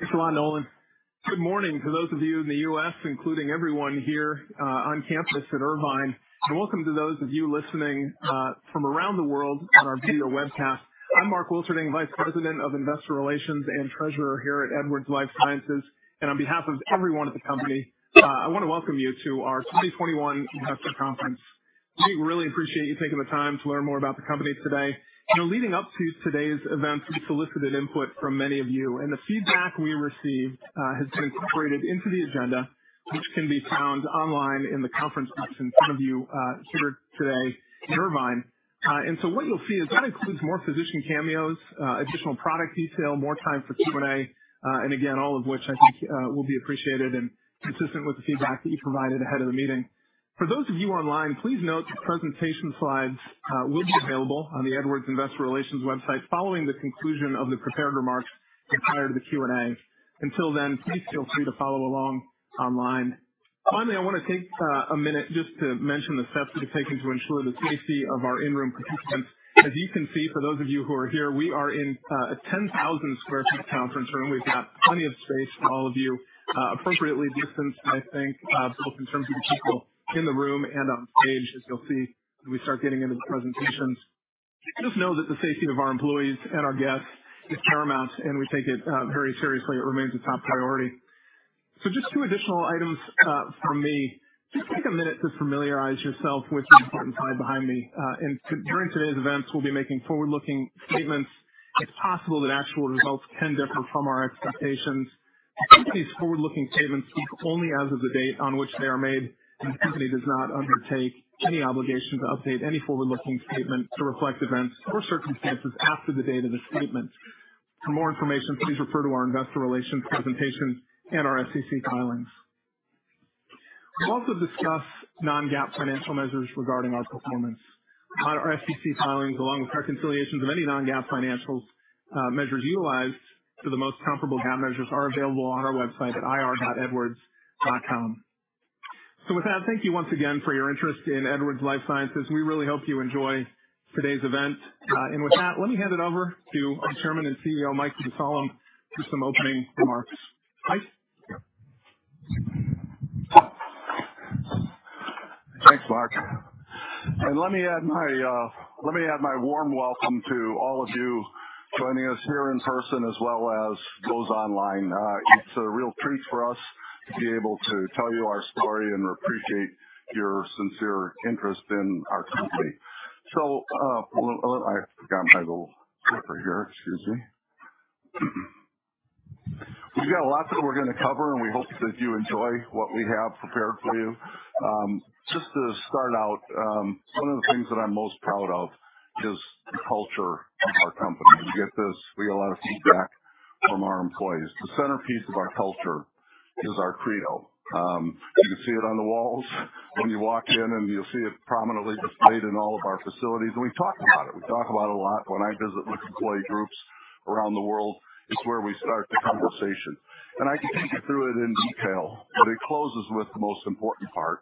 Thanks a lot, Nolan. Good morning to those of you in the U.S., including everyone here on campus at Irvine. Welcome to those of you listening from around the world on our video webcast. I'm Mark Wilterding, Vice President of Investor Relations and Treasurer here at Edwards Lifesciences. On behalf of everyone at the company, I wanna welcome you to our 2021 Investor Conference. We really appreciate you taking the time to learn more about the company today. You know, leading up to today's event, we solicited input from many of you, and the feedback we received has been incorporated into the agenda, which can be found online in the conference section. Some of you here today in Irvine. What you'll see is that includes more physician cameos, additional product detail, more time for Q&A, and again, all of which I think will be appreciated and consistent with the feedback that you provided ahead of the meeting. For those of you online, please note the presentation slides will be available on the Edwards Investor Relations website following the conclusion of the prepared remarks and prior to the Q&A. Until then, please feel free to follow along online. Finally, I wanna take a minute just to mention the steps we've taken to ensure the safety of our in-room participants. As you can see, for those of you who are here, we are in a 10,000-sq ft conference room. We've got plenty of space for all of you, appropriately distanced, I think, both in terms of the people in the room and on stage, as you'll see when we start getting into the presentations. Just know that the safety of our employees and our guests is paramount, and we take it very seriously. It remains a top priority. Just two additional items from me. Just take a minute to familiarize yourself with the important slide behind me. During today's events, we'll be making forward-looking statements. It's possible that actual results can differ from our expectations. The company's forward-looking statements speak only as of the date on which they are made, and the company does not undertake any obligation to update any forward-looking statement to reflect events or circumstances after the date of the statement. For more information, please refer to our investor relations presentation and our SEC filings. We'll also discuss non-GAAP financial measures regarding our performance. Our SEC filings, along with our reconciliations of any non-GAAP financials, measures utilized to the most comparable GAAP measures are available on our website at ir.edwards.com. With that, thank you once again for your interest in Edwards Lifesciences. We really hope you enjoy today's event. With that, let me hand it over to our Chairman and CEO, Mike Mussallem, for some opening remarks. Mike? Thanks, Mark. Let me add my warm welcome to all of you joining us here in person as well as those online. It's a real treat for us to be able to tell you our story and appreciate your sincere interest in our company. I've forgotten my little clicker here. Excuse me. We've got a lot that we're gonna cover, and we hope that you enjoy what we have prepared for you. Just to start out, one of the things that I'm most proud of is the culture of our company. We get this. We get a lot of feedback from our employees. The centerpiece of our culture is our credo. You can see it on the walls when you walk in, and you'll see it prominently displayed in all of our facilities. We talk about it. We talk about it a lot when I visit with employee groups around the world. It's where we start the conversation. I can take you through it in detail, but it closes with the most important part,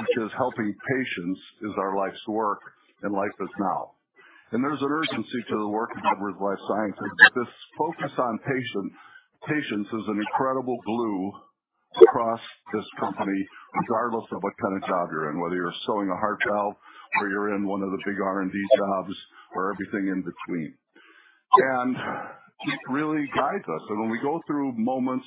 which is helping patients is our life's work, and life is now. There's an urgency to the work at Edwards Lifesciences. This focus on patient, patients is an incredible glue across this company, regardless of what kind of job you're in, whether you're sewing a heart valve or you're in one of the big R&D jobs or everything in between. It really guides us. When we go through moments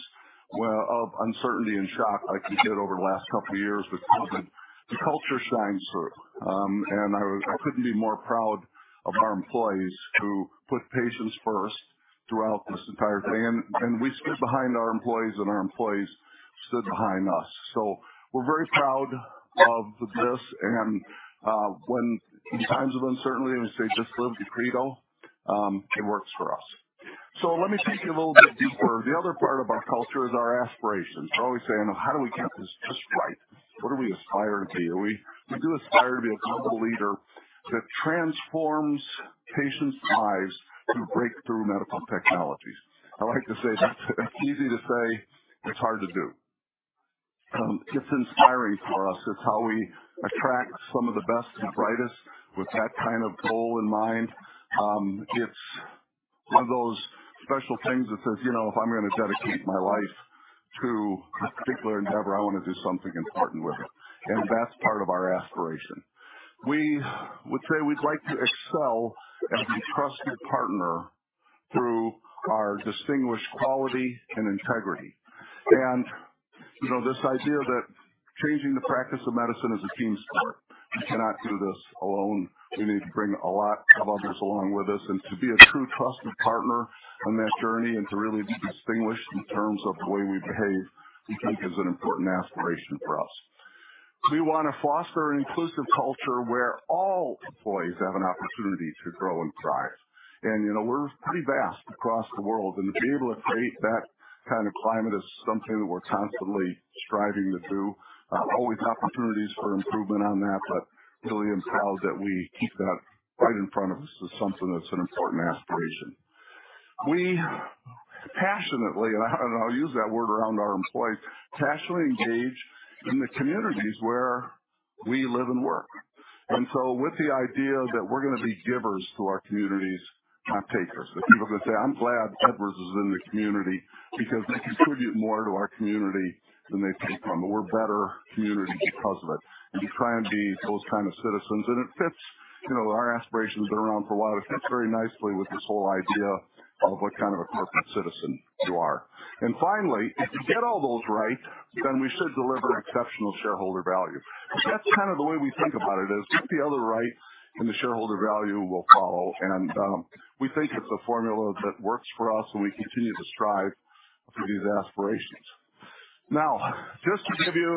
of uncertainty and shock, like we did over the last couple of years with COVID, the culture shines through. I couldn't be more proud of our employees who put patients first throughout this entire thing. We stood behind our employees, and our employees stood behind us. We're very proud of this. When in times of uncertainty, we say, "Just live the credo," it works for us. Let me take you a little bit deeper. The other part of our culture is our aspirations. We're always saying, "Well, how do we get this just right? What do we aspire to be?" We do aspire to be a global leader that transforms patients' lives through breakthrough medical technologies. I like to say that's easy to say. It's hard to do. It's inspiring for us. It's how we attract some of the best and brightest with that kind of goal in mind. It's one of those special things that says, "You know, if I'm gonna dedicate my life to a particular endeavor, I wanna do something important with it." That's part of our aspiration. We would say we'd like to excel as a trusted partner through our distinguished quality and integrity. You know, this idea that changing the practice of medicine is a team sport, we cannot do this alone. We need to bring a lot of others along with us. To be a true trusted partner on that journey and to really be distinguished in terms of the way we behave, we think is an important aspiration for us. We wanna foster an inclusive culture where all employees have an opportunity to grow and thrive. You know, we're pretty vast across the world, and to be able to create that kind of climate is something that we're constantly striving to do. Always opportunities for improvement on that, but Billy and Sal that we keep that right in front of us is something that's an important aspiration. We passionately, and I don't know how to use that word around our employees, passionately engage in the communities where we live and work. With the idea that we're gonna be givers to our communities, not takers. That people are gonna say, "I'm glad Edwards is in the community because they contribute more to our community than they take from it. We're a better community because of it." To try and be those kind of citizens. It fits, you know, our aspirations been around for a while. It fits very nicely with this whole idea of what kind of a corporate citizen you are. Finally, if you get all those right, then we should deliver exceptional shareholder value. That's kind of the way we think about it, is get the other right, and the shareholder value will follow. We think it's a formula that works for us, and we continue to strive for these aspirations. Now, just to give you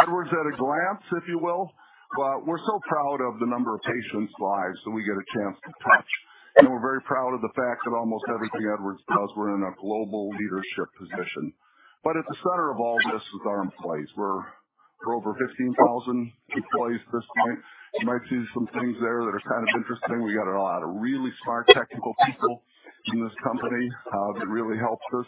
Edwards at a glance, if you will. We're so proud of the number of patients' lives that we get a chance to touch. We're very proud of the fact that almost everything Edwards does, we're in a global leadership position. At the center of all this is our employees. We're over 15,000 employees at this point. You might see some things there that are kind of interesting. We got a lot of really smart technical people in this company that really helps us.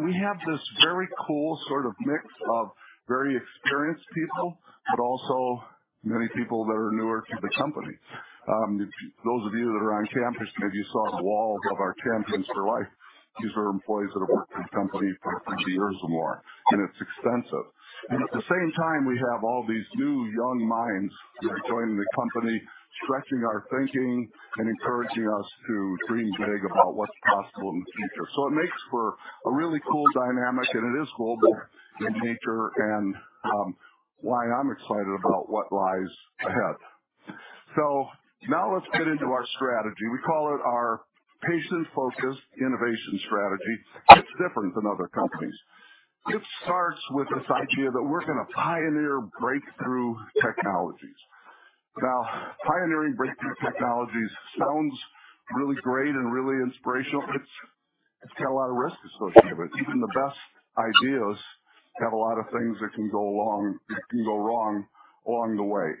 We have this very cool sort of mix of very experienced people, but also many people that are newer to the company. Those of you that are on campus, maybe you saw the wall of our champions for life. These are employees that have worked for the company for 50 years or more, and it's extensive. At the same time, we have all these new young minds that are joining the company, stretching our thinking and encouraging us to dream big about what's possible in the future. It makes for a really cool dynamic, and it is global in nature and why I'm excited about what lies ahead. Now let's get into our strategy. We call it our patient-focused innovation strategy. It's different than other companies. It starts with this idea that we're gonna pioneer breakthrough technologies. Now, pioneering breakthrough technologies sounds really great and really inspirational. It's got a lot of risk associated with it. Even the best ideas have a lot of things that can go wrong along the way.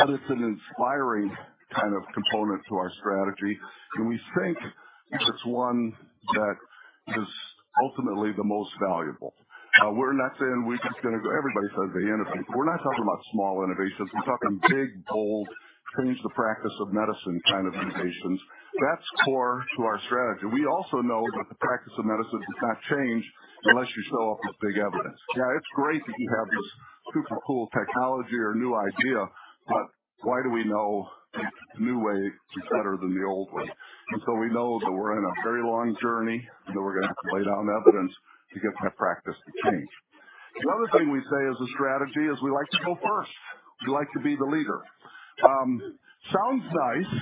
It's an inspiring kind of component to our strategy, and we think it's one that is ultimately the most valuable. We're not saying we're just gonna go. Everybody says they innovate. We're not talking about small innovations. We're talking big, bold, change the practice of medicine kind of innovations. That's core to our strategy. We also know that the practice of medicine does not change unless you show up with big evidence. Yeah, it’s great that you have this super cool technology or new idea, but why do we know the new way is better than the old way? We know that we’re in a very long journey, and we’re gonna have to lay down evidence to get that practice to change. The other thing we say as a strategy is we like to go first. We like to be the leader. Sounds nice.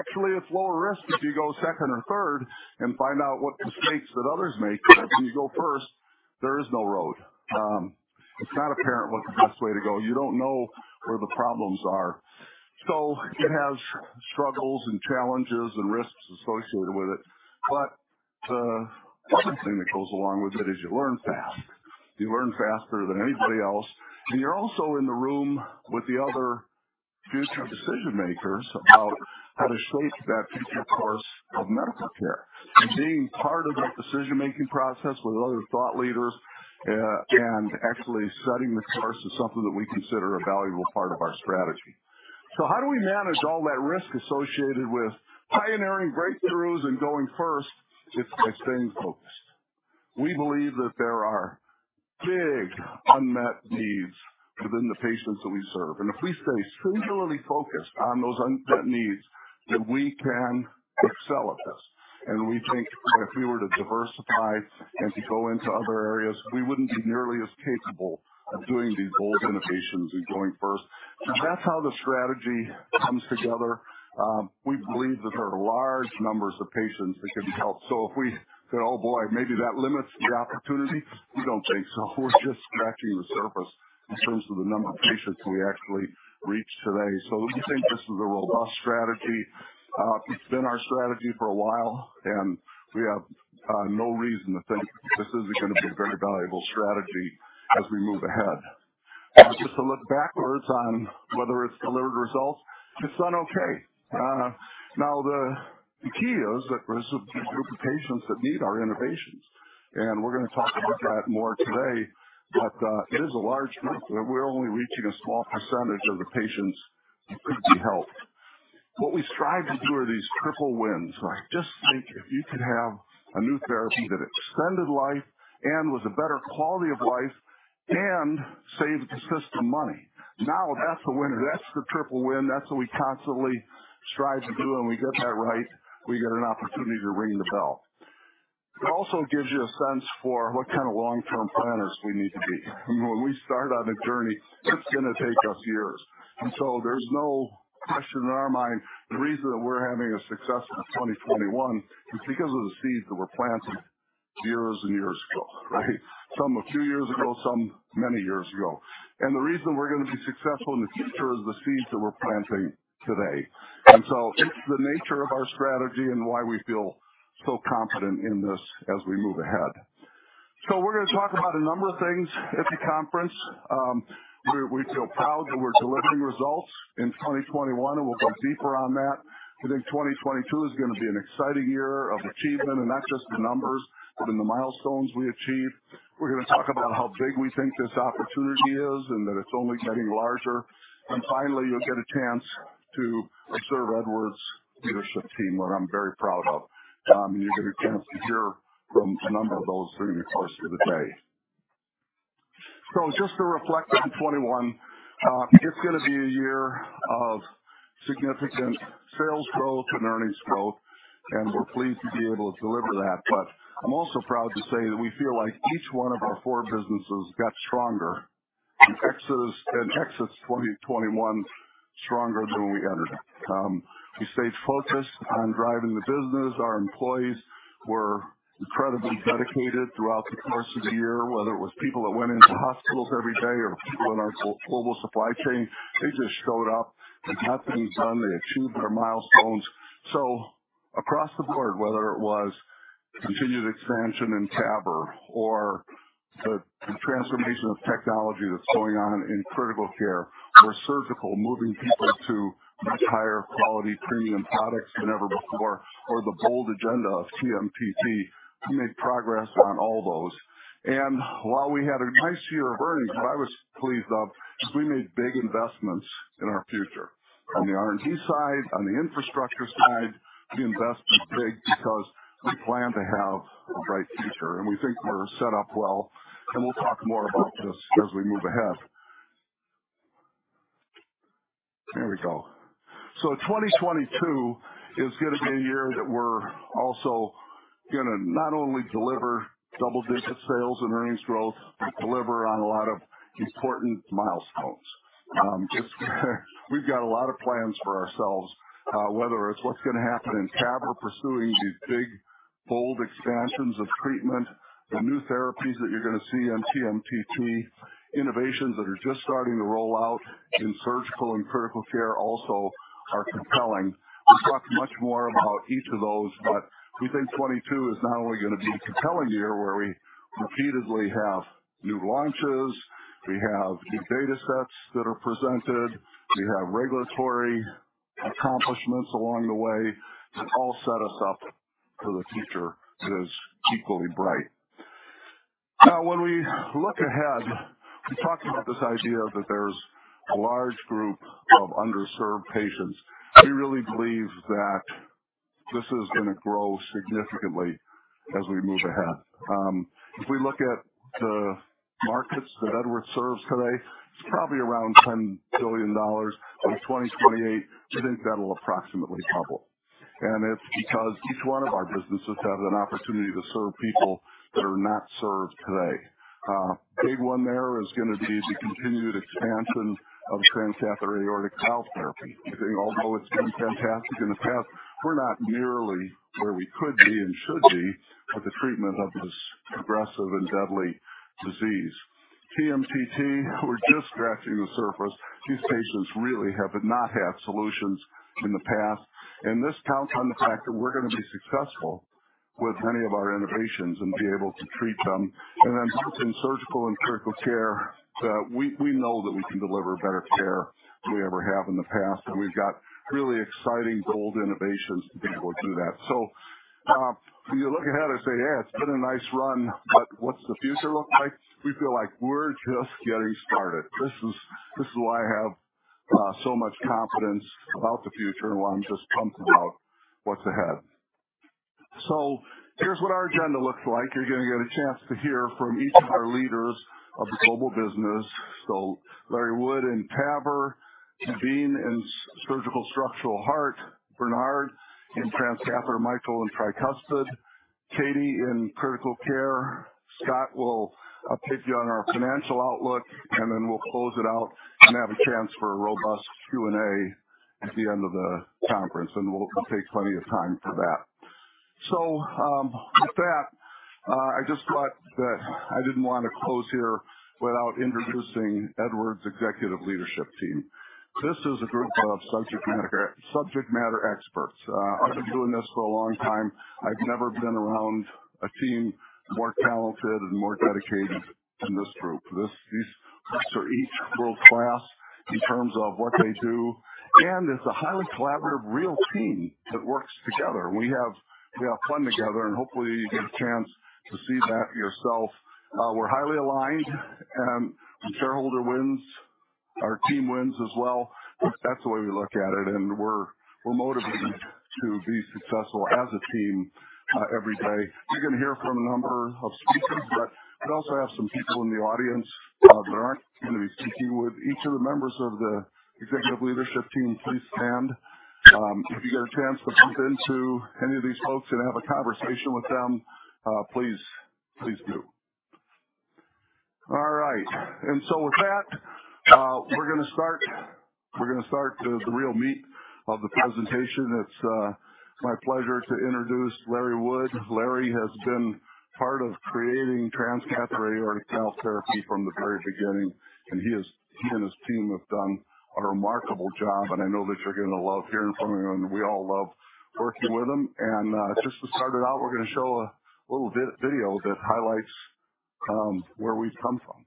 Actually, it’s lower risk if you go second or third and find out what mistakes that others make. If you go first, there is no road. It’s not apparent what’s the best way to go. You don’t know where the problems are. It has struggles and challenges and risks associated with it. The other thing that goes along with it is you learn fast. You learn faster than anybody else, and you're also in the room with the other future decision-makers about how to shape that future course of medical care. Being part of that decision-making process with other thought leaders, and actually setting the course is something that we consider a valuable part of our strategy. How do we manage all that risk associated with pioneering breakthroughs and going first? It's by staying focused. We believe that there are big unmet needs within the patients that we serve. If we stay singularly focused on those unmet needs, then we can excel at this. We think that if we were to diversify and to go into other areas, we wouldn't be nearly as capable of doing these bold innovations and going first. That's how the strategy comes together. We believe that there are large numbers of patients that can be helped. If we say, "Oh, boy, maybe that limits the opportunity," we don't think so. We're just scratching the surface in terms of the number of patients we actually reach today. We think this is a robust strategy. It's been our strategy for a while, and we have no reason to think this isn't gonna be a very valuable strategy as we move ahead. Just to look backwards on whether it's delivered results, it's done okay. Now, the key is that there's a group of patients that need our innovations, and we're gonna talk about that more today. It is a large number. We're only reaching a small percentage of the patients that could be helped. What we strive to do are these triple wins, right? Just think if you could have a new therapy that extended life and was a better quality of life and saved the system money. Now that's a winner. That's the triple win. That's what we constantly strive to do, and we get that right, we get an opportunity to ring the bell. It also gives you a sense for what kind of long-term planners we need to be. When we start on a journey, it's gonna take us years. There's no question in our mind, the reason that we're having a success in 2021 is because of the seeds that were planted years and years ago, right? Some a few years ago, some many years ago. The reason we're gonna be successful in the future is the seeds that we're planting today. It's the nature of our strategy and why we feel so confident in this as we move ahead. We're gonna talk about a number of things at the conference. We feel proud that we're delivering results in 2021, and we'll go deeper on that. We think 2022 is gonna be an exciting year of achievement, and not just the numbers, but in the milestones we achieve. We're gonna talk about how big we think this opportunity is and that it's only getting larger. Finally, you'll get a chance to observe Edwards' leadership team, where I'm very proud of. You'll get a chance to hear from a number of those during the course of the day. Just to reflect on 2021, it's gonna be a year of significant sales growth and earnings growth, and we're pleased to be able to deliver that. I'm also proud to say that we feel like each one of our four businesses got stronger, and exited 2021 stronger than we entered it. We stayed focused on driving the business. Our employees were incredibly dedicated throughout the course of the year, whether it was people that went into hospitals every day or people in our global supply chain, they just showed up and got things done. They achieved their milestones. Across the board, whether it was continued expansion in TAVR or the transformation of technology that's going on in critical care or surgical, moving people to much higher quality premium products than ever before or the bold agenda of TMTT, we made progress on all those. While we had a nice year of earnings, what I was pleased of is we made big investments in our future. On the R&D side, on the infrastructure side, we invested big because we plan to have a bright future, and we think we're set up well, and we'll talk more about this as we move ahead. There we go. 2022 is gonna be a year that we're also gonna not only deliver double-digit sales and earnings growth, but deliver on a lot of important milestones. We've got a lot of plans for ourselves, whether it's what's gonna happen in TAVR pursuing these big, bold expansions of treatment, the new therapies that you're gonna see in TMTT, innovations that are just starting to roll out in surgical and critical care also are compelling. We'll talk much more about each of those, but we think 2022 is not only gonna be a compelling year where we repeatedly have new launches, we have new data sets that are presented, we have regulatory accomplishments along the way that all set us up for the future that is equally bright. Now when we look ahead, we talked about this idea that there's a large group of underserved patients. We really believe that this is gonna grow significantly as we move ahead. If we look at the markets that Edwards serves today, it's probably around $10 billion. By 2028, we think that'll approximately double. It's because each one of our businesses have an opportunity to serve people that are not served today. Big one there is gonna be the continued expansion of transcatheter aortic valve therapy. We think although it's been fantastic in the past, we're not nearly where we could be and should be with the treatment of this progressive and deadly disease. TMTT, we're just scratching the surface. These patients really have not had solutions in the past, and this counts on the fact that we're gonna be successful with many of our innovations and be able to treat them. In surgical and critical care, we know that we can deliver better care than we ever have in the past, and we've got really exciting bold innovations to be able to do that. You look ahead and say, "Yeah, it's been a nice run, but what's the future look like?" We feel like we're just getting started. This is why I have so much confidence about the future and why I'm just pumped about what's ahead. Here's what our agenda looks like. You're gonna get a chance to hear from each of our leaders of the global business. Larry Wood in TAVR, Daveen in surgical structural heart, Bernard in transcatheter, Michael in tricuspid, Katie in critical care. Scott will update you on our financial outlook, and then we'll close it out and have a chance for a robust Q&A at the end of the conference, and we'll take plenty of time for that. With that, I just thought that I didn't wanna close here without introducing Edwards' executive leadership team. This is a group of subject matter experts. I've been doing this for a long time. I've never been around a team more talented and more dedicated than this group. These folks are each world-class in terms of what they do, and it's a highly collaborative, real team that works together. We have fun together, and hopefully you get a chance to see that yourself. We're highly aligned, and when shareholder wins, our team wins as well. That's the way we look at it, and we're motivated to be successful as a team every day. You're gonna hear from a number of speakers, but I'd also ask some people in the audience that aren't gonna be speaking. Would each of the members of the executive leadership team please stand? If you get a chance to bump into any of these folks and have a conversation with them, please do. All right. With that, we're gonna start the real meat of the presentation. It's my pleasure to introduce Larry Wood. Larry has been part of creating transcatheter aortic valve therapy from the very beginning, and he and his team have done a remarkable job, and I know that you're gonna love hearing from him, and we all love working with him. Just to start it out, we're gonna show a little video that highlights where we've come from.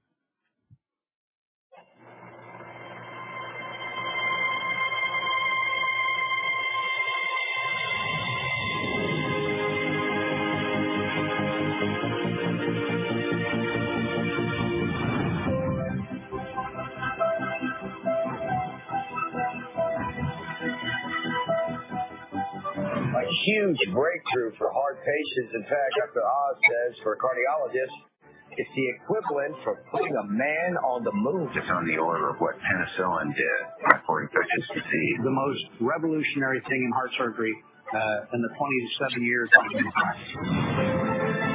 A huge breakthrough for heart patients. In fact, Dr. Oz says for cardiologists, it's the equivalent of putting a man on the moon. It's on the order of what penicillin did for infectious disease. The most revolutionary thing in heart surgery, in the 27 years I've been in practice.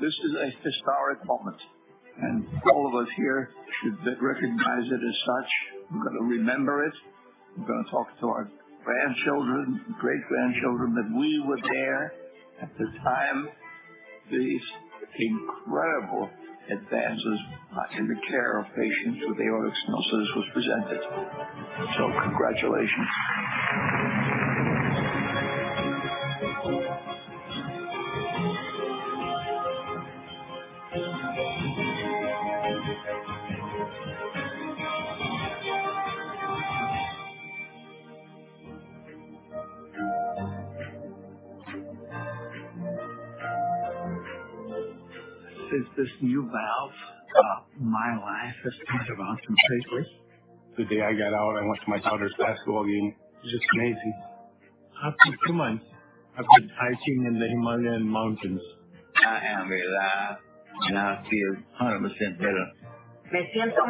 This is a historic moment, and all of us here should recognize it as such. We're gonna remember it. We're gonna talk to our grandchildren, great-grandchildren, that we were there at the time these incredible advances in the care of patients with aortic stenosis was presented. Congratulations. Since this new valve, my life has turned around completely. The day I got out, I went to my daughter's basketball game. Just amazing. After two months, I've been hiking in the Himalayan mountains. I am alive, and I feel 100% better. When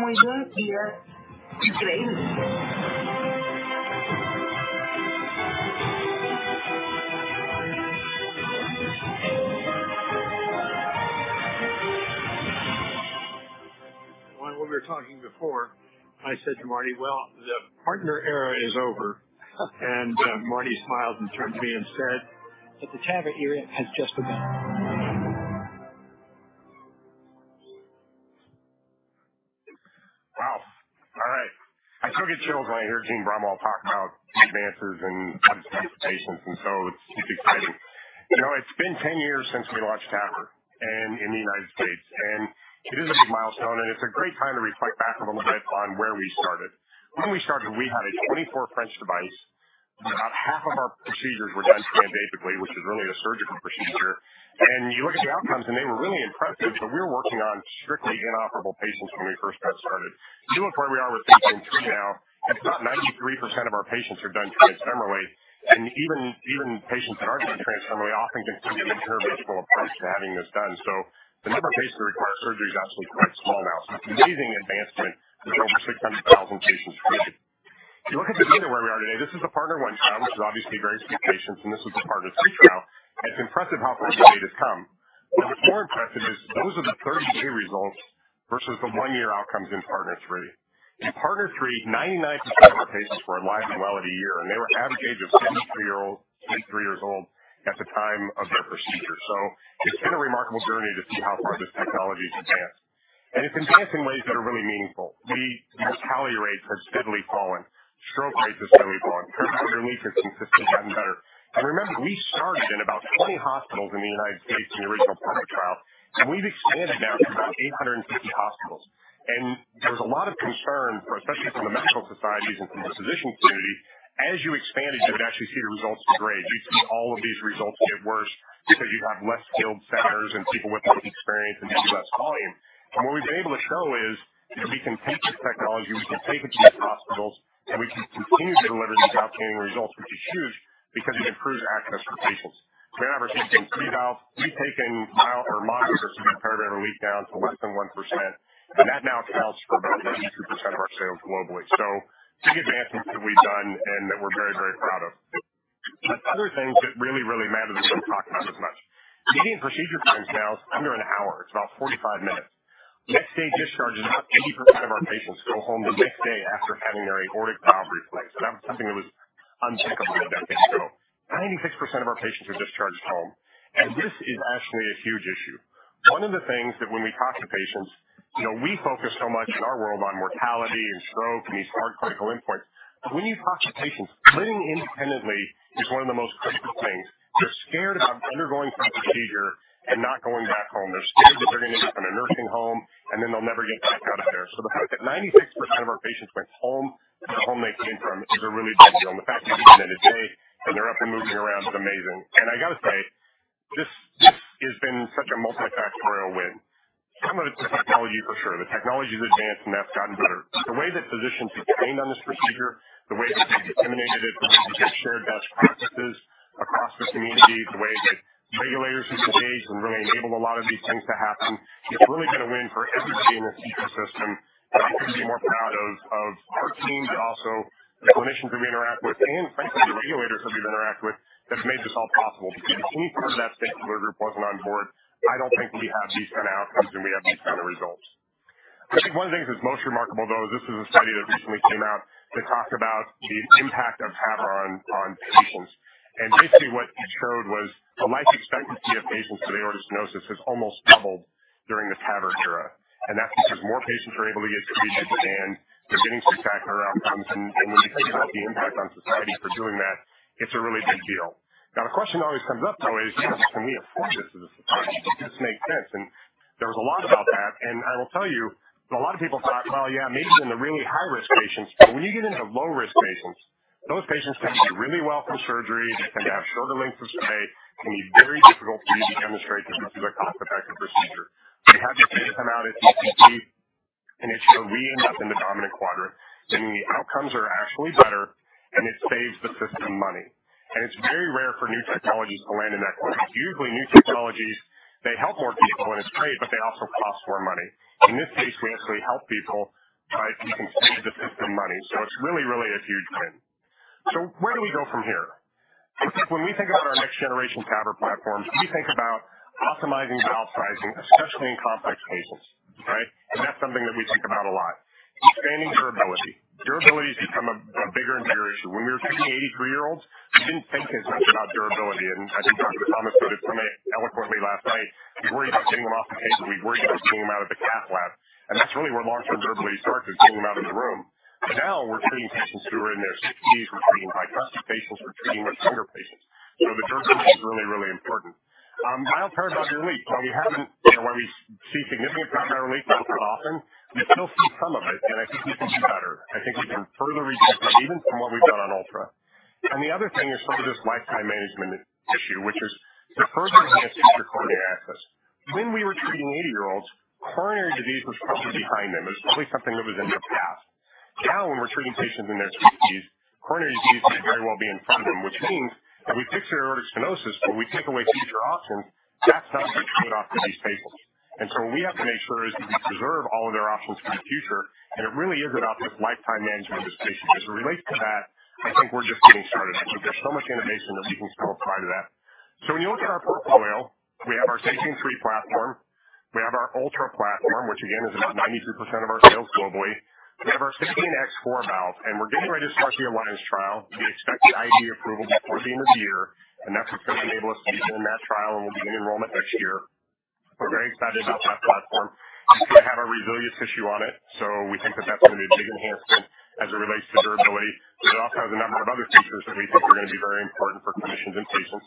we were talking before, I said to Marty, "Well, the PARTNER era is over." Marty smiled and turned to me and said- The TAVR era has just begun. Wow. All right. I still get chills when I hear Eugene Braunwald talk about advances in patients, so it's exciting. You know, it's been 10 years since we launched TAVR in the United States, and it is a big milestone, and it's a great time to reflect back and look at where we started. When we started, we had a 24 French device. About half of our procedures were done transcatheterically, which is really the surgical procedure. You look at the outcomes, and they were really impressive, but we were working on strictly inoperable patients when we first got started. To the point where we are with TAVR 3 now, it's about 93% of our patients are done transfemorally, and even patients that are done transfemorally often can get an interventional approach to having this done. The number of patients that require surgery is actually quite small now. It's an amazing advancement with over 600,000 patients treated. If you look at the data where we are today, this is a PARTNER 1 trial, which is obviously very few patients, and this is the PARTNER 3 trial. It's impressive how far the data's come. What was more impressive is those are the 30-day results versus the one-year outcomes in PARTNER 3. In PARTNER 3, 99% of the patients were one and well at a year, and they were average age of 63 years old at the time of their procedure. It's been a remarkable journey to see how far this technology has advanced, and it's advanced in ways that are really meaningful. The mortality rate has steadily fallen. Stroke rate has steadily fallen. Paravalvular leakage has consistently gotten better. Remember, we started in about 20 hospitals in the United States in the original PARTNER trial, and we've expanded now to about 850 hospitals. There was a lot of concern for, especially from the medical societies and from the physician community, as you expanded, you would actually see the results degrade. You'd see all of these results get worse because you'd have less skilled centers and people with less experience and do less volume. What we've been able to show is, you know, we can take this technology, we can take it to these hospitals, and we can continue to deliver these outstanding results, which is huge because it improves access for patients. Now we're seeing SAPIEN 3 valve. We've taken millimeter precision to get paravalvular leak down to less than 1%, and that now accounts for about 92% of our sales globally. Big advancements that we've done and that we're very, very proud of. Other things that really, really matter that we don't talk about as much. Median procedure time now is under an hour. It's about 45 minutes. Next day discharge is about 80% of our patients go home the next day after having their aortic valve replaced, and that was something that was unthinkable a decade ago. 96% of our patients are discharged home, and this is actually a huge issue. One of the things that when we talk to patients, you know, we focus so much in our world on mortality and stroke and these hard critical endpoints, but when you talk to patients, living independently is one of the most critical things. They're scared about undergoing some procedure and not going back home. They're scared that they're gonna end up in a nursing home, and then they'll never get back out of there. The fact that 96% of our patients went home to the home they came from is a really big deal. The fact that they did it in a day and they're up and moving around is amazing. I gotta say, this has been such a multifactorial win. Some of it's the technology for sure. The technology's advanced and that's gotten better. The way that physicians have trained on this procedure, the way that they've disseminated it, the way that they've shared best practices across the community, the way that regulators have engaged and really enabled a lot of these things to happen, it's really been a win for everybody in this ecosystem. I couldn't be more proud of our teams, also the clinicians that we interact with, and frankly, the regulators that we've interacted with that's made this all possible, because if any part of that stakeholder group wasn't on board, I don't think we have these kind of outcomes, and we have these kind of results. I think one of the things that's most remarkable though is this is a study that recently came out that talked about the impact of TAVR on patients. Basically what it showed was the life expectancy of patients with aortic stenosis has almost doubled during this TAVR era. That's because more patients are able to get treated, and they're getting spectacular outcomes. When you think about the impact on society for doing that, it's a really big deal. Now, the question that always comes up, though, is the cost to me of this. Does this make sense? There was a lot about that. I will tell you that a lot of people thought, well, yeah, maybe in the really high risk patients, but when you get into low risk patients, those patients tend to do really well from surgery. They tend to have shorter lengths of stay. It can be very difficult for you to demonstrate that this is a cost-effective procedure. We have this data come out at ACC, and it showed we end up in the dominant quadrant, meaning the outcomes are actually better and it saves the system money. It's very rare for new technologies to land in that quadrant. Usually new technologies, they help more people, and it's great, but they also cost more money. In this case, we actually help people. We can save the system money. It's really, really a huge win. Where do we go from here? When we think about our next generation TAVR platforms, we think about optimizing valve sizing, especially in complex cases, right? That's something that we think about a lot. Expanding durability. Durability has become a bigger and bigger issue. When we were treating 83-year-olds, we didn't think as much about durability. I think Dr. Thomas put it somewhat eloquently last night. We worry about getting them off the table. We worry about getting them out of the cath lab. That's really where long-term durability starts, is getting them out of the room. Now we're treating patients who are in their 60s. We're treating hypertensive patients. We're treating much younger patients. The durability is really, really important. Paravalvular leak. You know, while we see significant paravalvular leak less often, we still see some of it, and I think we can do better. I think we can further reduce that even from what we've done on Ultra. The other thing is sort of this lifetime management issue, which is to further enhance future coronary access. When we were treating 80-year-olds, coronary disease was probably behind them. It was probably something that was in their past. Now, when we're treating patients in their sixties, coronary disease could very well be in front of them, which means that we fix their aortic stenosis, but we take away future options. That's not a good option for these patients. We have to make sure that we preserve all of their options for the future. It really is about this lifetime management of this patient. As it relates to that, I think we're just getting started. I think there's so much innovation that we can still apply to that. When you look at our portfolio, we have our SAPIEN 3 platform. We have our SAPIEN 3 Ultra platform, which again is about 93% of our sales globally. We have our SAPIEN X4 valve, and we're getting ready to start the Alliance trial. We expect the IDE approval before the end of the year, and that's going to enable us to begin that trial, and we'll begin enrollment next year. We're very excited about that platform. It's going to have our RESILIA tissue on it, so we think that that's going to be a big enhancement as it relates to durability. It also has a number of other features that we think are going to be very important for clinicians and patients.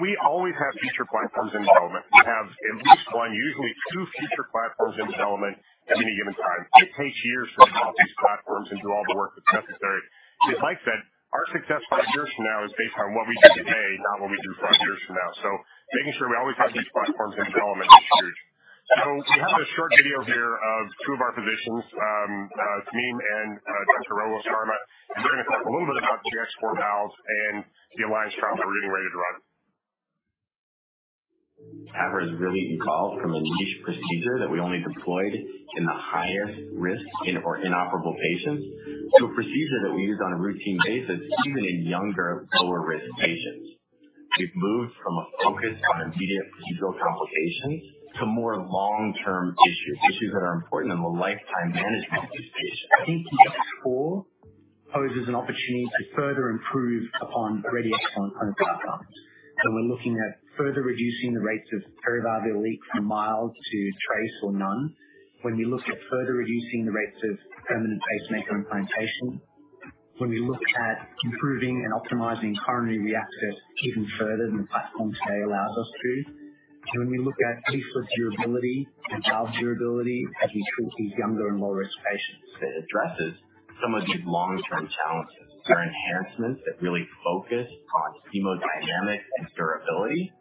We always have future platforms in development. We have at least one, usually two future platforms in development at any given time. It takes years to develop these platforms and do all the work that's necessary. As Mike said, our success five years from now is based on what we do today, not what we do five years from now. Making sure we always have these platforms in development is huge. We have a short video here of two of our physicians, Tamim and Dr. Rahul Sharma, and they're going to talk a little bit about the X4 valves and the Alliance trial that we're getting ready to run. TAVR has really evolved from a niche procedure that we only deployed in the higher risk or inoperable patients to a procedure that we use on a routine basis, even in younger, lower-risk patients. We've moved from a focus on immediate procedural complications to more long-term issues that are important in the lifetime management of these patients. I think the X4 poses an opportunity to further improve upon already excellent clinical outcomes. We're looking at further reducing the rates of paravalvular leak from mild to trace or none. When we look at further reducing the rates of permanent pacemaker implantation, when we look at improving and optimizing coronary reaccess even further than the platform today allows us to. When we look at future durability and valve durability as we treat these younger and lower-risk patients. It addresses some of these long-term challenges. There are enhancements that really focus on hemodynamic and durability,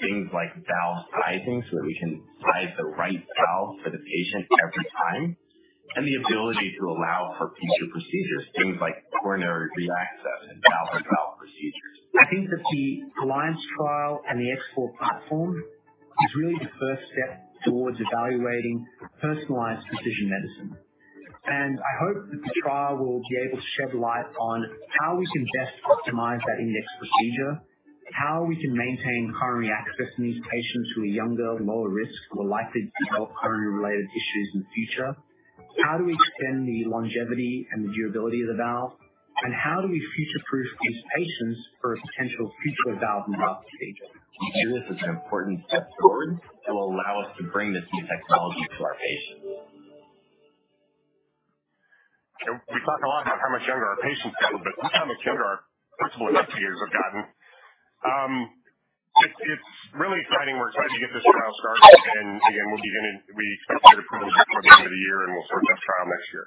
things like valve sizing, so that we can size the right valve for the patient every time. The ability to allow for future procedures, things like coronary reaccess and valve in valve procedures. I think that the Alliance trial and the SAPIEN X4 platform is really the first step towards evaluating personalized precision medicine. I hope that the trial will be able to shed light on how we can best optimize that index procedure, how we can maintain coronary access in these patients who are younger and lower risk, who are likely to develop coronary-related issues in the future. How do we extend the longevity and the durability of the valve, and how do we future-proof these patients for a potential future valve in the valve procedure? To me, this is an important step forward that will allow us to bring this new technology to our patients. We talk a lot about how much younger our patients get, but look how much younger our principal investigators have gotten. It's really exciting. We're excited to get this trial started. We expect to get approval before the end of the year, and we'll start that trial next year.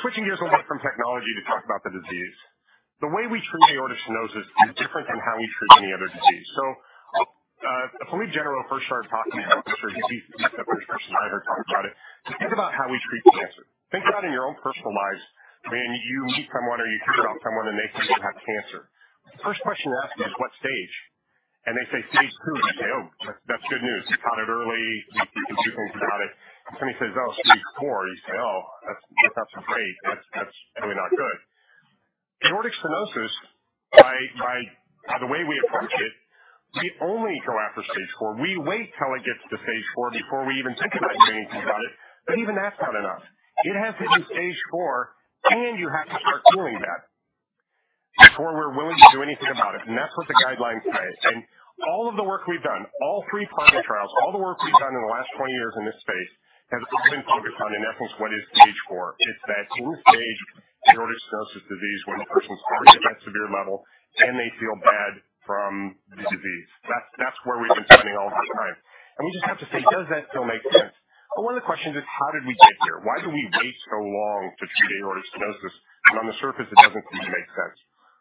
Switching gears a little bit from technology to talk about the disease. The way we treat aortic stenosis is different than how we treat any other disease. Philippe Généreux first started talking to me about this. The first person I heard talk about it. Just think about how we treat cancer. Think about in your own personal lives when you meet someone or you hear about someone, and they say they have cancer. The first question you ask is what stage? They say stage two, and you say, "Oh, that's good news. You caught it early. You can do things about it." Somebody says, "Oh, stage four." You say, "Oh, that's not so great. That's really not good." Aortic stenosis, by the way we approach it, we only go after stage four. We wait till it gets to stage four before we even think about doing anything about it. But even that's not enough. It has to be stage four, and you have to start feeling bad before we're willing to do anything about it. That's what the guidelines say. All of the work we've done, all three PARTNER trials, all the work we've done in the last 20 years in this space has all been focused on, in essence, what is stage four. It's that end-stage aortic stenosis disease when the person's already at that severe level and they feel bad from the disease. That's where we've been spending all of our time. We just have to say, does that still make sense? One of the questions is how did we get here? Why did we wait so long to treat aortic stenosis? On the surface, it doesn't seem to make sense.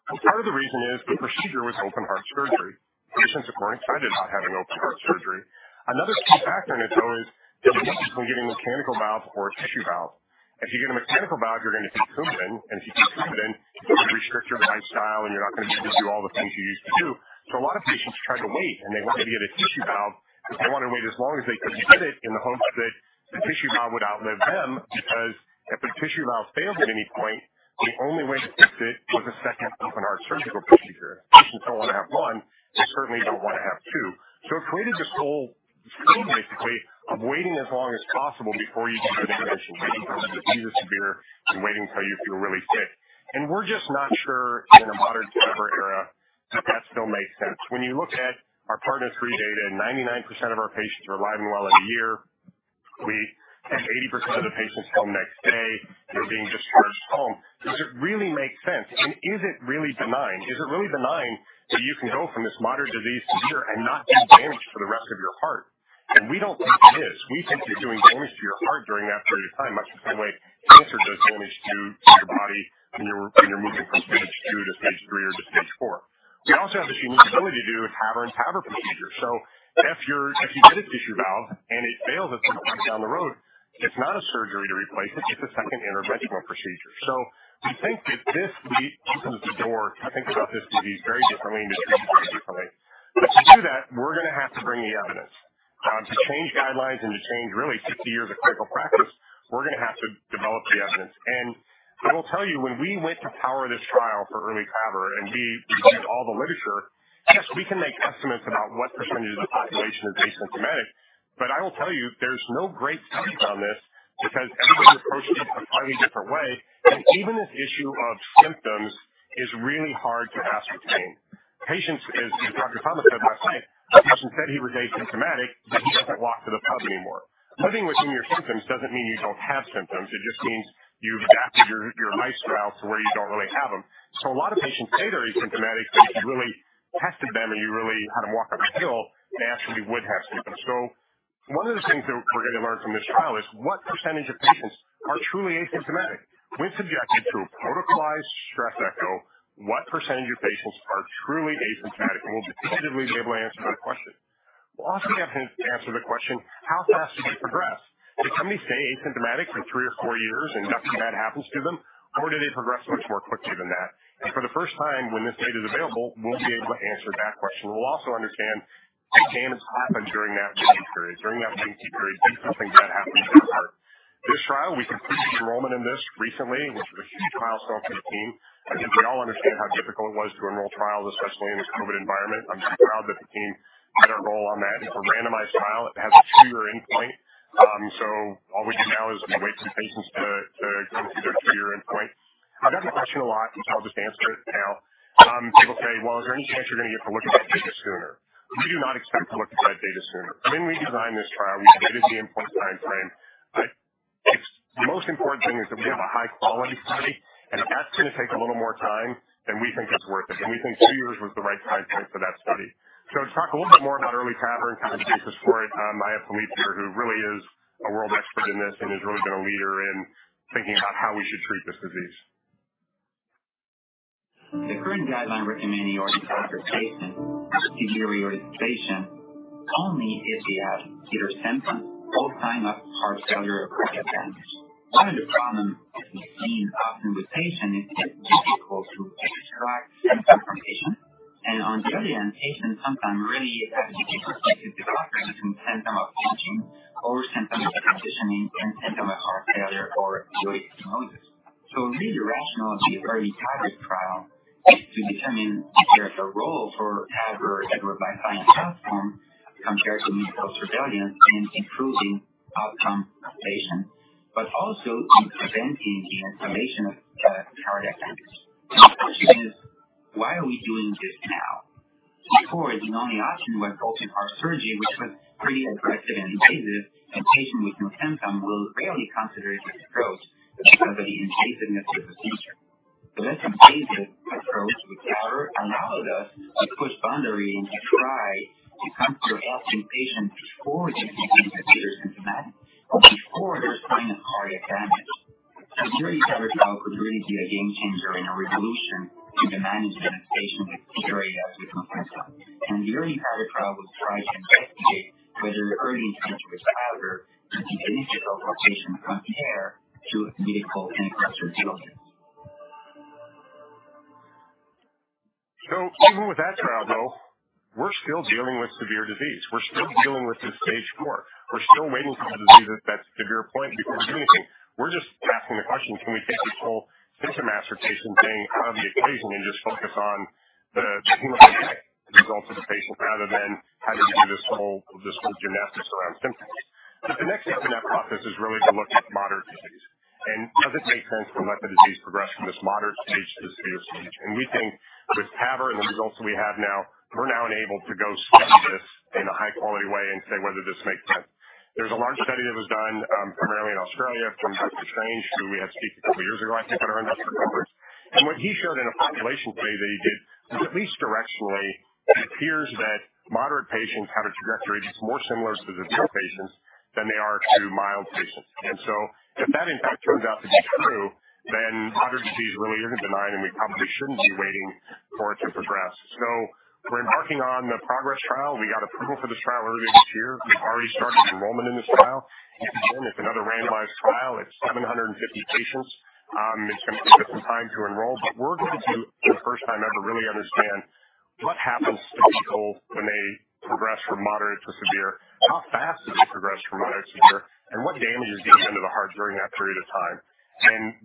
Part of the reason is the procedure was open-heart surgery. Patients are concerned about having open-heart surgery. Another key factor in it, though, is the difference between getting a mechanical valve or a tissue valve. If you get a mechanical valve, you're gonna be Coumadin. If you take Coumadin, it's going to restrict your lifestyle, and you're not going to be able to do all the things you used to do. A lot of patients tried to wait, and they wanted to get a tissue valve. They wanted to wait as long as they could get it in the hopes that the tissue valve would outlive them. Because if a tissue valve failed at any point, the only way to fix it was a second open-heart surgical procedure. If patients don't want to have one, they certainly don't want to have two. It created this whole scheme, basically, of waiting as long as possible before you get intervention, waiting till the disease is severe, and waiting till you feel really sick. We're just not sure in a modern TAVR era that that still makes sense. When you look at our PARTNER 3 data, 99% of our patients are alive and well at a year. 80% of the patients come next day, they're being discharged home. Does it really make sense? Is it really benign? Is it really benign that you can go from this moderate disease to severe and not do damage for the rest of your heart? We don't think it is. We think you're doing damage to your heart during that period of time, much the same way cancer does damage to your body when you're moving from stage two to stage three or to stage four. We also have this unique ability to do a TAVR procedure. If you get a tissue valve and it fails at some point down the road, it's not a surgery to replace it. It's a second interventional procedure. We think that this lead opens the door to think about this disease very differently and to treat it very differently. To do that, we're gonna have to bring the evidence. To change guidelines and to change really 60 years of clinical practice, we're gonna have to develop the evidence. I will tell you, when we went to power this trial for EARLY TAVR, and we reviewed all the literature. Yes, we can make estimates about what percentage of the population is asymptomatic. I will tell you there's no great studies on this because everybody approaches it a slightly different way. Even this issue of symptoms is really hard to ascertain. Patients, as Dr. Thomas said last night, a patient said he was asymptomatic, but he doesn't walk to the pub anymore. Living within your symptoms doesn't mean you don't have symptoms. It just means you've adapted your lifestyle to where you don't really have them. A lot of patients say they're asymptomatic, but if you really tested them or you really had them walk uphill, they actually would have symptoms. One of the things that we're gonna learn from this trial is what percentage of patients are truly asymptomatic. When subjected to a protocolized stress echo, what percentage of patients are truly asymptomatic? We'll definitively be able to answer that question. We'll also be able to answer the question, how fast does it progress? Can somebody stay asymptomatic for three or four years and nothing bad happens to them? Or did they progress much more quickly than that? For the first time, when this data is available, we'll be able to answer that question. We'll also understand what damage happened during that asymptomatic period. During that asymptomatic period, did something bad happen to their heart? This trial, we completed enrollment in this recently, which was a huge trial still for the team. I think we all understand how difficult it was to enroll trials, especially in this COVID environment. I'm just proud that the team had a role on that. It's a randomized trial. It has a two-year endpoint. All we do now is we wait for the patients to come to their two-year endpoint. I've gotten the question a lot. I'll just answer it now. People say, "Well, is there any chance you're gonna get to look at that data sooner?" We do not expect to look at that data sooner. When we designed this trial, we committed to the endpoint timeframe. The most important thing is that we have a high-quality study, and if that's gonna take a little more time, then we think it's worth it. We think two years was the right timeframe for that study. To talk a little bit more about Early TAVR and kind of the basis for it, I have Philippe here, who really is a world expert in this and has really been a leader in thinking about how we should treat this disease. The current guidelines recommend aortic valve replacement or surgical aortic valve replacement only if you have either symptoms or signs of heart failure or cardiac damage. One of the problems that we've seen often with patients is it's difficult to elicit symptoms from patients. On the other hand, patients sometimes really have difficulty to describe to the doctors in terms of symptoms of fainting or symptoms of repositioning and symptoms of heart failure or aortic stenosis. Really the rationale of the EARLY TAVR trial is to determine if there's a role for TAVR, either by SAPIEN platform compared to medical surveillance in improving outcome of patients, but also in preventing the onset of the cardiac events. The question is, why are we doing this now? Before, the only option was open heart surgery, which was pretty aggressive and invasive, and patients with no symptoms were rarely considered this approach because of the invasiveness of the procedure. The less invasive approach with TAVR allowed us to push boundaries and to try to come to helping patients before they became completely symptomatic or before there's sign of cardiac damage. The EARLY TAVR trial could really be a game changer and a revolution to the management of patients with severe AS who come to us. The EARLY TAVR trial will try to investigate whether early intervention with TAVR could be beneficial for patients compared to medical and closer surveillance. Even with that trial, though, we're still dealing with severe disease. We're still dealing with this stage four. We're still waiting for the disease at that severe point before we do anything. We're just asking the question, can we take this whole symptom assessment thing out of the equation and just focus on the hemodynamic results of the patient rather than having to do this whole gymnastics around symptoms. The next step in that process is really to look at moderate disease and does it make sense to let the disease progress from this moderate stage to the severe stage? We think with TAVR and the results that we have now, we're now enabled to go study this in a high quality way and say whether this makes sense. There's a large study that was done, primarily in Australia from Dr. Chang, who we had speak a couple of years ago, I think, at our investor conference. What he showed in a population study that he did is, at least directionally, it appears that moderate patients have a trajectory that's more similar to severe patients than they are to mild patients. If that, in fact, turns out to be true, then moderate disease really isn't benign, and we probably shouldn't be waiting for it to progress. We're embarking on the PROGRESS trial. We got approval for this trial earlier this year. We've already started enrollment in this trial. Again, it's another randomized trial. It's 750 patients. It's gonna take us some time to enroll, but we're going to do for the first time ever really understand what happens to people when they progress from moderate to severe, how fast do they progress from moderate to severe, and what damage is getting into the heart during that period of time.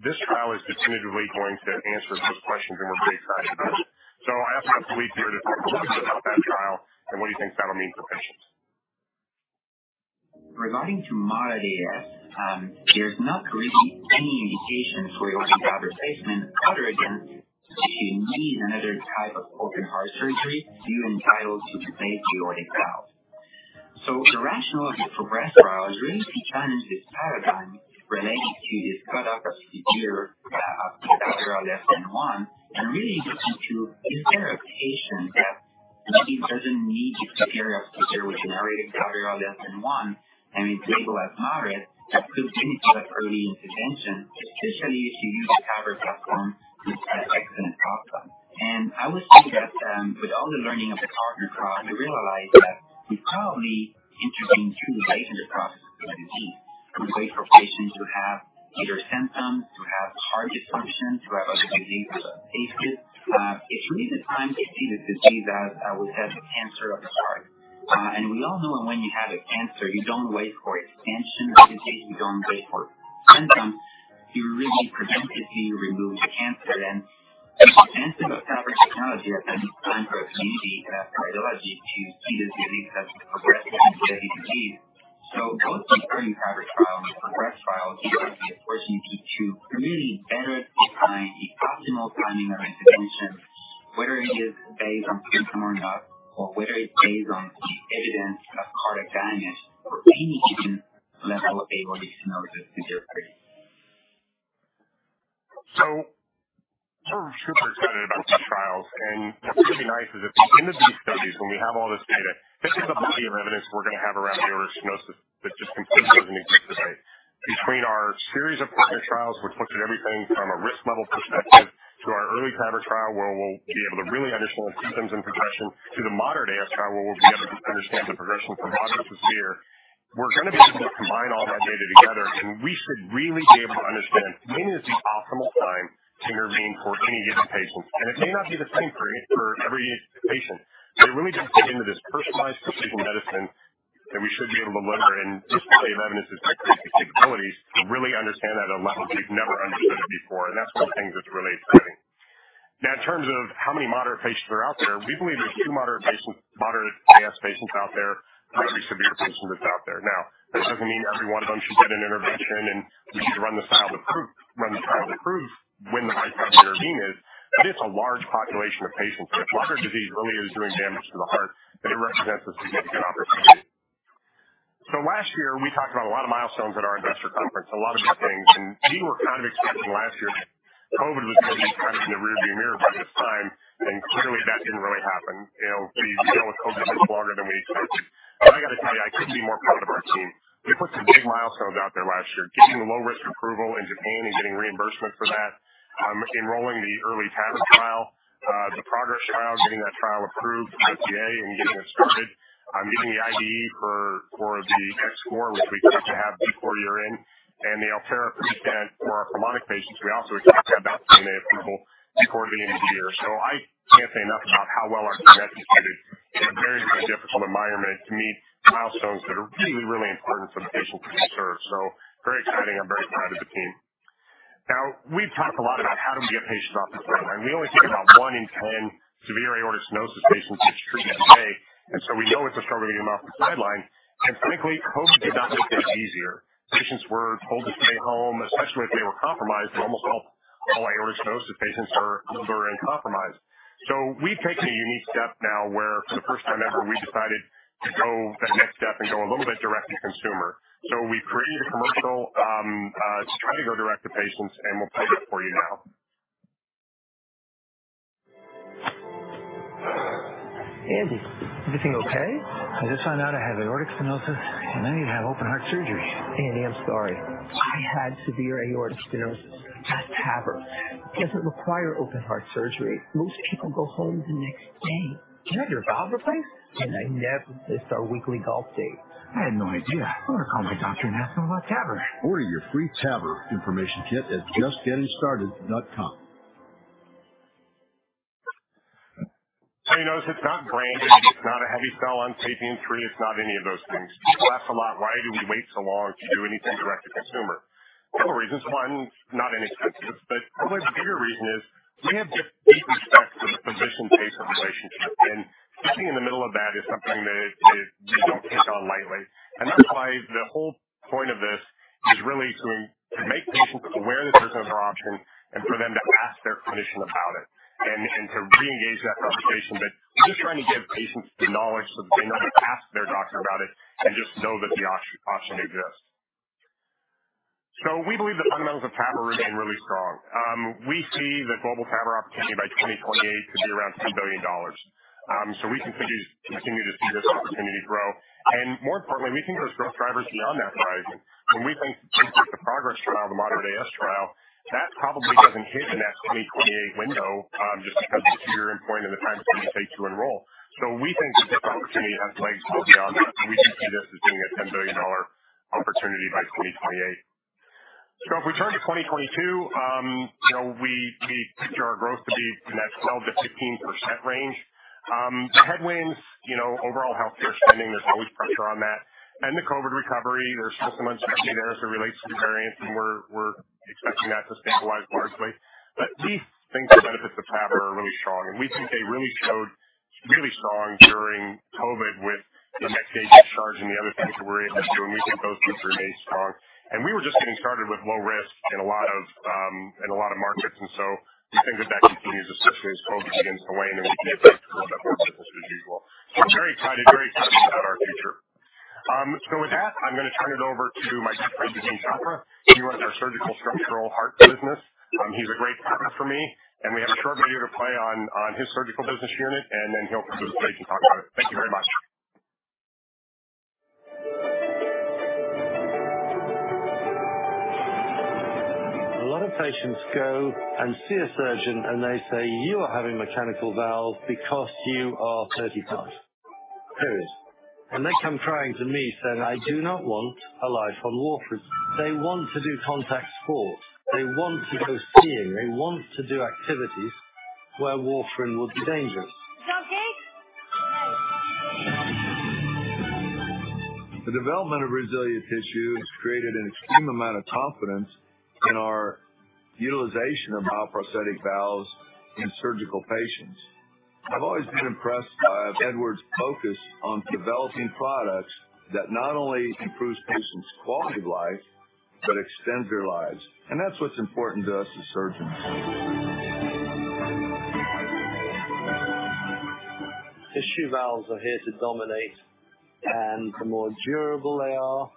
This trial is definitively going to answer those questions, and we're pretty excited about it. I asked Dr. Généreux here to talk a little bit about that trial and what he thinks that'll mean for patients. Regarding moderate AS, there's not really any indication for aortic valve replacement. On the other hand, if you need another type of open heart surgery, you're entitled to replace the aortic valve. The rationale of the PROGRESS trial is really to challenge this paradigm related to this cut-off of severe AS, AVA less than 1, and really, is there a patient that maybe doesn't need to get severe aortic stenosis with an aortic valve area less than 1 and is labeled as moderate but could benefit from early intervention, especially if you use a TAVR platform which has excellent outcome. I would say that, with all the learning of the PARTNER trial, we realized that we probably intervene too late in the process of the disease. We wait for patients who have either symptoms, who have heart dysfunction, who have other diseases associated. It may be the time to see this disease as, we said, the cancer of the heart. We all know that when you have a cancer, you don't wait for expansion of the disease, you don't wait for symptoms. You really preventively remove the cancer. The advantage of TAVR technology at this time for us maybe is that ideology to see this disease as progressive and deadly disease. Both the EARLY TAVR trial and the PROGRESS trial give us the opportunity to really better define the optimal timing of intervention, whether it is based on symptoms or not, or whether it's based on the evidence of cardiac damage for any given level of aortic stenosis severity. We're super excited about these trials. What's gonna be nice is at the end of these studies when we have all this data, this is a body of evidence we're gonna have around aortic stenosis that just completely doesn't exist today. Between our series of PARTNER trials, which looked at everything from a risk level perspective, to our EARLY TAVR trial, where we'll be able to really understand symptoms and progression to the moderate AS trial, where we'll be able to understand the progression from moderate to severe, we're gonna be able to combine all that data together, and we should really be able to understand when is the optimal time to intervene for any given patient. It may not be the same for every patient. We really just get into this personalized precision medicine that we should be able to deliver. This body of evidence is great capabilities to really understand that at a level that we've never understood it before. That's one of the things that's really exciting. Now, in terms of how many moderate patients are out there, we believe there's 2 moderate patients, moderate AS patients, out there for every severe patient that's out there. Now, that doesn't mean every one of them should get an intervention, and we need to run the trial to prove when the right time to intervene is. It's a large population of patients. If moderate disease really is doing damage to the heart, then it represents a significant opportunity. Last year we talked about a lot of milestones at our investor conference, a lot of good things. We were kind of expecting last year that COVID was gonna be kind of in the rearview mirror by this time. Clearly that didn't really happen. You know, we dealt with COVID just longer than we expected. I gotta tell you, I couldn't be more proud of our team. We put some big milestones out there last year. Getting the low-risk approval in Japan and getting reimbursement for that. Enrolling the EARLY TAVR trial, the PROGRESS trial, getting that trial approved by the FDA and getting it started. Getting the IDE for the X4, which we expect to have before year-end, and the Alterra prestent for our congenital patients. We also expect to have that PMA approval before the end of the year. I can't say enough about how well our team executed in a very, very difficult environment to meet milestones that are really, really important for the patients we serve. Very exciting. I'm very proud of the team. Now, we've talked a lot about how do we get patients off the sideline. We only take about 1 in 10 severe aortic stenosis patients each treatment day, and we know it's a struggle to get them off the sideline. Frankly, COVID did not make this easier. Patients were told to stay home, especially if they were compromised, and almost all aortic stenosis patients are immunocompromised. We've taken a unique step now where for the first time ever, we decided to go that next step and go a little bit direct to consumer. We created a commercial to try to go direct to patients, and we'll play that for you now. Andy, is everything okay? I just found out I have aortic stenosis, and I need to have open heart surgery. Andy, I'm sorry. I had severe aortic stenosis. I had TAVR. It doesn't require open heart surgery. Most people go home the next day to have their valve replaced, and I never missed our weekly golf date. I had no idea. I'm gonna call my doctor and ask him about TAVR. Order your free TAVR information kit at justgettingstarted.com. No, it's not branded. It's not a heavy sell on SAPIEN 3. It's not any of those things. We get asked a lot, why do we wait so long to do anything direct to consumer? A couple of reasons. One, not inexpensive, but a much bigger reason is we have just deep respect for the physician-patient relationship. Stepping in the middle of that is something that you don't take on lightly. That's why the whole point of this is really to make patients aware this is another option and for them to ask their physician about it and to reengage that conversation. We're just trying to give patients the knowledge so that they know to ask their doctor about it and just know that the option exists. We believe the fundamentals of TAVR remain really strong. We see the global TAVR opportunity by 2028 to be around $10 billion. We continue to see this opportunity grow. More importantly, we think there's growth drivers beyond that horizon. When we think of the PROGRESS trial, the Moderate AS trial, that probably doesn't hit in that 2028 window, just because the sheer endpoint and the time it's going to take to enroll. We think that this opportunity has legs well beyond that, and we do see this as being a $10 billion opportunity by 2028. If we turn to 2022, you know, we picture our growth to be in that 12%-15% range. The headwinds, you know, overall healthcare spending, there's always pressure on that. The COVID recovery, there's still some uncertainty there as it relates to variants, and we're expecting that to stabilize largely. We think the benefits of TAVR are really strong, and we think they really showed strong during COVID with the next-day discharge and the other things that we're able to do. We think those groups remain strong. We were just getting started with low risk in a lot of markets. We think that that continues, especially as COVID begins to wane, and we get back to a little bit more business as usual. We're very excited about our future. With that, I'm gonna turn it over to my good friend, Daveen Chopra. He runs our surgical structural heart business. He's a great partner for me, and we have a short video to play on his surgical business unit, and then he'll participate and talk about it. Thank you very much. A lot of patients go and see a surgeon, and they say, "You are having mechanical valve because you are 30 times. Period." They come crying to me saying, "I do not want a life on warfarin." They want to do contact sports. They want to go skiing. They want to do activities where warfarin would be dangerous. You okay? The development of RESILIA tissue has created an extreme amount of confidence in our utilization of bioprosthetic valves in surgical patients. I've always been impressed by Edwards' focus on developing products that not only improves patients' quality of life but extends their lives. That's what's important to us as surgeons. Tissue valves are here to dominate, and the more durable they are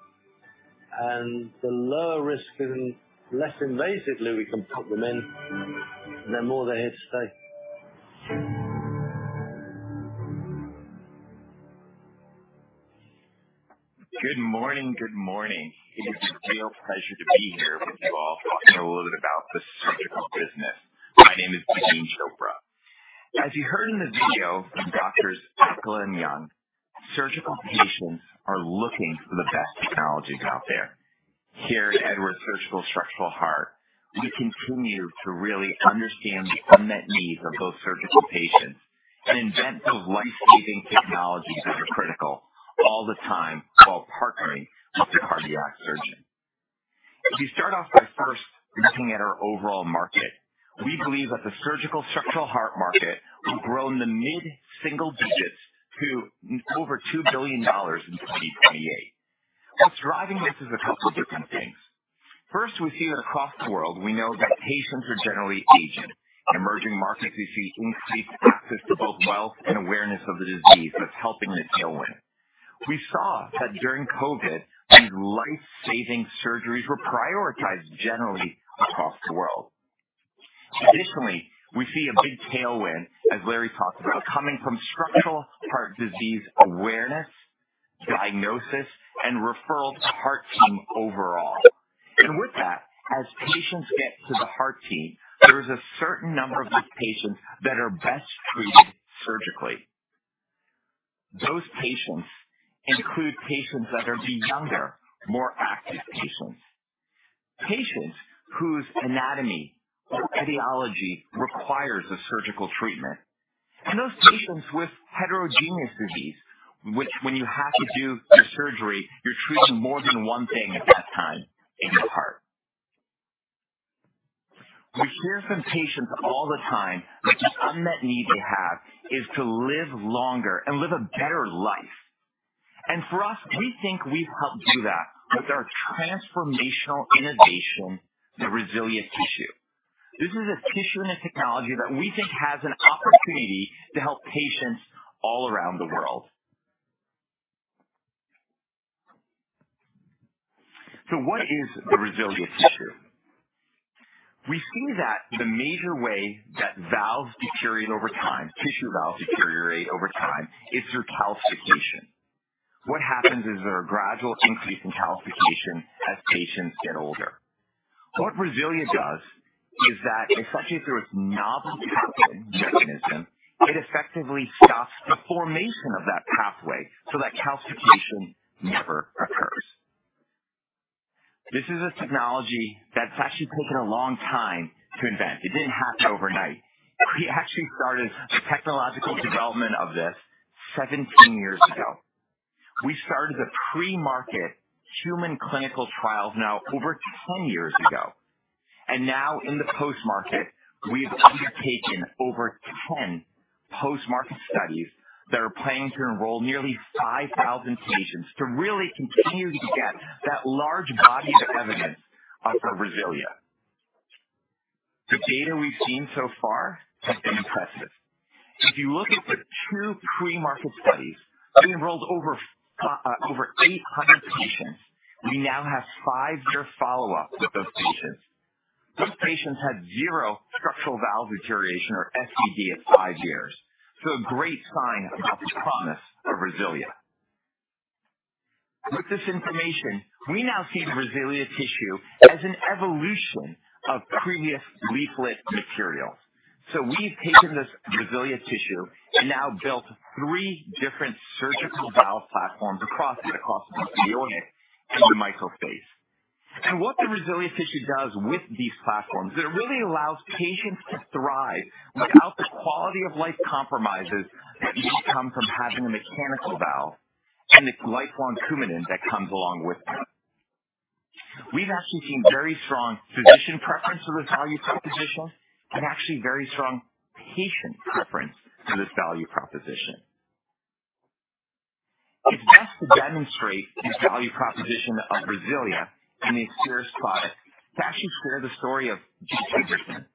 and the lower risk and less invasively we can put them in, the more they're here to stay. Good morning. It is a real pleasure to be here with you all, talking a little bit about the surgical business. My name is Daveen Chopra. As you heard in the video from Doctors Ackland and Young, surgical patients are looking for the best technologies out there. Here at Edwards Surgical Structural Heart, we continue to really understand the unmet needs of those surgical patients and invent the life-saving technologies that are critical all the time while partnering with the cardiac surgeon. If you start off by first looking at our overall market, we believe that the surgical structural heart market will grow in the mid-single digits to over $2 billion in 2028. What's driving this is a couple different things. First, we see that across the world we know that patients are generally aging. In emerging markets, we see increased access to both wealth and awareness of the disease that's helping this tailwind. We saw that during COVID, these life-saving surgeries were prioritized generally across the world. Additionally, we see a big tailwind, as Larry talked about, coming from structural heart disease awareness, diagnosis, and referral to heart team overall. With that, as patients get to the heart team, there is a certain number of those patients that are best treated surgically. Those patients include patients that are the younger, more active patients whose anatomy or etiology requires a surgical treatment, and those patients with heterogeneous disease, which when you have to do your surgery, you're treating more than one thing at that time in your heart. We hear from patients all the time that the unmet need they have is to live longer and live a better life. For us, we think we've helped do that with our transformational innovation, the RESILIA tissue. This is a tissue in a technology that we think has an opportunity to help patients all around the world. What is the RESILIA tissue? We see that the major way that valves deteriorate over time, tissue valves deteriorate over time is through calcification. What happens is there are gradual increase in calcification as patients get older. What RESILIA does is that, especially if there is not a pathway mechanism, it effectively stops the formation of that pathway so that calcification never occurs. This is a technology that's actually taken a long time to invent. It didn't happen overnight. We actually started the technological development of this 17 years ago. We started the pre-market human clinical trials now over 10 years ago. Now in the post-market, we have undertaken over 10 post-market studies that are planning to enroll nearly 5,000 patients to really continue to get that large body of evidence for RESILIA. The data we've seen so far has been impressive. If you look at the two pre-market studies, we enrolled over 800 patients. We now have five-year follow-up with those patients. Those patients had zero structural valve deterioration or SVD at 5 years. A great sign about the promise of RESILIA. With this information, we now see RESILIA tissue as an evolution of previous leaflet materials. We've taken this RESILIA tissue and now built three different surgical valve platforms across the aorta and the mitral. What the RESILIA tissue does with these platforms is it really allows patients to thrive without the quality of life compromises that usually come from having a mechanical valve and its lifelong Coumadin that comes along with it. We've actually seen very strong physician preference to this value proposition and actually very strong patient preference to this value proposition. It's best to demonstrate this value proposition of RESILIA and the INSPIRIS product to actually share the story of Jake Anderson.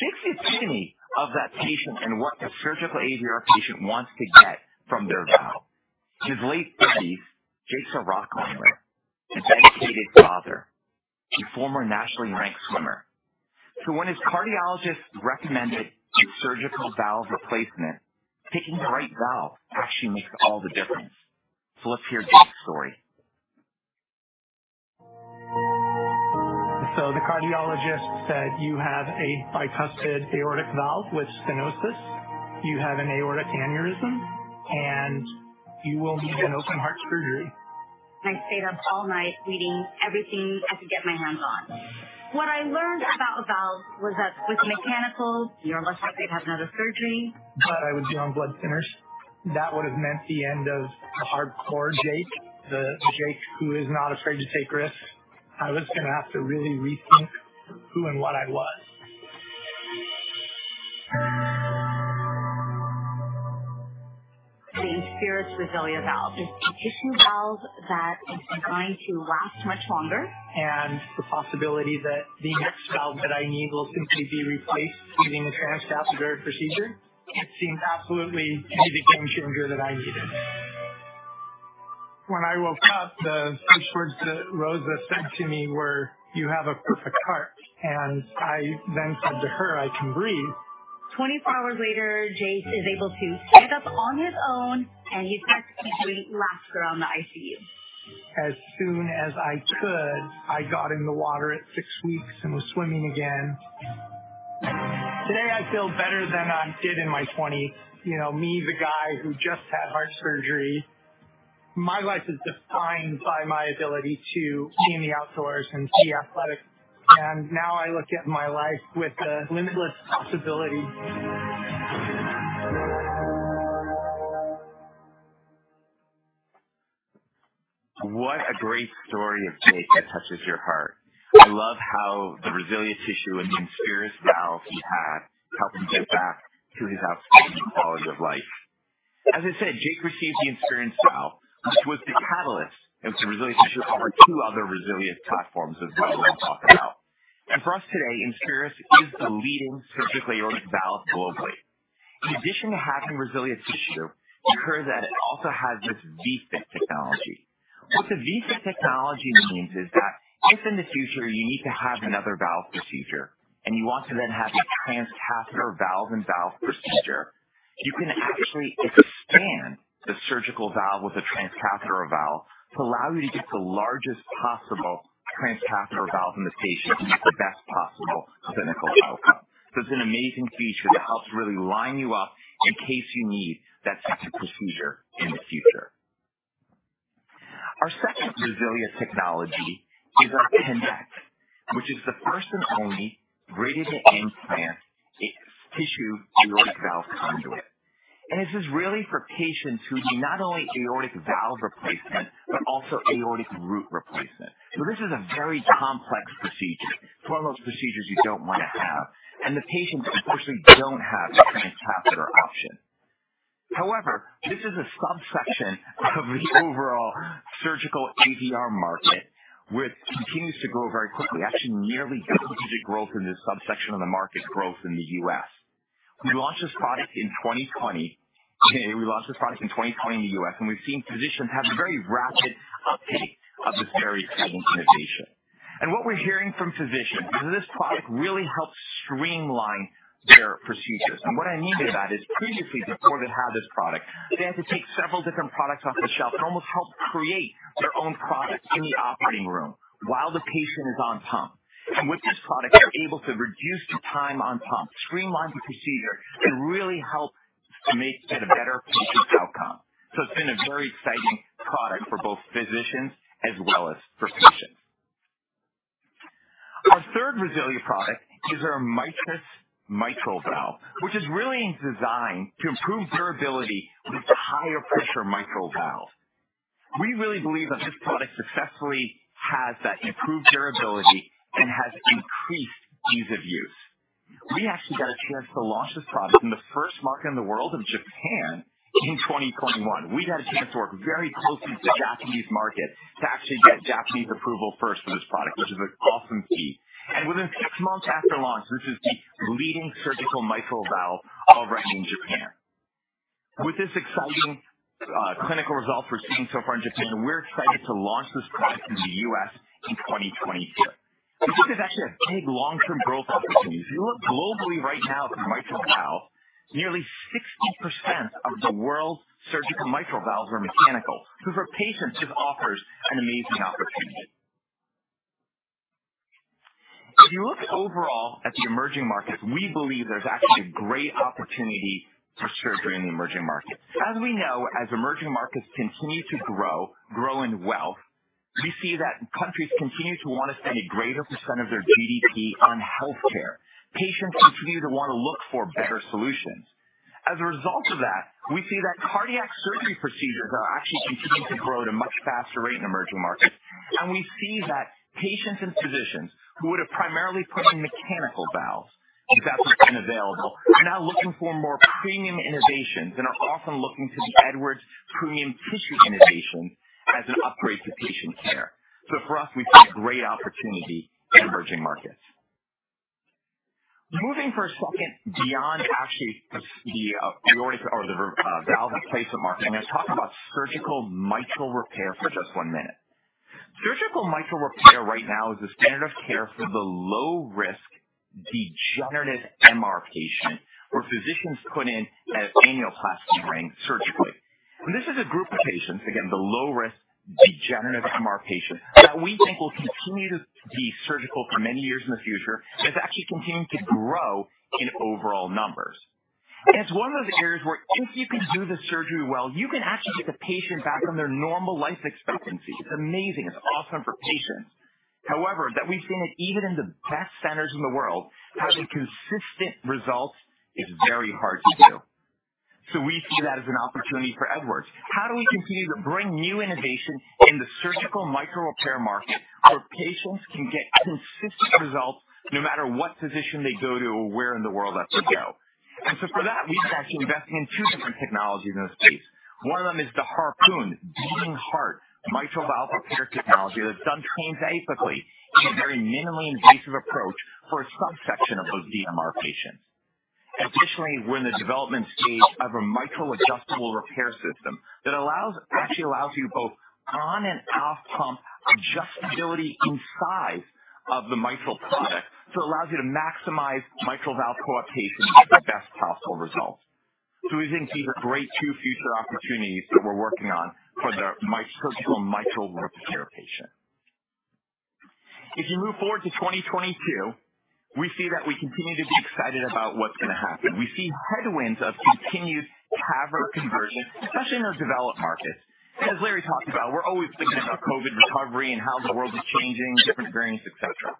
Jake's the epitome of that patient and what a surgical AVR patient wants to get from their valve. He's late 30s, Jake's a rock climber, a dedicated father, a former nationally ranked swimmer. When his cardiologist recommended a surgical valve replacement, picking the right valve actually makes all the difference. Let's hear Jake's story. The cardiologist said, "You have a bicuspid aortic valve with stenosis. You have an aortic aneurysm, and you will need an open heart surgery. I stayed up all night reading everything I could get my hands on. What I learned about valves was that with mechanicals, you're less likely to have another surgery. I would be on blood thinners. That would have meant the end of the hardcore Jake, the Jake who is not afraid to take risks. I was gonna have to really rethink who and what I was. The INSPIRIS RESILIA valve is a tissue valve that is going to last much longer. The possibility that the next valve that I need will simply be replaced using a transcatheter procedure. It seemed absolutely to be the game changer that I needed. When I woke up, the first words that Rosa said to me were, "You have a perfect heart." I then said to her, "I can breathe. 24 hours later, Jake is able to stand up on his own, and he's got people laughing in the ICU. As soon as I could, I got in the water at six weeks and was swimming again. Today, I feel better than I did in my twenties. You know me, the guy who just had heart surgery. My life is defined by my ability to be in the outdoors and be athletic. Now I look at my life with a limitless possibility. What a great story of Jake that touches your heart. I love how the RESILIA tissue and the INSPIRIS valve he had helped him get back to his outstanding quality of life. As I said, Jake received the INSPIRIS valve, which was the catalyst into RESILIA tissue for our two other RESILIA platforms as well that I'll talk about. For us today, INSPIRIS is the leading surgical aortic valve globally. In addition to having RESILIA tissue, you heard that it also has this VFIT technology. What the VFIT technology means is that if in the future you need to have another valve procedure and you want to then have a transcatheter valve-in-valve procedure, you can actually expand the surgical valve with a transcatheter valve to allow you to get the largest possible transcatheter valve in the patient to meet the best possible clinical outcome. It's an amazing feature that helps really line you up in case you need that second procedure in the future. Our second RESILIA technology is our KONECT, which is the first and only ready to implant a tissue aortic valve conduit. This is really for patients who need not only aortic valve replacement, but also aortic root replacement. This is a very complex procedure. It's one of those procedures you don't wanna have, and the patients unfortunately don't have the transcatheter option. However, this is a subsection of the overall surgical AVR market, which continues to grow very quickly. Actually, nearly double-digit growth in this subsection of the market growth in the U.S. We launched this product in 2020 in the U.S., and we've seen physicians have a very rapid uptake of this very exciting innovation. What we're hearing from physicians is that this product really helps streamline their procedures. What I mean by that is previously before they'd have this product, they had to take several different products off the shelf and almost help create their own product in the operating room while the patient is on pump. With this product, they're able to reduce the time on pump, streamline the procedure, and really help to make it a better patient outcome. It's been a very exciting product for both physicians as well as for patients. Our third RESILIA product is our MITRIS mitral valve, which is really designed to improve durability with higher pressure mitral valve. We really believe that this product successfully has that improved durability and has increased ease of use. We actually got a chance to launch this product in the first market in the world of Japan in 2021. We got a chance to work very closely with the Japanese market to actually get Japanese approval first for this product, which is awesome feat. Within six months after launch, this is the leading surgical mitral valve already in Japan. With this exciting clinical result we're seeing so far in Japan, we're excited to launch this product in the U.S. in 2022. This is actually a big long-term growth opportunity. If you look globally right now at the mitral valve, nearly 60% of the world's surgical mitral valves are mechanical. So for patients, this offers an amazing opportunity. If you look overall at the emerging markets, we believe there's actually a great opportunity for surgery in the emerging markets. As we know, as emerging markets continue to grow in wealth, we see that countries continue to want to spend a greater % of their GDP on health care. Patients continue to want to look for better solutions. As a result of that, we see that cardiac surgery procedures are actually continuing to grow at a much faster rate in emerging markets. We see that patients and physicians who would have primarily put in mechanical valves, if that's what's been available, are now looking for more premium innovations and are often looking to the Edwards premium tissue innovation as an upgrade to patient care. For us, we see a great opportunity in emerging markets. Moving for a second beyond actually the valve replacement market, I'm going to talk about surgical mitral repair for just one minute. Surgical mitral repair right now is the standard of care for the low risk degenerative MR patient, where physicians put in an annuloplasty ring surgically. This is a group of patients, again, the low risk degenerative MR patients, that we think will continue to be surgical for many years in the future, and it's actually continuing to grow in overall numbers. It's one of those areas where if you can do the surgery well, you can actually get the patient back on their normal life expectancy. It's amazing. It's awesome for patients. However, we've seen that even in the best centers in the world, having consistent results is very hard to do. We see that as an opportunity for Edwards. How do we continue to bring new innovation in the surgical mitral repair market where patients can get consistent results no matter what physician they go to or where in the world that they go? For that, we've actually invested in two different technologies in this space. One of them is the HARPOON beating heart mitral valve repair technology that's done transapically in a very minimally invasive approach for a subsection of those DMR patients. Additionally, we're in the development stage of a mitral adjustable repair system that actually allows you both on and off pump adjustability in size of the mitral product. It allows you to maximize mitral valve coaptation for the best possible results. We think these are great two future opportunities that we're working on for the surgical mitral repair patient. If you move forward to 2022, we see that we continue to be excited about what's going to happen. We see headwinds of continued TAVR conversion, especially in those developed markets. As Larry talked about, we're always thinking about COVID recovery and how the world is changing, different variants, et cetera.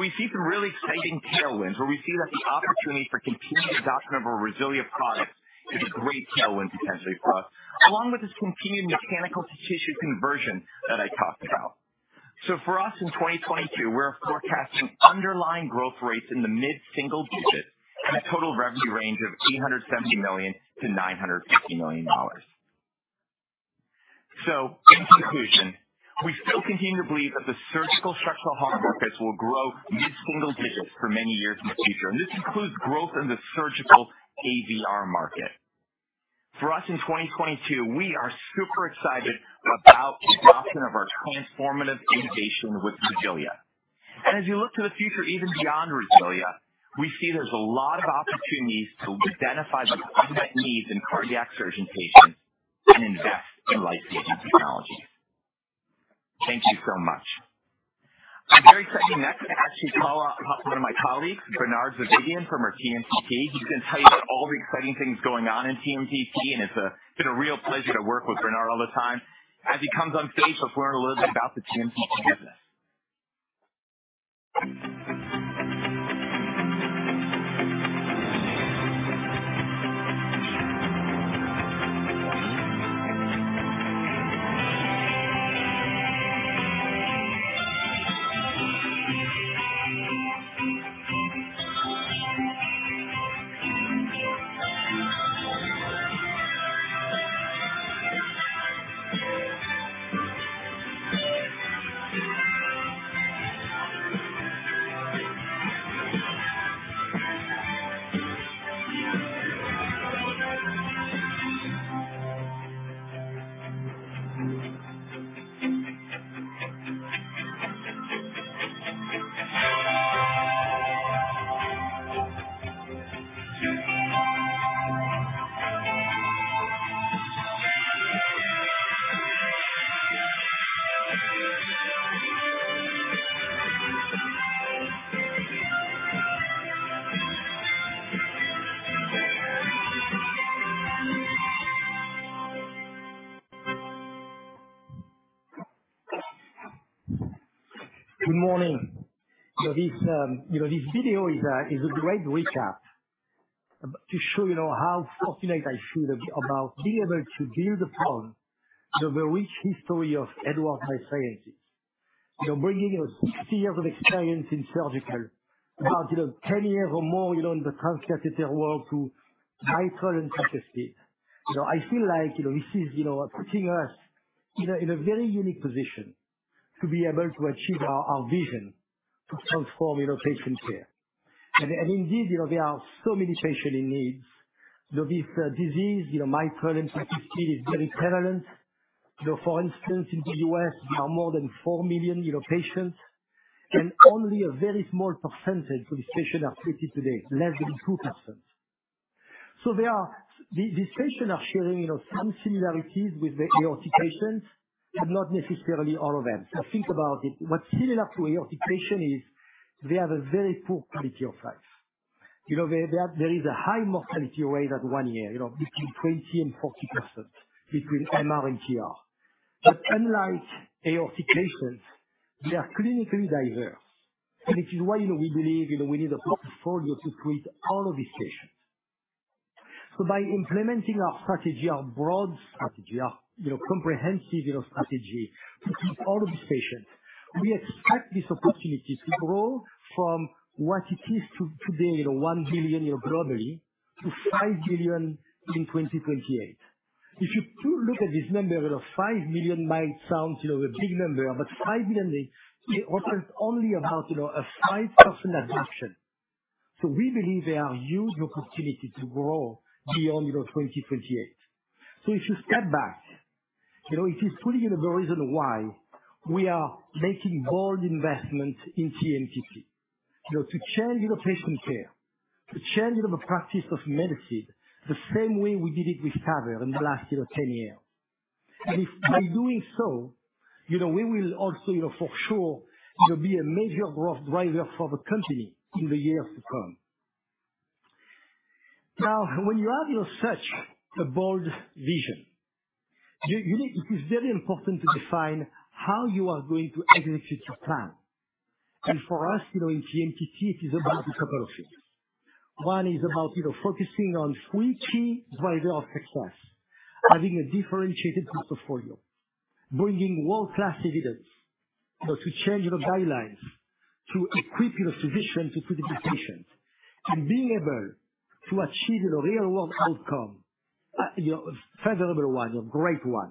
We see some really exciting tailwinds where we see that the opportunity for continued adoption of our RESILIA products is a great tailwind potentially for us, along with this continued mechanical to tissue conversion that I talked about. For us in 2022, we're forecasting underlying growth rates in the mid-single digits and a total revenue range of $870 million-$950 million. In conclusion, we still continue to believe that the surgical structural heart markets will grow mid-single digits for many years in the future. This includes growth in the surgical AVR market. For us in 2022, we are super excited about adoption of our transformative innovation with RESILIA. As you look to the future, even beyond RESILIA, we see there's a lot of opportunities to identify the unmet needs in cardiac surgeon patients and invest in life-saving technology. Thank you so much. I'm very excited next to actually call out one of my colleagues, Bernard Zovighian, from our TMTT. He's going to tell you all the exciting things going on in TMTT, and it's been a real pleasure to work with Bernard all the time. As he comes on stage, let's learn a little bit about the TMTT business. Good morning. This video is a great recap to show, you know, how fortunate I feel about being able to build upon the very rich history of Edwards Lifesciences. You know, bringing us years of experience in surgical, about 10 years or more, you know, in the transcatheter world to mitral and tricuspid. You know, I feel like, you know, this is, you know, putting us in a very unique position to be able to achieve our vision to transform, you know, patient care. Indeed, you know, there are so many patients in need. You know, this disease, you know, mitral and tricuspid is very prevalent. You know, for instance, in the U.S., there are more than 4 million, you know, patients, and only a very small percentage of these patients are treated today, less than 2%. These patients are sharing, you know, some similarities with the aortic patients, but not necessarily all of them. Now think about it. What's similar to aortic patient is they have a very poor quality of life. You know, there is a high mortality rate at 1 year, you know, between 20% and 40% between MR and TR. Unlike aortic patients, they are clinically diverse, and this is why, you know, we believe, you know, we need a portfolio to treat all of these patients. By implementing our strategy, our broad strategy, our, you know, comprehensive, you know, strategy to treat all of these patients, we expect this opportunity to grow from what it is to today, you know, $1 billion globally to $5 billion in 2028. If you look at this number, you know, $5 million might sound, you know, a big number, but $5 billion is also only about, you know, a 5% adoption. We believe there are huge opportunity to grow beyond, you know, 2028. If you step back, you know, it is truly, you know, the reason why we are making bold investments in TMTT, you know, to change, you know, patient care, to change, you know, the practice of medicine, the same way we did it with TAVR in the last, you know, 10 years. If by doing so, you know, we will also, you know, for sure, you know, be a major growth driver for the company in the years to come. Now, when you have, you know, such a bold vision, you need. It is very important to define how you are going to execute your plan. For us, you know, in TMTT it is about a couple of things. One is about, you know, focusing on three key drivers of success, having a differentiated portfolio, bringing world-class evidence, you know, to change the guidelines to equip, you know, physicians to treat the patients, and being able to achieve the real world outcome, you know, a favorable one, a great one.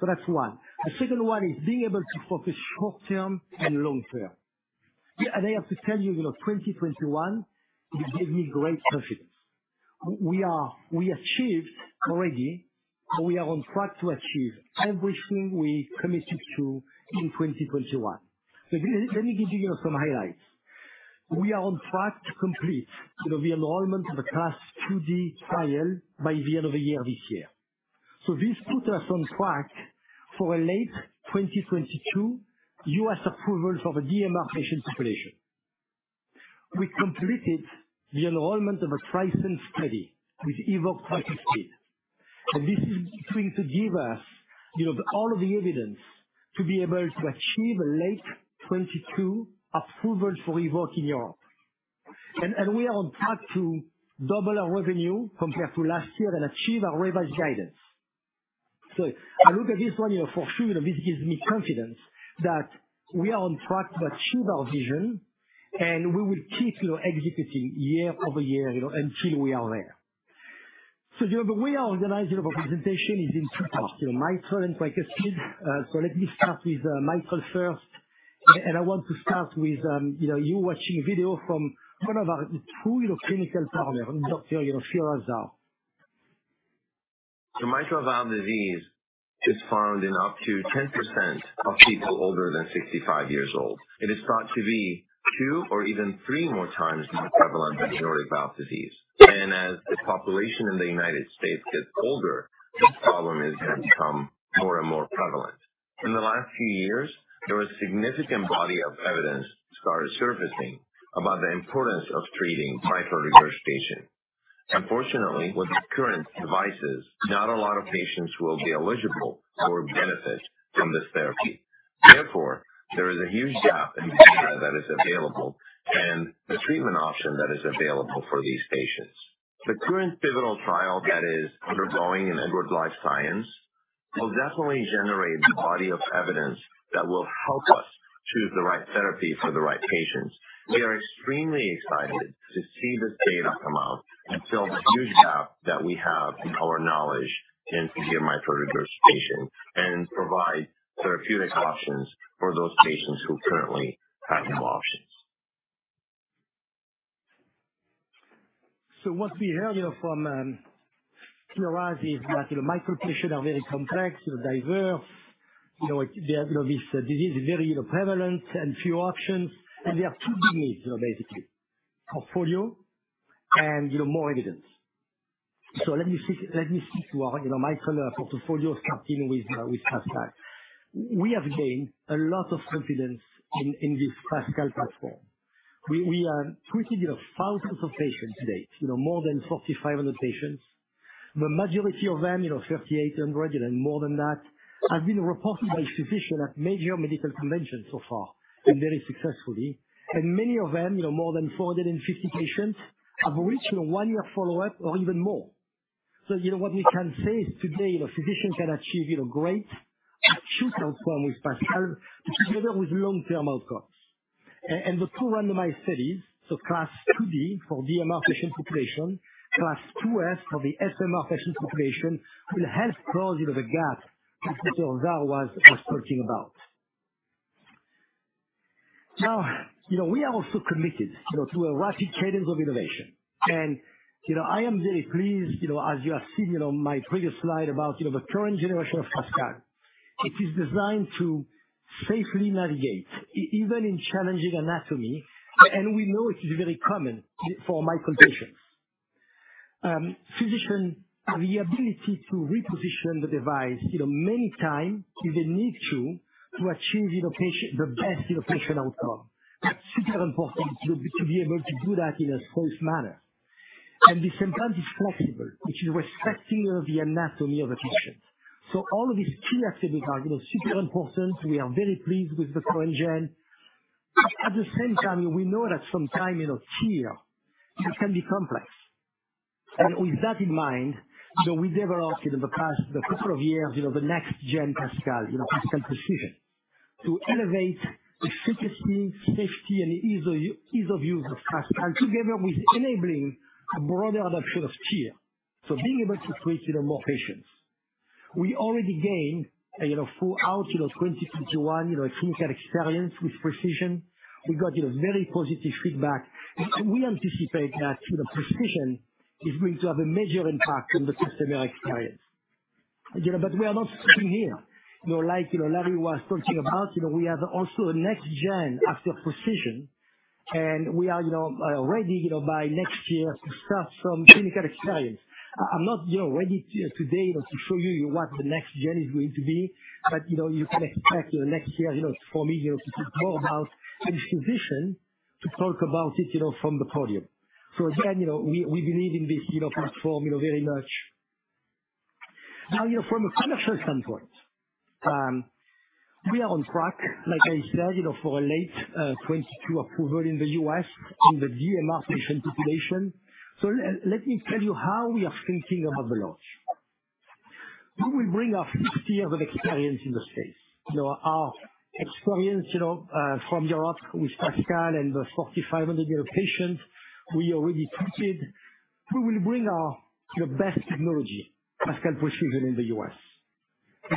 So that's one. The second one is being able to focus short-term and long-term. Yeah, I have to tell you know, 2021, it gave me great confidence. We achieved already, or we are on track to achieve everything we committed to in 2021. Let me give you know, some highlights. We are on track to complete, you know, the enrollment of the CLASP IID trial by the end of the year this year. This puts us on track for a late 2022 U.S. approval for the DMR patient population. We completed the enrollment of a TRISCEND study with EVOQUE tricuspid, and this is going to give us, you know, all of the evidence to be able to achieve a late 2022 approval for EVOQUE in Europe. We are on track to double our revenue compared to last year and achieve our revised guidance. I look at this one, you know, for sure, you know, this gives me confidence that we are on track to achieve our vision and we will keep executing year over year, you know, until we are there. The way we are organizing our presentation is in two parts, you know, mitral and tricuspid. Let me start with mitral first. I want to start with, you know, you watching a video from one of our true, you know, clinical partner, Dr. Firas Zahr. Mitral valve disease is found in up to 10% of people older than 65 years old. It is thought to be two or even three more times more prevalent than aortic valve disease. As the population in the United States gets older, this problem is becoming more and more prevalent. In the last few years, there was a significant body of evidence started surfacing about the importance of treating mitral regurgitation. Unfortunately, with the current devices, not a lot of patients will be eligible or benefit from this therapy. Therefore, there is a huge gap in data that is available and the treatment option that is available for these patients. The current pivotal trial that is undergoing in Edwards Lifesciences will definitely generate the body of evidence that will help us choose the right therapy for the right patients. We are extremely excited to see this data come out and fill the huge gap that we have in our knowledge in severe mitral regurgitation and provide therapeutic options for those patients who currently have no options. What we heard, you know, from Firas is that, you know, mitral patients are very complex, you know, diverse. You know, this disease is very, you know, prevalent and few options. There are two big needs, you know, basically. Portfolio and, you know, more evidence. Let me stick to our, you know, mitral portfolio starting with PASCAL. We have gained a lot of confidence in this PASCAL platform. We are treating, you know, thousands of patients today. You know, more than 4,500 patients. The majority of them, you know, 3,800 and more than that, have been reported by a physician at major medical conventions so far, and very successfully. Many of them, you know, more than 450 patients, have reached a one-year follow-up or even more. You know, what we can say is today, you know, physicians can achieve, you know, great acute outcome with PASCAL together with long-term outcomes. And the two randomized studies, CLASP IID for DMR patient population, CLASP IIF for the SMR patient population, will help close, you know, the gap Dr. Zahr was talking about. Now, you know, we are also committed, you know, to a rapid cadence of innovation. You know, I am very pleased, you know, as you have seen on my previous slide about, you know, the current generation of PASCAL. It is designed to safely navigate even in challenging anatomy, and we know it is very common for mitral patients. Physicians have the ability to reposition the device, you know, many times if they need to achieve, you know, the best patient outcome. That's super important to be able to do that in a smooth manner. The stent valve is flexible, which is respecting, you know, the anatomy of a patient. All of these key attributes are, you know, super important. We are very pleased with the current gen. At the same time, we know that sometimes, you know, TEER, it can be complex. With that in mind, you know, we developed in the past couple of years, you know, the next gen PASCAL, you know, PASCAL Precision, to elevate efficiency, safety, and ease of use of PASCAL together with enabling a broader adoption of TEER. Being able to treat, you know, more patients. We already gained, you know, throughout, you know, 2021, you know, clinical experience with Precision. We got, you know, very positive feedback. We anticipate that, you know, Precision is going to have a major impact on the customer experience. You know, we are not sitting here. You know, like, you know, Larry was talking about, you know, we have also a next gen after Precision. We are, you know, ready, you know, by next year to start some clinical trials. I'm not, you know, ready today, you know, to show you what the next gen is going to be, but, you know, you can expect in the next year, you know, for me, you know, to talk more about this position, to talk about it, you know, from the podium. Again, you know, we believe in this, you know, platform, you know, very much. Now, you know, from a commercial standpoint, we are on track, like I said, you know, for a late 2022 approval in the U.S. in the DMR patient population. Let me tell you how we are thinking about the launch. We will bring our 50 years of experience in the space. You know, our experience, you know, from Europe with PASCAL and the 4,500, you know, patients we already treated. We will bring our, you know, best technology, PASCAL Precision, in the U.S.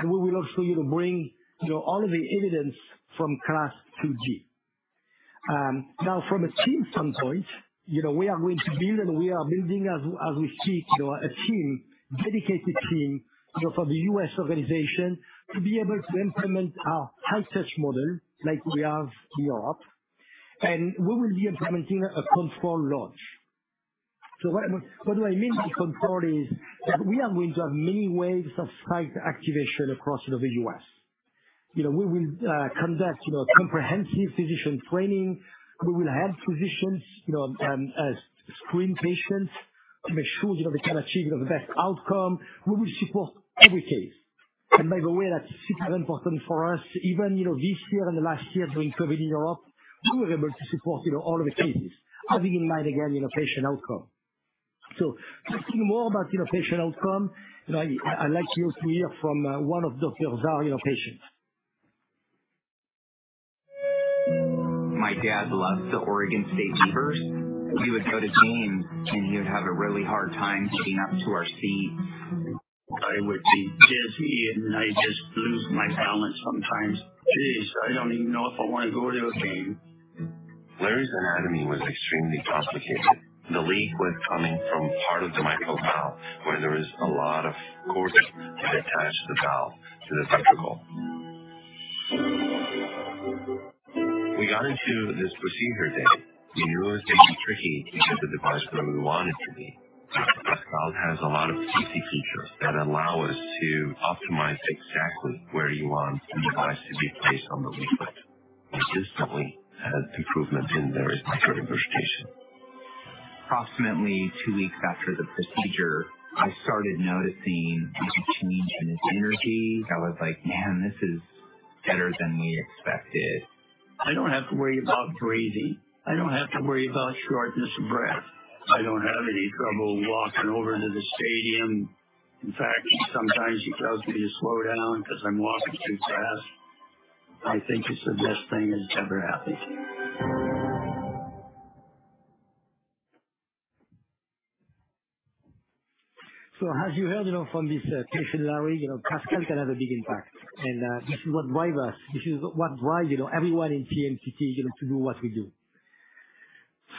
We will also, you know, bring, you know, all the evidence from CLASP IID. Now from a team standpoint, you know, we are going to build and we are building as we speak, you know, a team, dedicated team, you know, for the U.S. organization to be able to implement our high touch model like we have in Europe. We will be implementing a controlled launch. What do I mean by controlled is that we are going to have many waves of site activation across, you know, the U.S. You know, we will conduct, you know, comprehensive physician training. We will help physicians, you know, screen patients to make sure, you know, they can achieve, you know, the best outcome. We will support every case. By the way, that's super important for us. Even, you know, this year and the last year during COVID in Europe, we were able to support, you know, all of the cases, having in mind, again, you know, patient outcome. Talking more about, you know, patient outcome, I'd like you to hear from one of Dr. Zahr's patients. My dad loved the Oregon State Beavers. He would go to games, and he would have a really hard time getting up to our seat. I would be dizzy, and I'd just lose my balance sometimes. Geez, I don't even know if I want to go to a game. Larry's anatomy was extremely complicated. The leak was coming from part of the mitral valve where there is a lot of chordae that attach the valve to the ventricle. We got into this procedure day, and it was going to be tricky to get the device where we want it to be. PASCAL has a lot of CC features that allow us to optimize exactly where you want the device to be placed on the leaflet. Consistently had improvement in Larry's mitral regurgitation. Approximately two weeks after the procedure, I started noticing a change in his energy. I was like, "Man, this is better than we expected. I don't have to worry about breathing. I don't have to worry about shortness of breath. I don't have any trouble walking over to the stadium. In fact, sometimes he tells me to slow down 'cause I'm walking too fast. I think it's the best thing that's ever happened to me. As you heard, you know, from this patient, Larry, you know, PASCAL can have a big impact. This is what drives us. This is what drives, you know, everyone in TMTT, you know, to do what we do.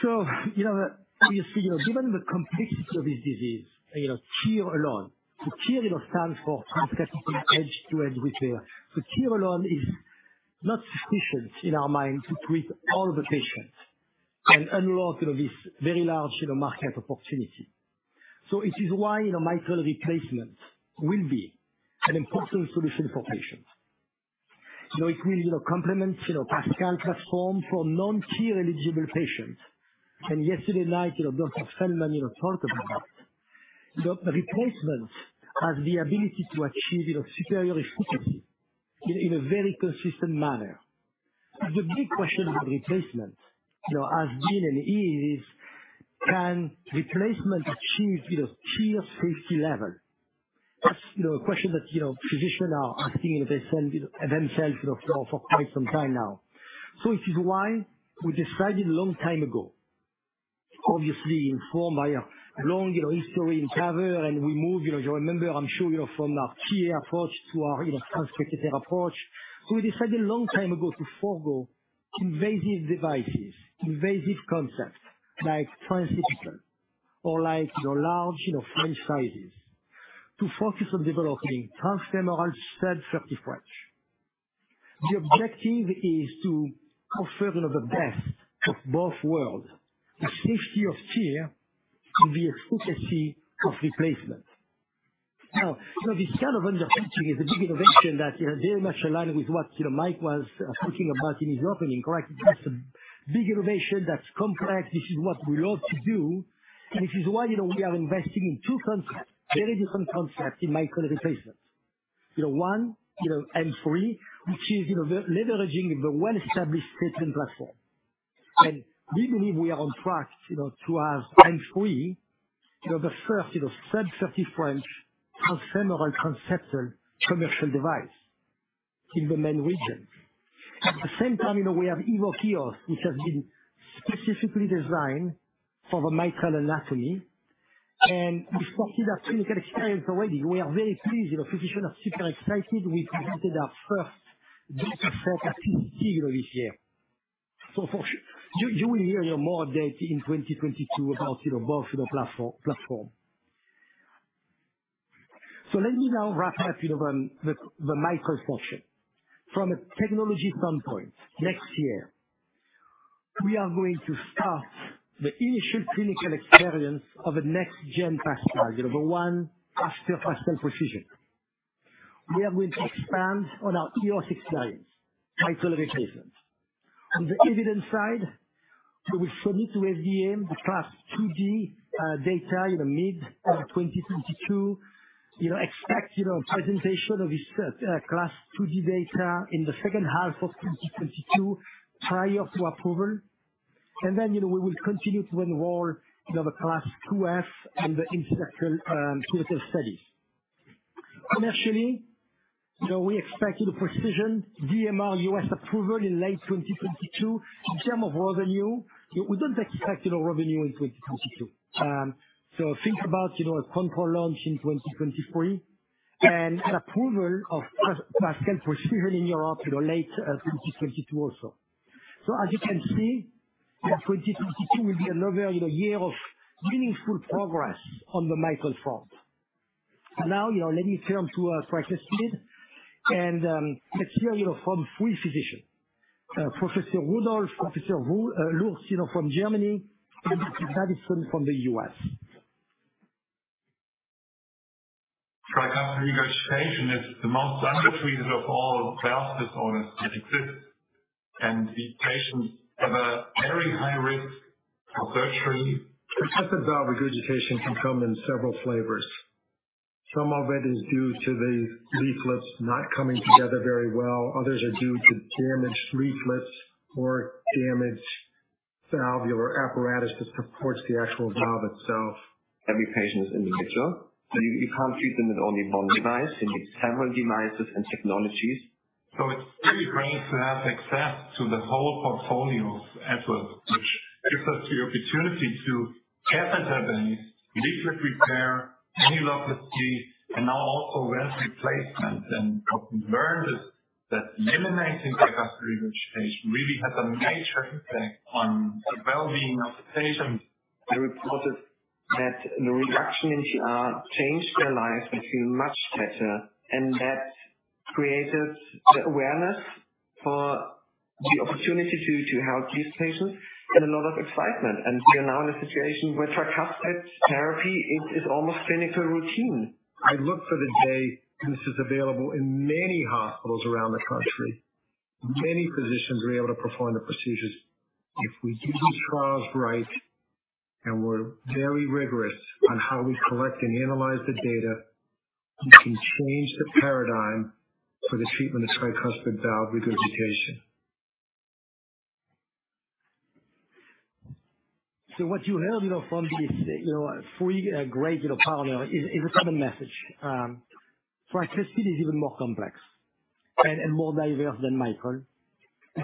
You know, obviously, you know, given the complexity of this disease, you know, TEER alone is not sufficient in our mind to treat all the patients and unlock, you know, this very large, you know, market opportunity. It is why the mitral replacement will be an important solution for patients. You know, it will, you know, complement, you know, PASCAL platform for non-TEER eligible patients. Yesterday night, you know, Dr. Feldman, you know, talked about that. The replacement has the ability to achieve, you know, superior efficacy in a very consistent manner. TEER, you know, stands for transcatheter edge-to-edge repair. The big question with replacement, you know, has been and is. Can replacement achieve, you know, TEER safety level? That's, you know, a question that, you know, physicians are asking, you know, themselves, you know, for quite some time now. This is why we decided a long time ago, obviously informed by a long, you know, history in TAVR, and we moved, you know, you remember, I'm sure, you know, from our TEER approach to our, you know, transcatheter approach. We decided a long time ago to forgo invasive devices, invasive concepts like transseptal or like, you know, large, you know, frame sizes to focus on developing transfemoral 30 French. The objective is to offer, you know, the best of both worlds. The safety of TEER and the efficacy of replacement. Now, you know, this kind of undertaking is a big innovation that, you know, very much aligned with what, you know, Mike was talking about in his opening, correct? It has some big innovation that's complex. This is what we love to do. This is why, you know, we are investing in two concepts, very different concepts in mitral replacement. You know, one, you know, M3, which is, you know, leveraging the well-established SAPIEN platform. We believe we are on track, you know, to have M3, you know, the first, you know, sub-30 French transfemoral transseptal commercial device in the MR indication. At the same time, you know, we have EVOQUE Eos, which has been specifically designed for the mitral anatomy. We've started our clinical experience already. We are very pleased. You know, physicians are super excited. We presented our first data at TCT this year. You will hear, you know, more updates in 2022 about, you know, both, you know, platform. Let me now wrap up, you know, on the mitral franchise. From a technology standpoint, next year we are going to start the initial clinical experience of a next-gen PASCAL, you know, the one after PASCAL Precision. We are going to expand on our TEER experience, mitral replacement. On the evidence side, we will submit to FDA the CLASP IID data in the mid of 2022. You know, expect, you know, presentation of this CLASP IID data in the second half of 2022, prior to approval. We will continue to enroll, you know, the CLASP IIF and the TRISCEND clinical studies. Commercially, you know, we expect, you know, Precision DMR U.S. approval in late 2022. In terms of revenue, we don't expect revenue in 2022. Think about a controlled launch in 2023, and an approval of PASCAL Precision in Europe late 2022 also. As you can see, 2022 will be another year of meaningful progress on the mitral front. Now let me turn to tricuspid and let's hear from three physicians. Volker Rudolph, Professor Lurz from Germany, and Dr. Patterson from the U.S. Tricuspid regurgitation is the most underrated of all valve disorders that exist, and the patients have a very high risk for surgery. Tricuspid valve regurgitation can come in several flavors. Some of it is due to the leaflets not coming together very well. Others are due to damaged leaflets or damaged valvular apparatus that supports the actual valve itself. Every patient is individual, so you can't treat them with only one device. You need several devices and technologies. It's pretty great to have access to the whole portfolio of Edwards, which gives us the opportunity to catheter-based leaflet repair, annuloplasty, and now also valve replacement. What we learned is that eliminating tricuspid regurgitation really has a major impact on the well-being of the patients. They reported that the reduction in TR changed their lives, they feel much better. That created the awareness for the opportunity to help these patients and a lot of excitement. We are now in a situation where tricuspid therapy is almost clinical routine. I look for the day when this is available in many hospitals around the country. Many physicians will be able to perform the procedures. If we do these trials right, and we're very rigorous on how we collect and analyze the data, we can change the paradigm for the treatment of tricuspid valve regurgitation. What you heard from these three great panelists is a common message. Tricuspid is even more complex and more diverse than mitral.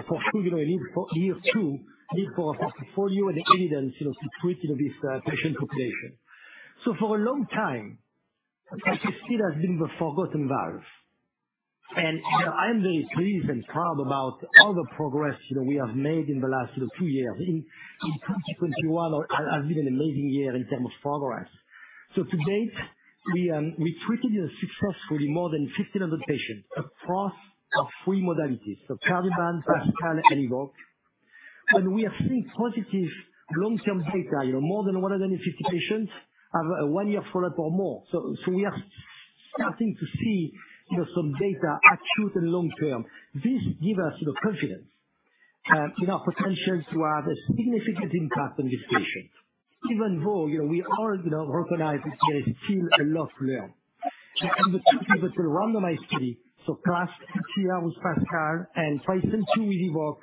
For sure, it needs for year two a portfolio and evidence to treat this patient population. For a long time, tricuspid has been the forgotten valve. I'm very pleased and proud about all the progress we have made in the last two years. In 2021 has been an amazing year in terms of progress. To date, we treated successfully more than 1,500 patients across our three modalities. Cardioband, PASCAL, and EVOQUE. We are seeing positive long-term data. More than 150 patients have a one-year follow-up or more. We are starting to see, you know, some data acute and long term. This give us, you know, confidence in our potential to have a significant impact on these patients. Even though, you know, we all, you know, recognize that there is still a lot to learn. In the two pivotal randomized studies, CLASP II TR with PASCAL and TRISCEND II with EVOQUE,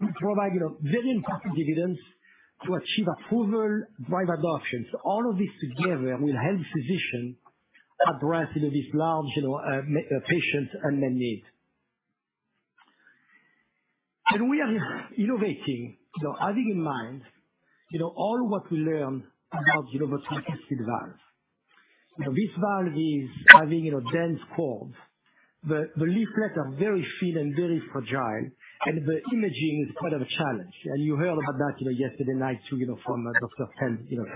we provide, you know, very important evidence to achieve approval by adoption. All of this together will help physicians address, you know, this large, you know, patients and unmet need. We are innovating, you know, having in mind, you know, all what we learned about, you know, the tricuspid valve. You know, this valve is having, you know, dense chords. The leaflets are very thin and very fragile, and the imaging is quite of a challenge. You heard about that, you know, yesterday night too, you know, from Dr. Ten, you know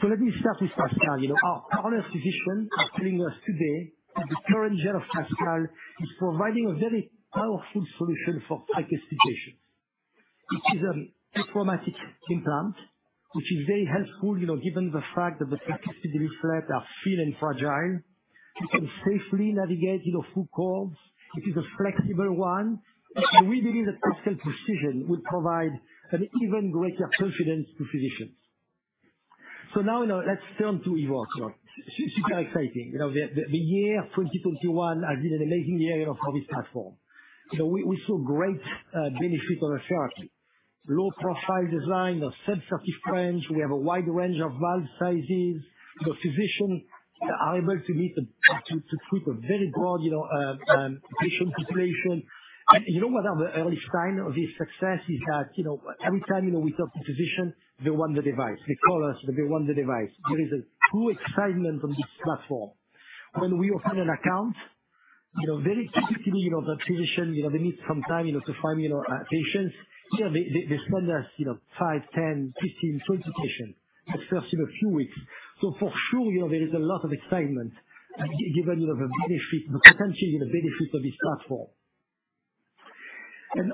Tenma. Let me start with PASCAL. You know, our partner physicians are telling us today that the current gen of PASCAL is providing a very powerful solution for tricuspid patients. It is a diplomatic implant which is very helpful, you know, given the fact that the tricuspid leaflets are thin and fragile. You can safely navigate, you know, through chords. It is a flexible one. We believe that PASCAL Precision will provide an even greater confidence to physicians. Now, you know, let's turn to EVOQUE. Super exciting. You know, the year 2021 has been an amazing year, you know, for this platform. You know, we saw great benefit on the shark. Low-profile design, a sensitive range. We have a wide range of valve sizes. The physicians are able to treat a very broad, you know, patient population. You know one of the early sign of this success is that, you know, every time, you know, we talk to a physician, they want the device. They call us, they want the device. There is a true excitement on this platform. When we open an account, you know, very typically, you know, the physician, you know, they need some time, you know, to find, you know, patients. You know, they spend just, you know, 5, 10, 15, 20 patients at first in a few weeks. For sure, you know, there is a lot of excitement given, you know, the benefit, the potential benefit of this platform.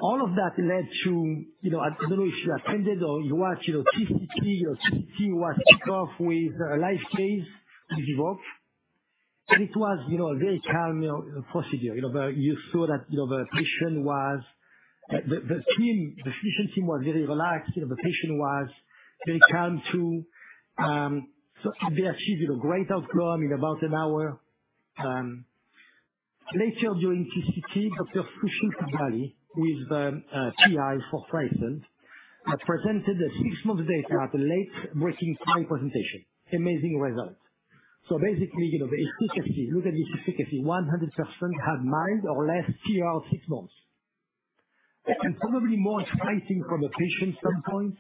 All of that led to, you know, I don't know if you attended or you watched, you know, TCT. You know, TCT was kickoff with a live case with EVOQUE. It was, you know, a very calm, you know, procedure. You know, you saw that, you know, the patient was. The team, the efficiency was very relaxed. You know, the patient was very calm too. So they achieved a great outcome in about an hour. Later during TCT, Dr. Patrizio Lancellotti, who is PI for TRISCEND, has presented the six-month data at the late-breaking time presentation. Amazing results. Basically, you know, the efficacy, look at the efficacy. 100% had mild or less TR six months. Probably more exciting from the patient standpoint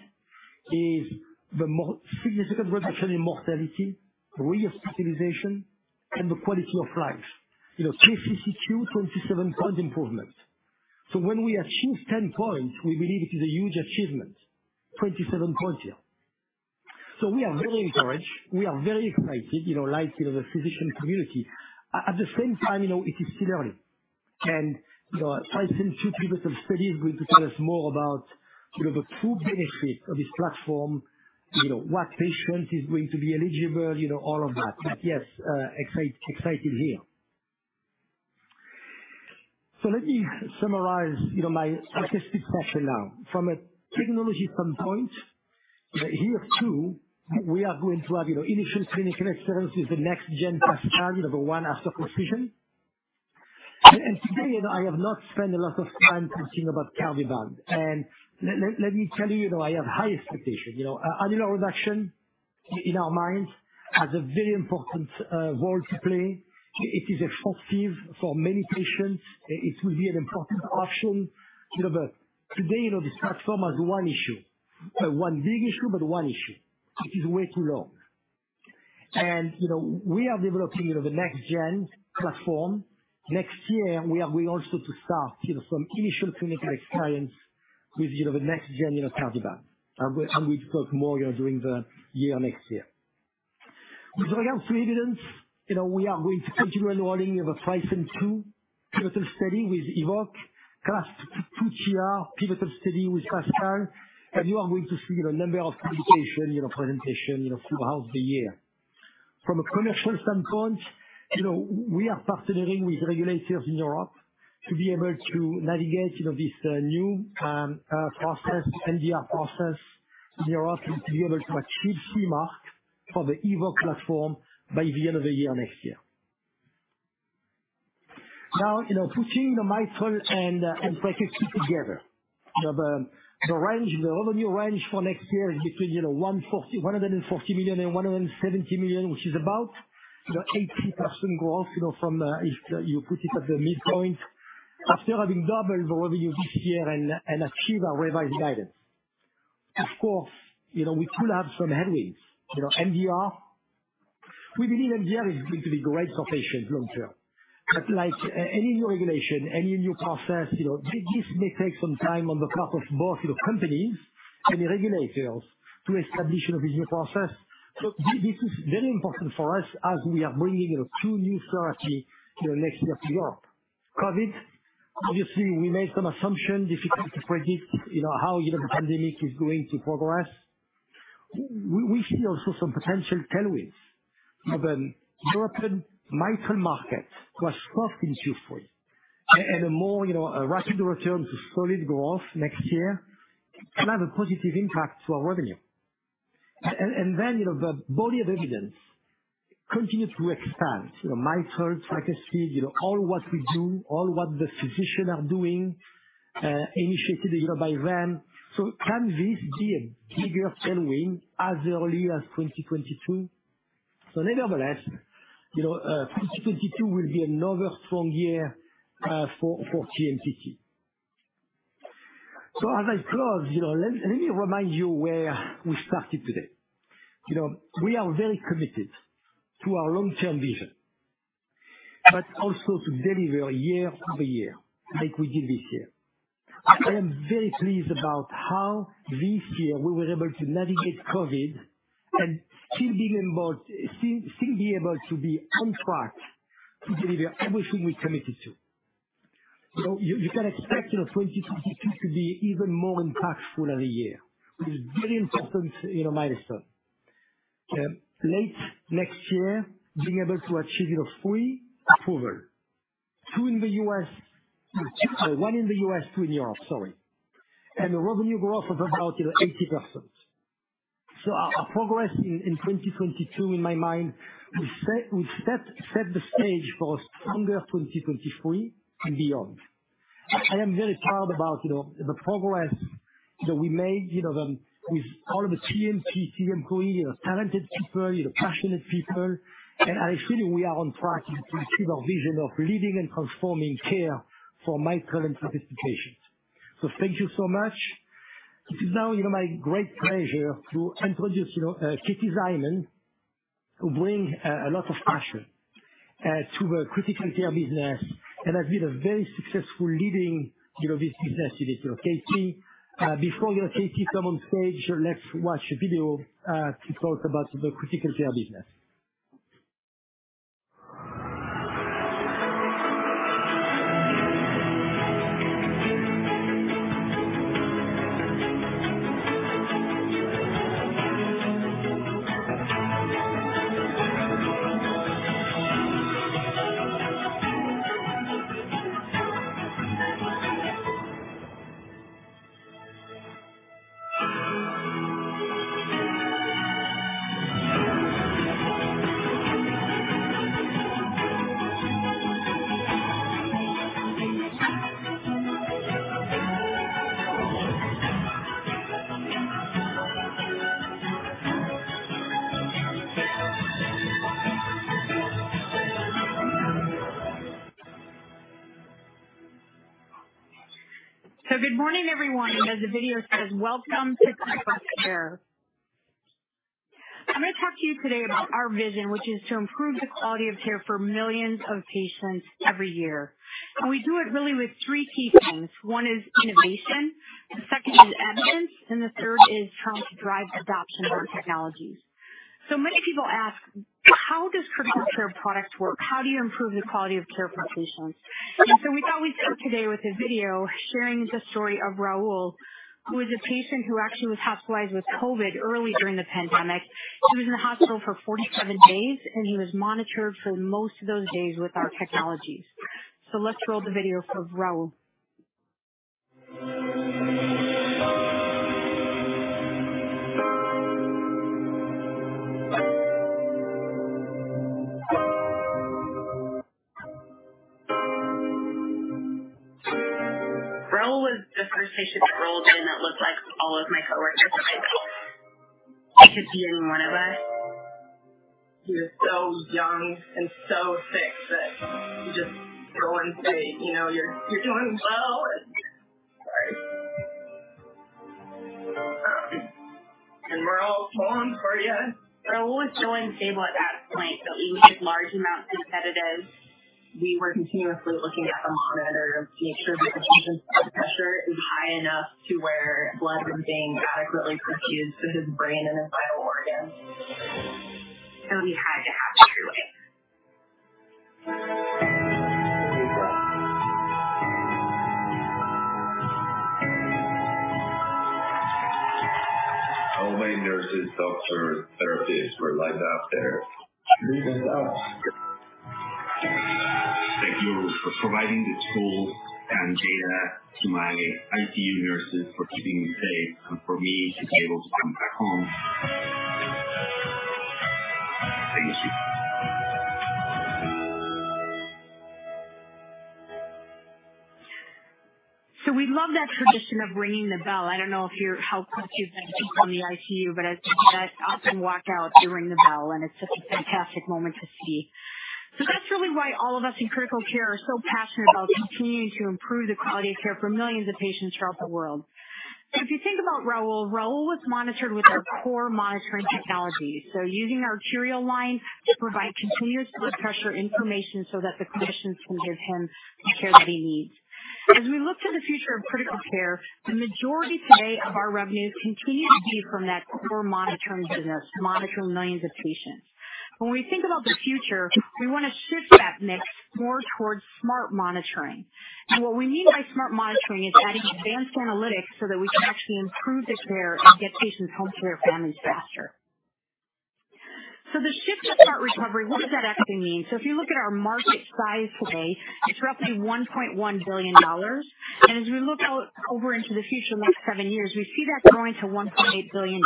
is the more significant reduction in mortality, re-hospitalization, and the quality of life. You know, KCCQ, 27-point improvement. When we achieve 10 points, we believe it is a huge achievement. 27 points here. We are very encouraged. We are very excited, you know, like, you know, the physician community. At the same time, you know, it is still early. You know, TRISCEND II pivotal study is going to tell us more about, you know, the true benefit of this platform. You know, what patient is going to be eligible, you know, all of that. Yes, excited here. Let me summarize, you know, my tricuspid portion now. From a technology standpoint, year two, we are going to have, you know, initial clinical experience with the next gen PASCAL. You know, the one after Precision. Today, you know, I have not spent a lot of time talking about Cardioband. Let me tell you, though, I have high expectation. You know, annular reduction in our minds has a very important role to play. It is effective for many patients. It will be an important option. You know, today, you know, this platform has one issue. One big issue, but one issue. It is way too long. You know, we are developing, you know, the next gen platform. Next year, we are going also to start, you know, some initial clinical experience with, you know, the next gen, you know, Cardioband. And we talk more, you know, during the year next year. With regards to evidence, you know, we are going to continue enrolling, you know, the TRISCEND II pivotal study with EVOQUE, CLASP II TR pivotal study with PASCAL, and you are going to see the number of publication, you know, presentation, you know, throughout the year. From a commercial standpoint, you know, we are partnering with regulators in Europe to be able to navigate, you know, this new process, MDR process in Europe to be able to achieve CE mark for the EVOQUE platform by the end of the year next year. Now, you know, putting the mitral and tricuspid together. You know, the range, the revenue range for next year is between, you know, $140 million and $170 million, which is about, you know, 18% growth, you know, from if you put it at the midpoint. After having doubled the revenue this year and achieve our revised guidance. Of course, you know, we could have some headwinds. You know, MDR, we believe MDR is going to be great for patients long term. Like any new regulation, any new process, you know, this may take some time on the part of both, you know, companies and the regulators to establish a new process. This is very important for us as we are bringing, you know, two new therapy, you know, next year to Europe. COVID, obviously we made some assumptions, difficult to predict, you know, how, you know, the pandemic is going to progress. We see also some potential tailwinds of, European mitral market was soft in Q2, Q3. And a more, you know, a rapid return to solid growth next year can have a positive impact to our revenue. And then, you know, the body of evidence continue to expand. You know, mitral, tricuspid, you know, all what we do, all what the physician are doing, initiated, you know, by them. Can this be a bigger tailwind as early as 2022? Nevertheless, you know, 2022 will be another strong year, for TMTT. As I close, you know, let me remind you where we started today. You know, we are very committed to our long-term vision, but also to deliver year over year, like we did this year. I am very pleased about how this year we were able to navigate COVID and still be able to be on track to deliver everything we committed to. You can expect, you know, 2022 to be even more impactful every year. With very important, you know, milestone. Late next year being able to achieve, you know, three approval, one in the US, two in Europe, sorry. The revenue growth of about, you know, 80%. Our progress in 2022 in my mind will set the stage for a stronger 2023 and beyond. I am very proud about, you know, the progress that we made, you know, with all of the TMTT crew, you know, talented people, you know, passionate people. I feel we are on track to achieve our vision of leading and transforming care for mitral and tricuspid patients. Thank you so much. It is now, you know, my great pleasure to introduce, you know, Katie Szyman, who bring a lot of passion to the critical care business and has been a very successful leading, you know, this business unit. Katie, come on stage. Let's watch a video to talk about the critical care business. Good morning, everyone, and as the video says, welcome to Critical Care. I'm gonna talk to you today about our vision, which is to improve the quality of care for millions of patients every year. We do it really with three key things. One is innovation, the second is evidence, and the third is how to drive the adoption of our technologies. Many people ask, "How does Critical Care products work? How do you improve the quality of care for patients?" We thought we'd start today with a video sharing the story of Raul, who is a patient who actually was hospitalized with COVID early during the pandemic. He was in the hospital for 47 days, and he was monitored for most of those days with our technologies. Let's roll the video of Raul. Raul was the first patient that rolled in that looked like all of my coworkers and I. He could be any one of us. He was so young and so sick that you just go and say, you know, "You're doing well." Sorry. "And we're all pulling for you." Raul was so unstable at that point that we gave large amounts of sedatives. We were continuously looking at the monitors to make sure that the patient's blood pressure was high enough to where blood was being adequately perfused to his brain and his vital organs. He had to have a TruWave. All my nurses, doctors, therapists were lined up there. Ring the bell. Thank you for providing the tools and data to my ICU nurses for keeping me safe and for me to be able to come back home. Thank you. We love that tradition of ringing the bell. I don't know if you've been how close you've been to someone in the ICU, but as you often walk out, you ring the bell, and it's such a fantastic moment to see. That's really why all of us in Critical Care are so passionate about continuing to improve the quality of care for millions of patients throughout the world. If you think about Raul was monitored with our core monitoring technology. Using arterial line to provide continuous blood pressure information so that the clinicians can give him the care that he needs. As we look to the future of critical care, the majority today of our revenues continue to be from that core monitoring business, monitoring millions of patients. When we think about the future, we wanna shift that mix more towards smart monitoring. What we mean by smart monitoring is adding advanced analytics so that we can actually improve the care and get patients home to their families faster. The shift to Smart Recovery, what does that actually mean? If you look at our market size today, it's roughly $1.1 billion. As we look out over into the future, the next seven years, we see that growing to $1.8 billion.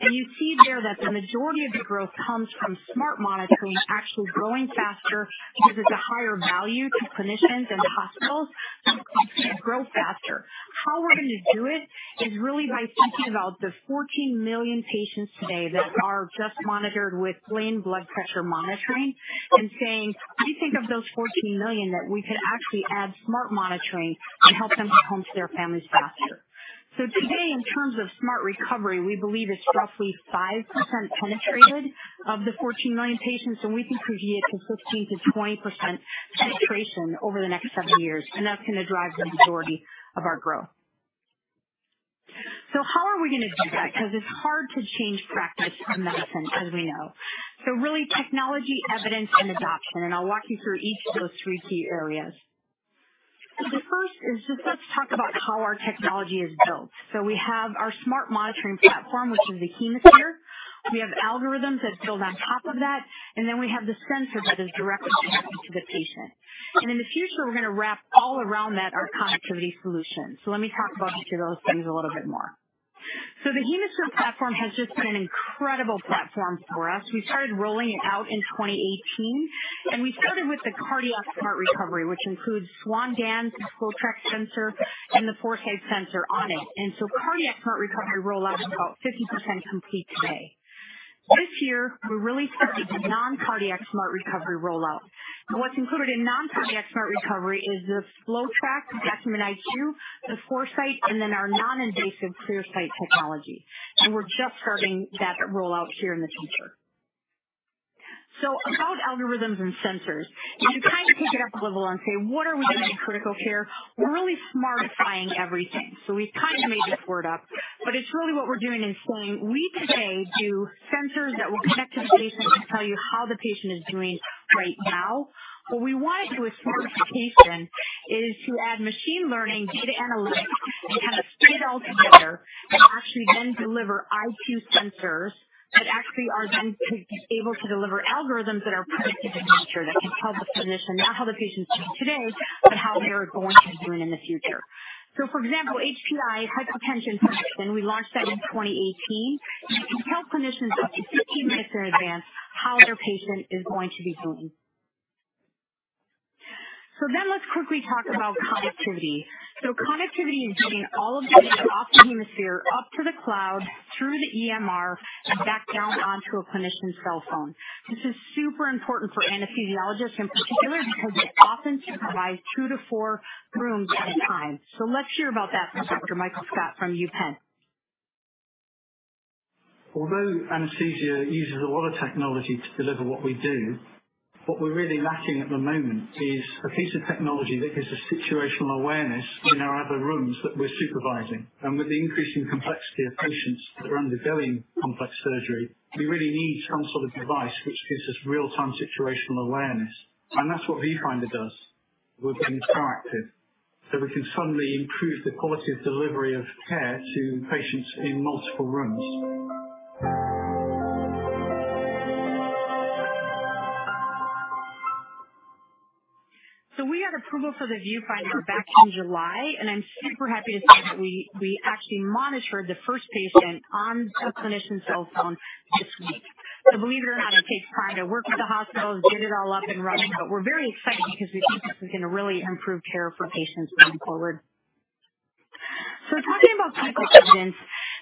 You see there that the majority of the growth comes from smart monitoring actually growing faster because it's a higher value to clinicians and to hospitals, so it's going to grow faster. How we're gonna do it is really by thinking about the 14 million patients today that are just monitored with plain blood pressure monitoring and saying, "I think of those 14 million that we could actually add smart monitoring and help them get home to their families faster." Today, in terms of Smart Recovery, we believe it's roughly 5% penetrated of the 14 million patients, and we think we can get to 15%-20% penetration over the next seven years, and that's gonna drive the majority of our growth. How are we gonna do that? Because it's hard to change practice in medicine, as we know. Really technology, evidence, and adoption, and I'll walk you through each of those three key areas. The first is just let's talk about how our technology is built. We have our smart monitoring platform, which is the HemoSphere. We have algorithms that build on top of that, and then we have the sensor that is directly connected to the patient. In the future, we're gonna wrap all around that our connectivity solution. Let me talk about each of those things a little bit more. The HemoSphere platform has just been an incredible platform for us. We started rolling it out in 2018, and we started with the Cardiac Smart Recovery, which includes Swan-Ganz, FloTrac sensor, and the ForeSight sensor on it. Cardiac Smart Recovery rollout is about 50% complete today. This year, we're really starting the non-cardiac Smart Recovery rollout. What's included in non-cardiac Smart Recovery is the FloTrac, Acumen IQ, the ForeSight, and then our non-invasive ClearSight technology. We're just starting that rollout in the future. About algorithms and sensors, and to kind of take it up a level and say, what are we doing in critical care? We're really smartifying everything. We've kinda made this word up, but it's really what we're doing is saying we today do sensors that will connect to the patient to tell you how the patient is doing right now. What we want to do with smartification is to add machine learning, data analytics, and kind of put it all together and actually then deliver IQ sensors that actually are then capable to deliver algorithms that are predictive in nature, that can tell the clinician not how the patient is doing today, but how they're going to be doing in the future. For example, HPI, hypotension prediction, we launched that in 2018. It can tell clinicians up to 15 minutes in advance how their patient is going to be doing. Let's quickly talk about connectivity. Connectivity is getting all of the data off the HemoSphere, up to the cloud, through the EMR, and back down onto a clinician's cell phone. This is super important for anesthesiologists in particular because they often supervise two to four rooms at a time. Let's hear about that from Dr. Michael Scott from UPenn. Although anesthesia uses a lot of technology to deliver what we do, what we're really lacking at the moment is a piece of technology that gives us situational awareness in our other rooms that we're supervising. With the increasing complexity of patients that are undergoing complex surgery, we really need some sort of device which gives us real-time situational awareness. That's what Viewfinder does. We're getting proactive, so we can suddenly improve the quality of delivery of care to patients in multiple rooms. We got approval for the Viewfinder back in July, and I'm super happy to say that we actually monitored the first patient on a clinician's cell phone this week. Believe it or not, it takes time to work with the hospitals, get it all up and running, but we're very excited because we think this is gonna really improve care for patients going forward. Talking about clinical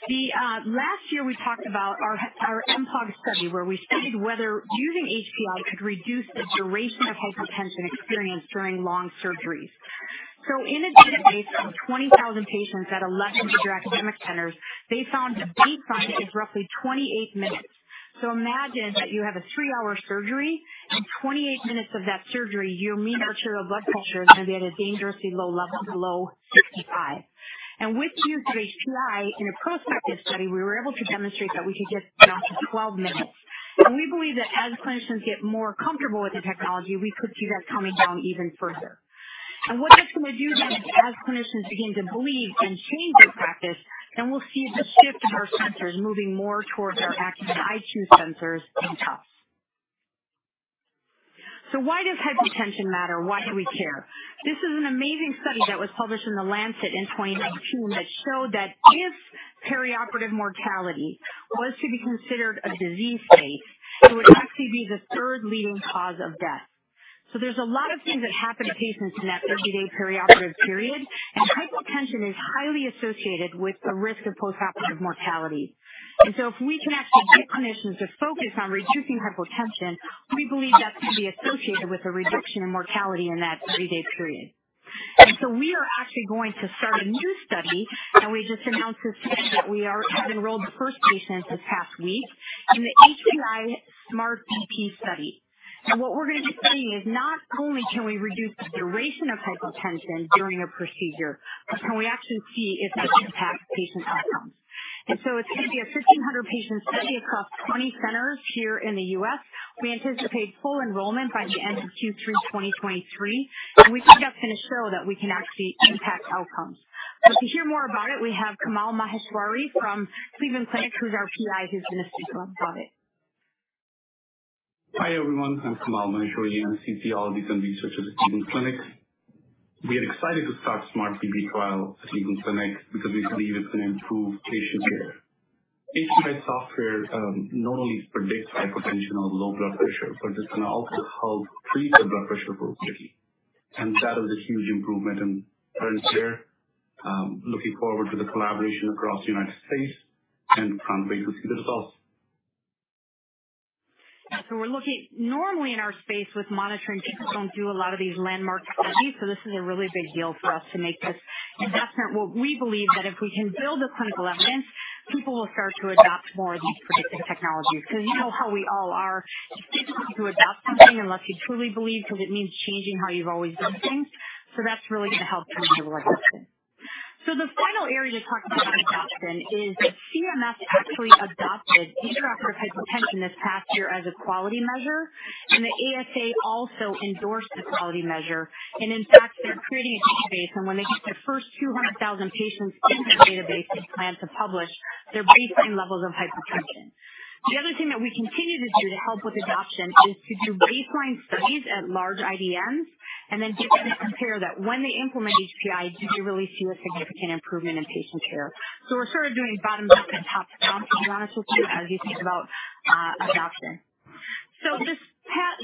evidence, last year we talked about our MPOG study, where we studied whether using HPI could reduce the duration of hypotension experienced during long surgeries. In a database of 20,000 patients at 11 major academic centers, they found key finding is roughly 28 minutes. Imagine that you have a 3-hour surgery. In 28 minutes of that surgery, your mean arterial blood pressure is gonna be at a dangerously low level below 65. With use of HPI in a prospective study, we were able to demonstrate that we could get it down to 12 minutes. We believe that as clinicians get more comfortable with the technology, we could see that coming down even further. What this can reduce, as clinicians begin to believe and change their practice, then we'll see the shift in our sensors moving more towards our Acumen IQ sensors than PUFFs. Why does hypotension matter? Why do we care? This is an amazing study that was published in The Lancet in 2019 that showed that if perioperative mortality was to be considered a disease state, it would actually be the third leading cause of death. There's a lot of things that happen to patients in that 30-day perioperative period, and hypotension is highly associated with the risk of postoperative mortality. If we can actually get clinicians to focus on reducing hypotension, we believe that's going to be associated with a reduction in mortality in that 30-day period. We are actually going to start a new study, and we just announced this week that we have enrolled the first patient this past week in the HPI Smart-BP study. What we're gonna be studying is not only can we reduce the duration of hypotension during a procedure, but can we actually see if it impacts patient outcomes. It's gonna be a 1,500 patient study across 20 centers here in the U.S. We anticipate full enrollment by the end of Q3 2023, and we think that's gonna show that we can actually impact outcomes. To hear more about it, we have Kamal Maheshwari from Cleveland Clinic, who's our PI, who's gonna speak about it. Hi, everyone. I'm Kamal Maheshwari. I'm an anesthesiologist and researcher at the Cleveland Clinic. We are excited to start Smart BP trial at Cleveland Clinic because we believe it's gonna improve patient care. HPI software not only predicts hypotension or low blood pressure, but it's gonna also help treat the blood pressure for safety. That is a huge improvement in current care. Looking forward to the collaboration across the United States and can't wait to see the results. Normally in our space with monitoring, people don't do a lot of these landmark studies, so this is a really big deal for us to make this investment. What we believe is that if we can build the clinical evidence, people will start to adopt more of these predictive technologies. Because you know how we all are. It's difficult to adopt something unless you truly believe, because it means changing how you've always done things. That's really gonna help change the world. The final area to talk about adoption is that CMS actually adopted intraoperative hypotension this past year as a quality measure, and the ASA also endorsed the quality measure. In fact, they're creating a database, and when they get their first 200,000 patients in that database, they plan to publish their baseline levels of hypotension. The other thing that we continue to do to help with adoption is to do baseline studies at large IDNs and then get them to compare that when they implement HPI, do you really see a significant improvement in patient care? We're sort of doing bottom-up and top-down analysis as you think about adoption.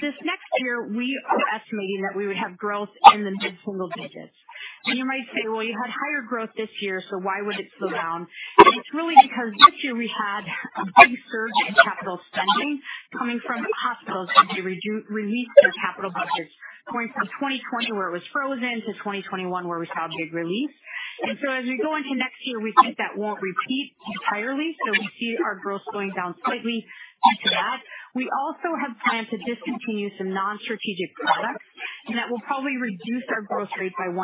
This next year, we are estimating that we would have growth in the mid-single digits. You might say, "Well, you had higher growth this year, so why would it slow down?" It's really because this year we had a big surge in capital spending coming from hospitals as they released their capital budgets, going from 2020 where it was frozen to 2021 where we saw a big release. As we go into next year, we think that won't repeat entirely, so we see our growth slowing down slightly due to that. We also have planned to discontinue some non-strategic products, and that will probably reduce our growth rate by 1%-2%.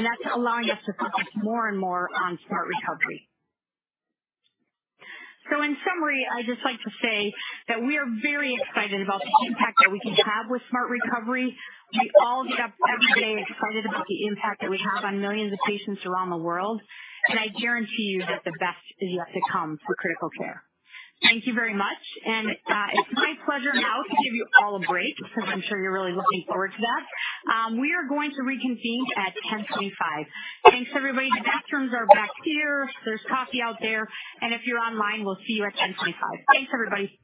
That's allowing us to focus more and more on Smart Recovery. In summary, I'd just like to say that we are very excited about the impact that we can have with Smart Recovery. We all get up every day excited about the impact that we have on millions of patients around the world, and I guarantee you that the best is yet to come for critical care. Thank you very much. It's my pleasure now to give you all a break because I'm sure you're really looking forward to that. We are going to reconvene at 10:25. Thanks, everybody. The bathrooms are back here. There's coffee out there. If you're online, we'll see you at 10:25. Thanks, everybody.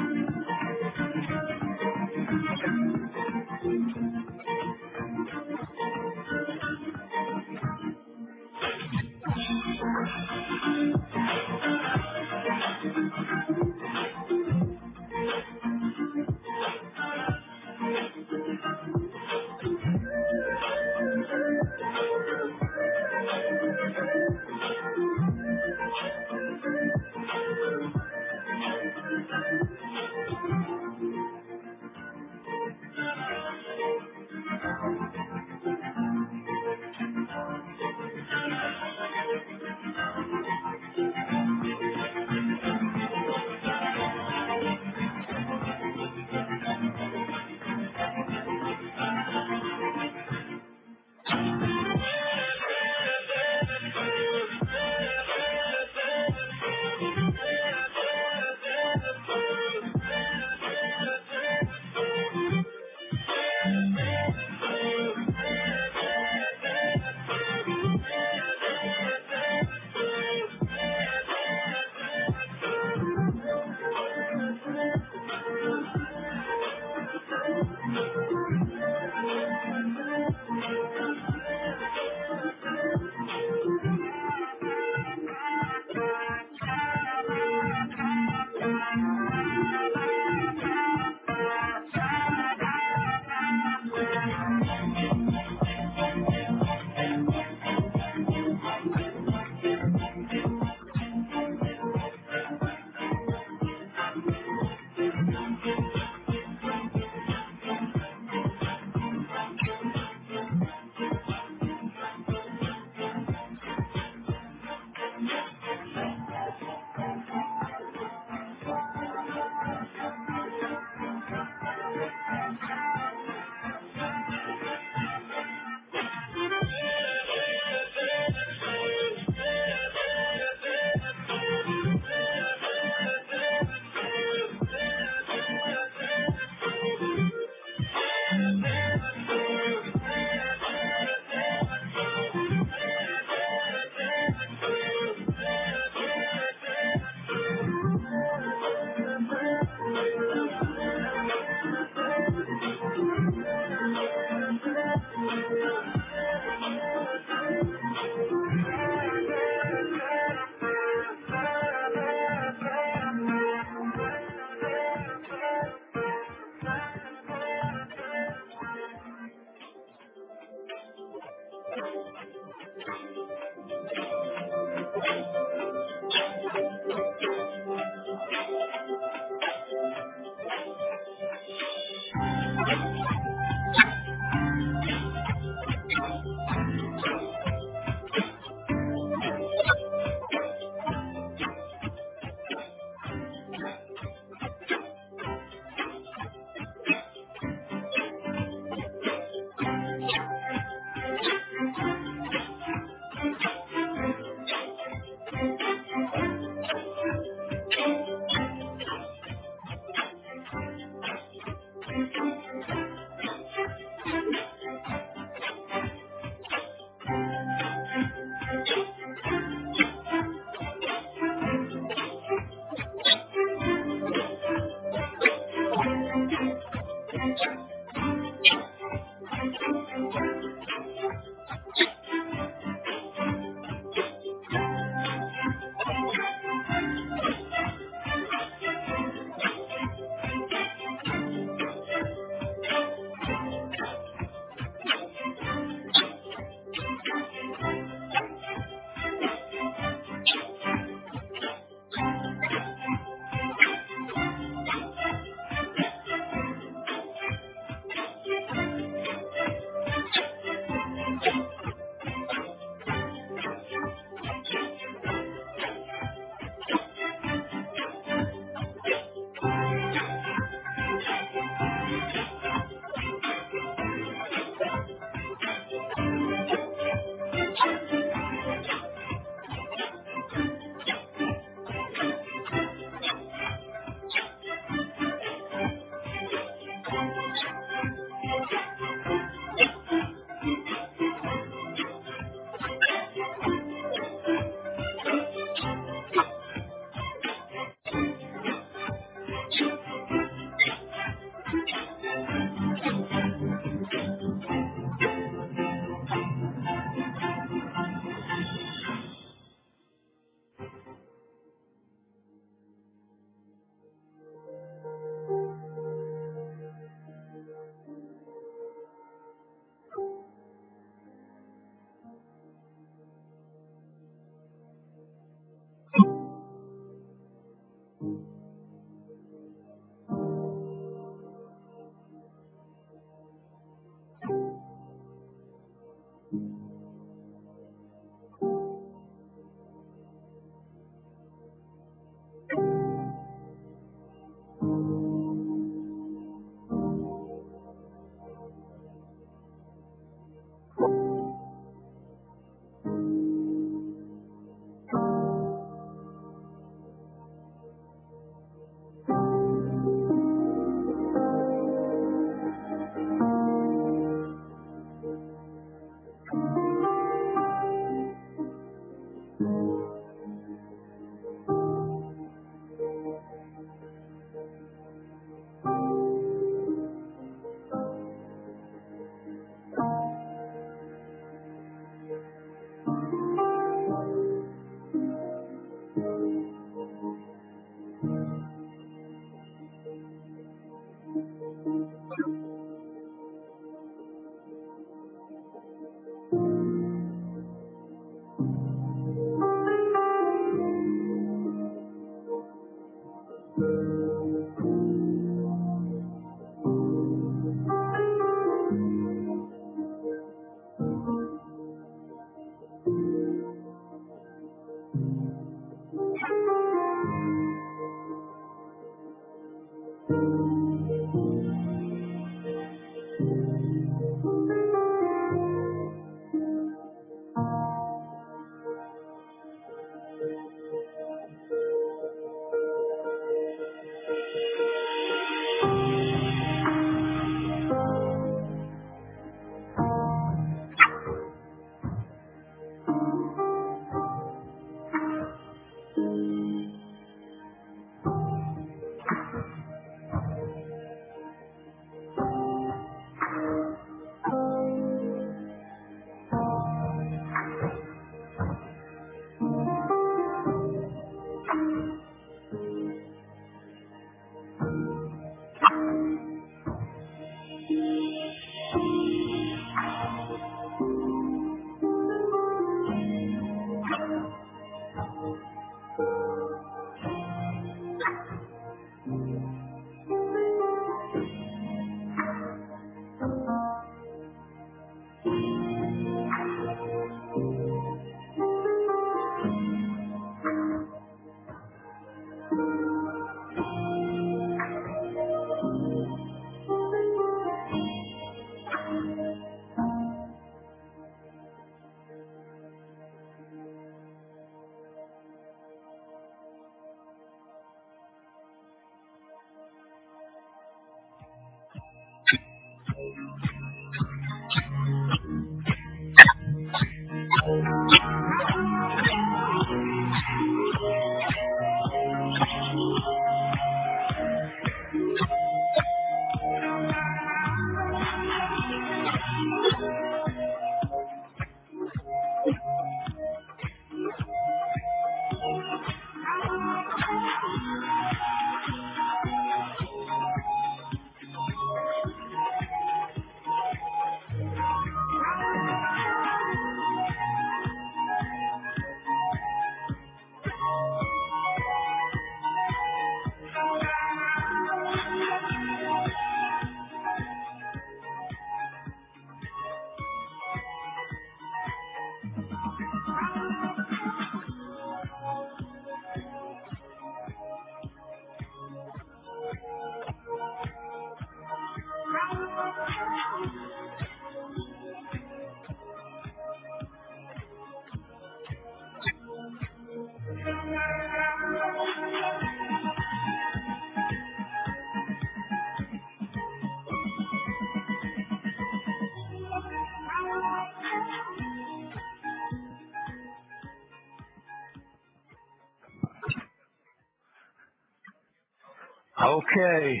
Okay.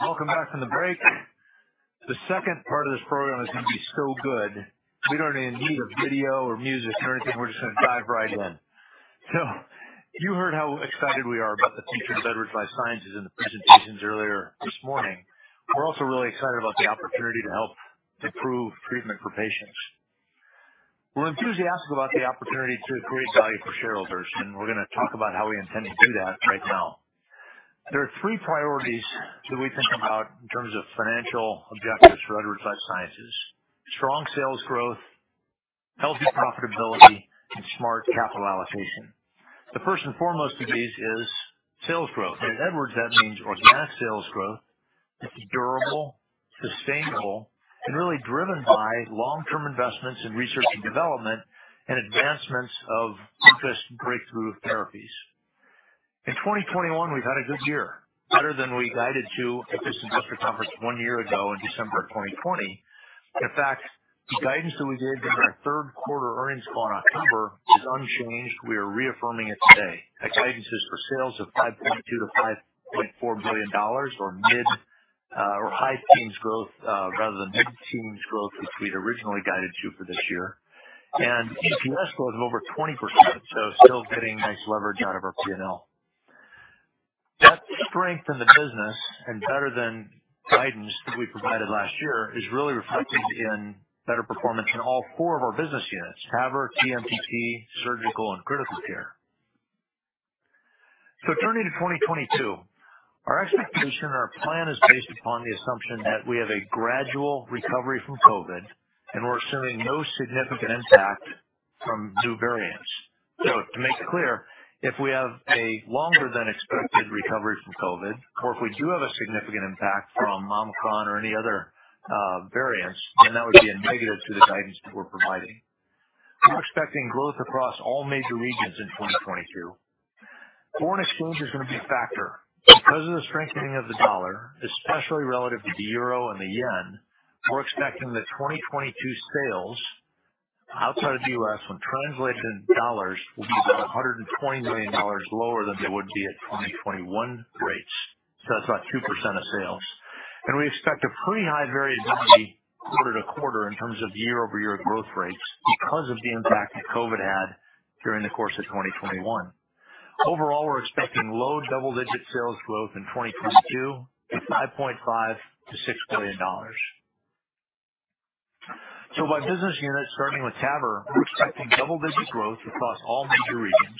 Welcome back from the break. The second part of this program is gonna be so good. We don't even need a video or music or anything. We're just gonna dive right in. You heard how excited we are about the future of Edwards Lifesciences in the presentations earlier this morning. We're also really excited about the opportunity to help improve treatment for patients. We're enthusiastic about the opportunity to create value for shareholders, and we're gonna talk about how we intend to do that right now. There are three priorities that we think about in terms of financial objectives for Edwards Lifesciences: strong sales growth, healthy profitability, and smart capital allocation. The first and foremost of these is sales growth. At Edwards, that means organic sales growth. Durable, sustainable, and really driven by long-term investments in research and development and advancements of interest breakthrough therapies. In 2021, we've had a good year, better than we guided to at this investor conference one year ago in December of 2020. In fact, the guidance that we gave during our third quarter earnings call in October is unchanged. We are reaffirming it today. That guidance is for sales of $5.2 billion-$5.4 billion or mid- or high-teens growth, rather than mid-teens growth, which we'd originally guided to for this year. EPS growth of over 20%, so still getting nice leverage out of our P&L. That strength in the business and better than guidance that we provided last year is really reflected in better performance in all four of our business units, TAVR, TMTT, Surgical, and Critical Care. Turning to 2022, our expectation or plan is based upon the assumption that we have a gradual recovery from COVID, and we're assuming no significant impact from new variants. To make it clear, if we have a longer than expected recovery from COVID, or if we do have a significant impact from Omicron or any other, variants, then that would be a negative to the guidance that we're providing. We're expecting growth across all major regions in 2022. Foreign exchange is gonna be a factor. Because of the strengthening of the dollar, especially relative to the euro and the yen, we're expecting that 2022 sales outside of the U.S. when translated into dollars will be about $120 million lower than they would be at 2021 rates. That's about 2% of sales. We expect a pretty high variability quarter to quarter in terms of year-over-year growth rates because of the impact that COVID had during the course of 2021. Overall, we're expecting low double-digit sales growth in 2022, $5.5 billion-$6 billion. By business unit, starting with TAVR, we're expecting double-digit growth across all major regions.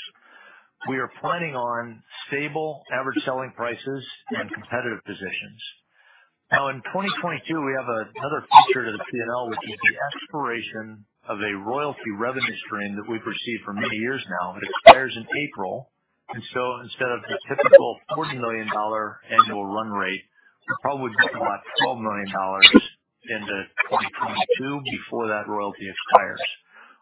We are planning on stable average selling prices and competitive positions. Now in 2022, we have another feature to the P&L, which is the expiration of a royalty revenue stream that we've received for many years now. It expires in April, and so instead of the typical $40 million annual run rate, we'll probably get about $12 million into 2022 before that royalty expires.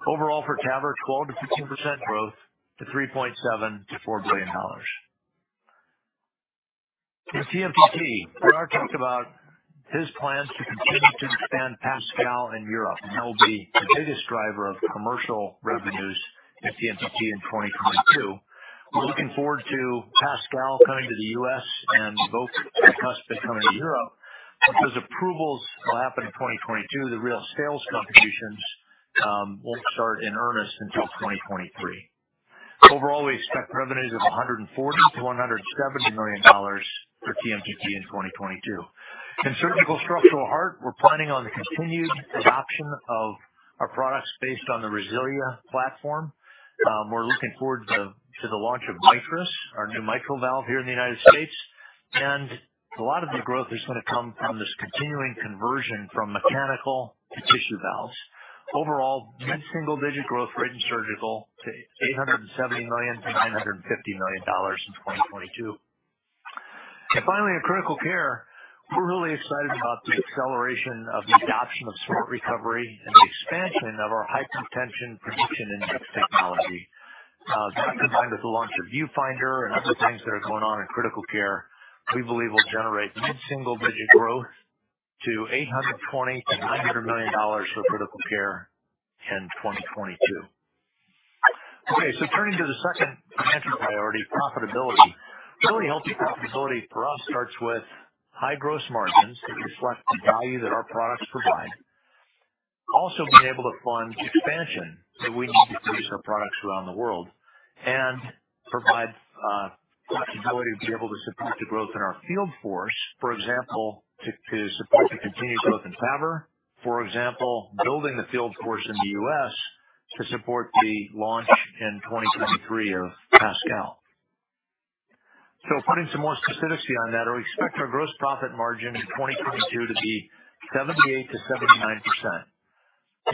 Overall for TAVR, 12%-15% growth to $3.7 billion-$4 billion. In TMTT, Gerard talked about his plans to continue to expand PASCAL in Europe, and that will be the biggest driver of commercial revenues in TMTT in 2022. We're looking forward to PASCAL coming to the U.S. and both Acuspis coming to Europe. Those approvals will happen in 2022. The real sales contributions won't start in earnest until 2023. Overall, we expect revenues of $140 million-$170 million for TMTT in 2022. In surgical structural heart, we're planning on the continued adoption of our products based on the RESILIA platform. We're looking forward to the launch of MITRIS, our new mitral valve here in the United States. A lot of the growth is gonna come from this continuing conversion from mechanical to tissue valves. Overall, mid-single digit growth rate in surgical to $870 million-$950 million in 2022. Finally, in critical care, we're really excited about the acceleration of the adoption of Smart Recovery and the expansion of our hypotension prediction index technology. That combined with the launch of Viewfinder and other things that are going on in critical care, we believe will generate mid-single digit growth to $820 million-$900 million for critical care in 2022. Okay, turning to the second financial priority, profitability. Building healthy profitability for us starts with high gross margins that reflect the value that our products provide, also being able to fund expansion that we need to produce our products around the world and provide the ability to be able to support the growth in our field force. For example, to support the continued growth in TAVR. For example, building the field force in the U.S. to support the launch in 2023 of PASCAL. Putting some more specificity on that, we expect our gross profit margin in 2022 to be 78%-79%.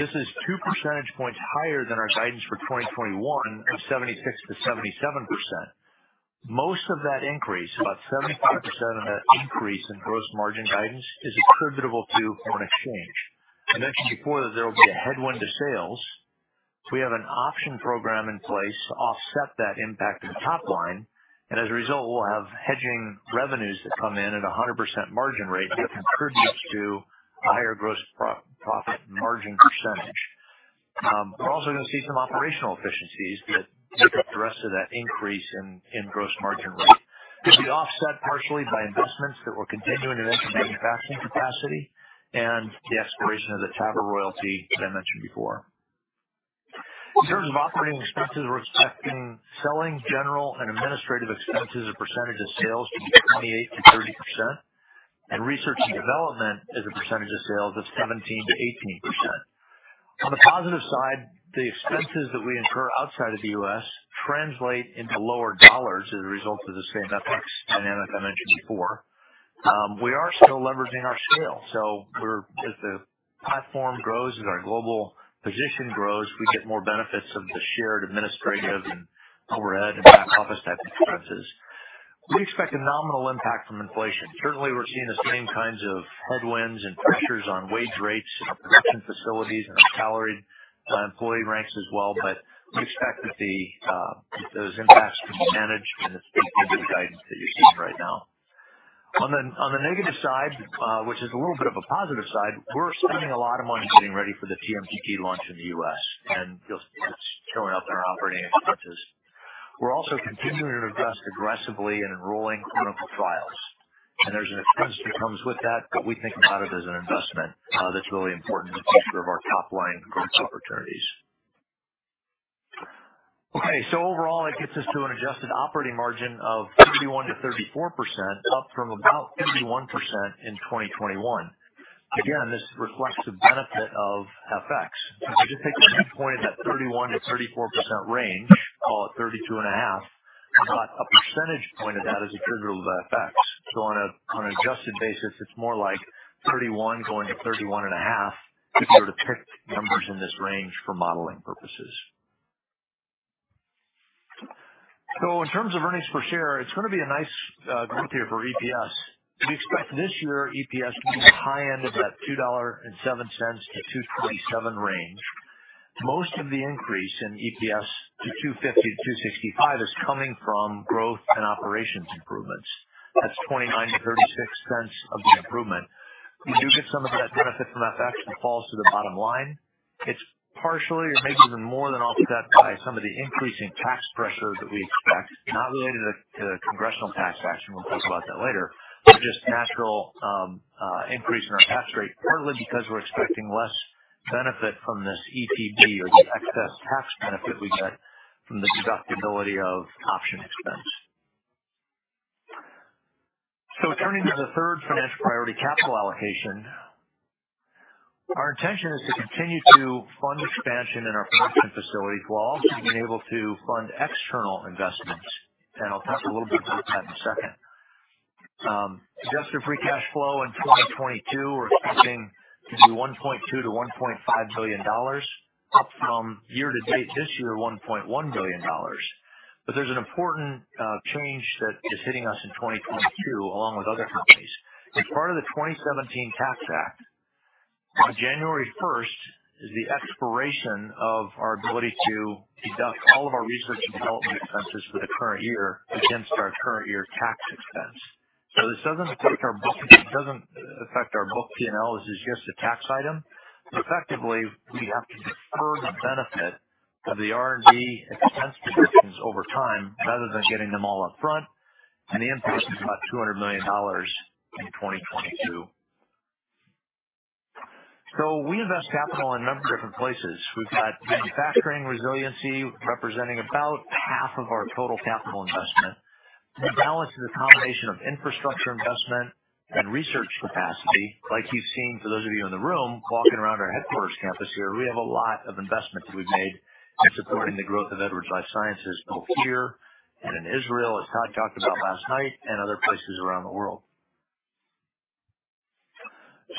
This is two percentage points higher than our guidance for 2021 of 76%-77%. Most of that increase, about 75% of that increase in gross margin guidance, is attributable to foreign exchange. I mentioned before that there will be a headwind to sales. We have an option program in place to offset that impact to the top line, and as a result, we'll have hedging revenues that come in at a 100% margin rate that contributes to a higher gross profit margin percentage. We're also gonna see some operational efficiencies that make up the rest of that increase in gross margin rate. It'll be offset partially by investments that we're continuing to make in manufacturing capacity and the expiration of the TAVR royalty that I mentioned before. In terms of operating expenses, we're expecting selling, general, and administrative expenses as a percentage of sales to be 28%-30%. Research and development as a percentage of sales of 17%-18%. On the positive side, the expenses that we incur outside of the U.S. translate into lower dollars as a result of the same FX dynamic I mentioned before. We are still leveraging our scale. As the platform grows, as our global position grows, we get more benefits of the shared administrative and overhead and back office type expenses. We expect a nominal impact from inflation. Certainly, we're seeing the same kinds of headwinds and pressures on wage rates in our production facilities and our salaried employee ranks as well. We expect that those impacts can be managed within the guidance that you're seeing right now. On the negative side, which is a little bit of a positive side, we're spending a lot of money getting ready for the TMTT launch in the U.S., and you'll see it's showing up in our operating expenses. We're also continuing to invest aggressively in enrolling clinical trials, and there's an expense that comes with that, but we think about it as an investment that's really important to bolster one of our top-line growth opportunities. Okay. Overall, it gets us to an adjusted operating margin of 53%-54%, up from about 51% in 2021. Again, this reflects the benefit of FX. If you just take the midpoint of that 31%-34% range, call it 32.5, about a percentage point of that is attributable to FX. On an adjusted basis, it's more like 31 to 31.5 if you were to pick numbers in this range for modeling purposes. In terms of earnings per share, it's going to be a nice growth year for EPS. We expect this year EPS to be the high end of that $2.07-$2.47 range. Most of the increase in EPS to $2.50-$2.65 is coming from growth and operations improvements. That's 29-36 cents of the improvement. You do get some of that benefit from FX that falls to the bottom line. It's partially or maybe even more than offset by some of the increasing tax pressures that we expect, not related to the Congressional tax action. We'll talk about that later, but just natural increase in our tax rate, partly because we're expecting less benefit from this ETB or the excess tax benefit we get from the deductibility of option expense. Turning to the third financial priority, capital allocation. Our intention is to continue to fund expansion in our production facilities while also being able to fund external investments. I'll talk a little bit about that in a second. Adjusted free cash flow in 2022, we're expecting to be $1.2 billion-$1.5 billion, up from year to date this year, $1.1 billion. There's an important change that is hitting us in 2022 along with other companies. As part of the 2017 Tax Act, on January 1 is the expiration of our ability to deduct all of our research and development expenses for the current year against our current year tax expense. This doesn't affect our book P&L. This is just a tax item. Effectively, we have to defer the benefit of the R&D expense deductions over time rather than getting them all up front. The impact is about $200 million in 2022. We invest capital in a number of different places. We've got manufacturing resiliency representing about half of our total capital investment. The balance is a combination of infrastructure investment and research capacity like you've seen for those of you in the room walking around our headquarters campus here. We have a lot of investments that we've made in supporting the growth of Edwards Lifesciences both here and in Israel, as Todd talked about last night, and other places around the world.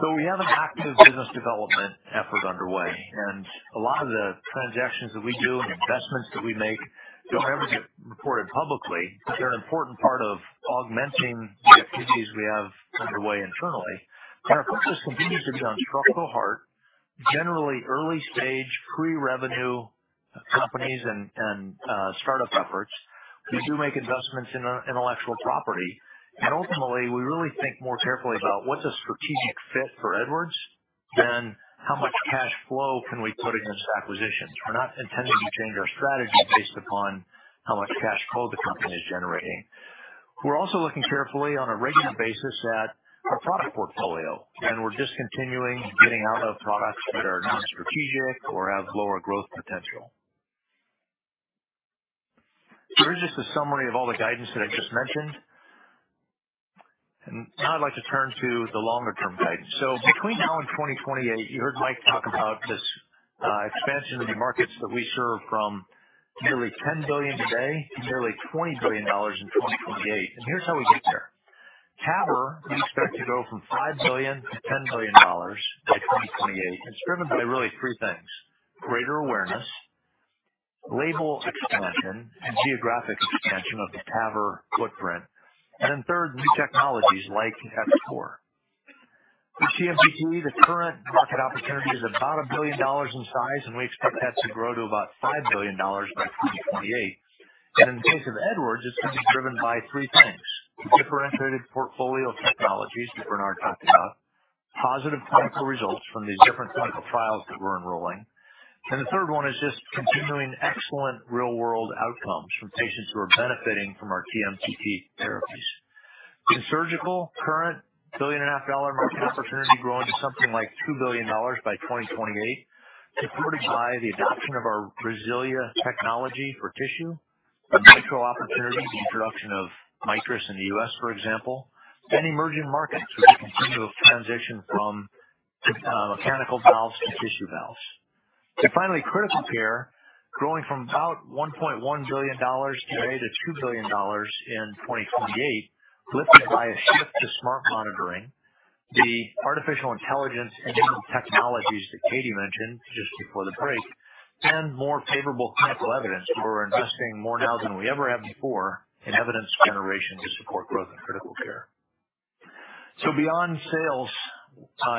We have an active business development effort underway, and a lot of the transactions that we do and investments that we make don't ever get reported publicly, but they're an important part of augmenting the activities we have underway internally. Our focus continues to be on structural heart, generally early-stage pre-revenue companies and startup efforts. We do make investments in our intellectual property, and ultimately, we really think more carefully about what's a strategic fit for Edwards and how much cash flow can we put against acquisitions. We're not intending to change our strategy based upon how much cash flow the company is generating. We're also looking carefully on a regular basis at our product portfolio, and we're discontinuing getting out of products that are non-strategic or have lower growth potential. Here's just a summary of all the guidance that I just mentioned. Now I'd like to turn to the longer-term guidance. Between now and 2028, you heard Mike talk about this, expansion of the markets that we serve from nearly $10 billion today to nearly $20 billion in 2028. Here's how we get there. TAVR, we expect to go from $5 billion-$10 billion by 2028. It's driven by really three things: greater awareness, label expansion, and geographic expansion of the TAVR footprint, and then third, new technologies like X4. With TMTT, the current market opportunity is about $1 billion in size, and we expect that to grow to about $5 billion by 2028. In the case of Edwards, it's going to be driven by three things. Differentiated portfolio technologies that Bernard talked about, positive clinical results from these different clinical trials that we're enrolling, and the third one is just continuing excellent real-world outcomes from patients who are benefiting from our TMTT therapies. In surgical, current $1.5 billion market opportunity growing to something like $2 billion by 2028, supported by the adoption of our RESILIA technology for tissue, the mitral opportunity, the introduction of MITRIS in the U.S., for example, and emerging markets which continue to transition from mechanical valves to tissue valves. Finally, critical care growing from about $1.1 billion today to $2 billion in 2028, lifted by a shift to smart monitoring. The artificial intelligence and new technologies that Katie mentioned just before the break and more favorable clinical evidence. We're investing more now than we ever have before in evidence generation to support growth in critical care. Beyond sales,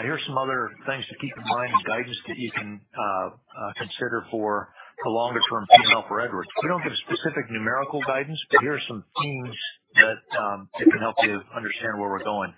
here's some other things to keep in mind and guidance that you can consider for the longer term P&L for Edwards. We don't give specific numerical guidance, but here are some themes that can help you understand where we're going.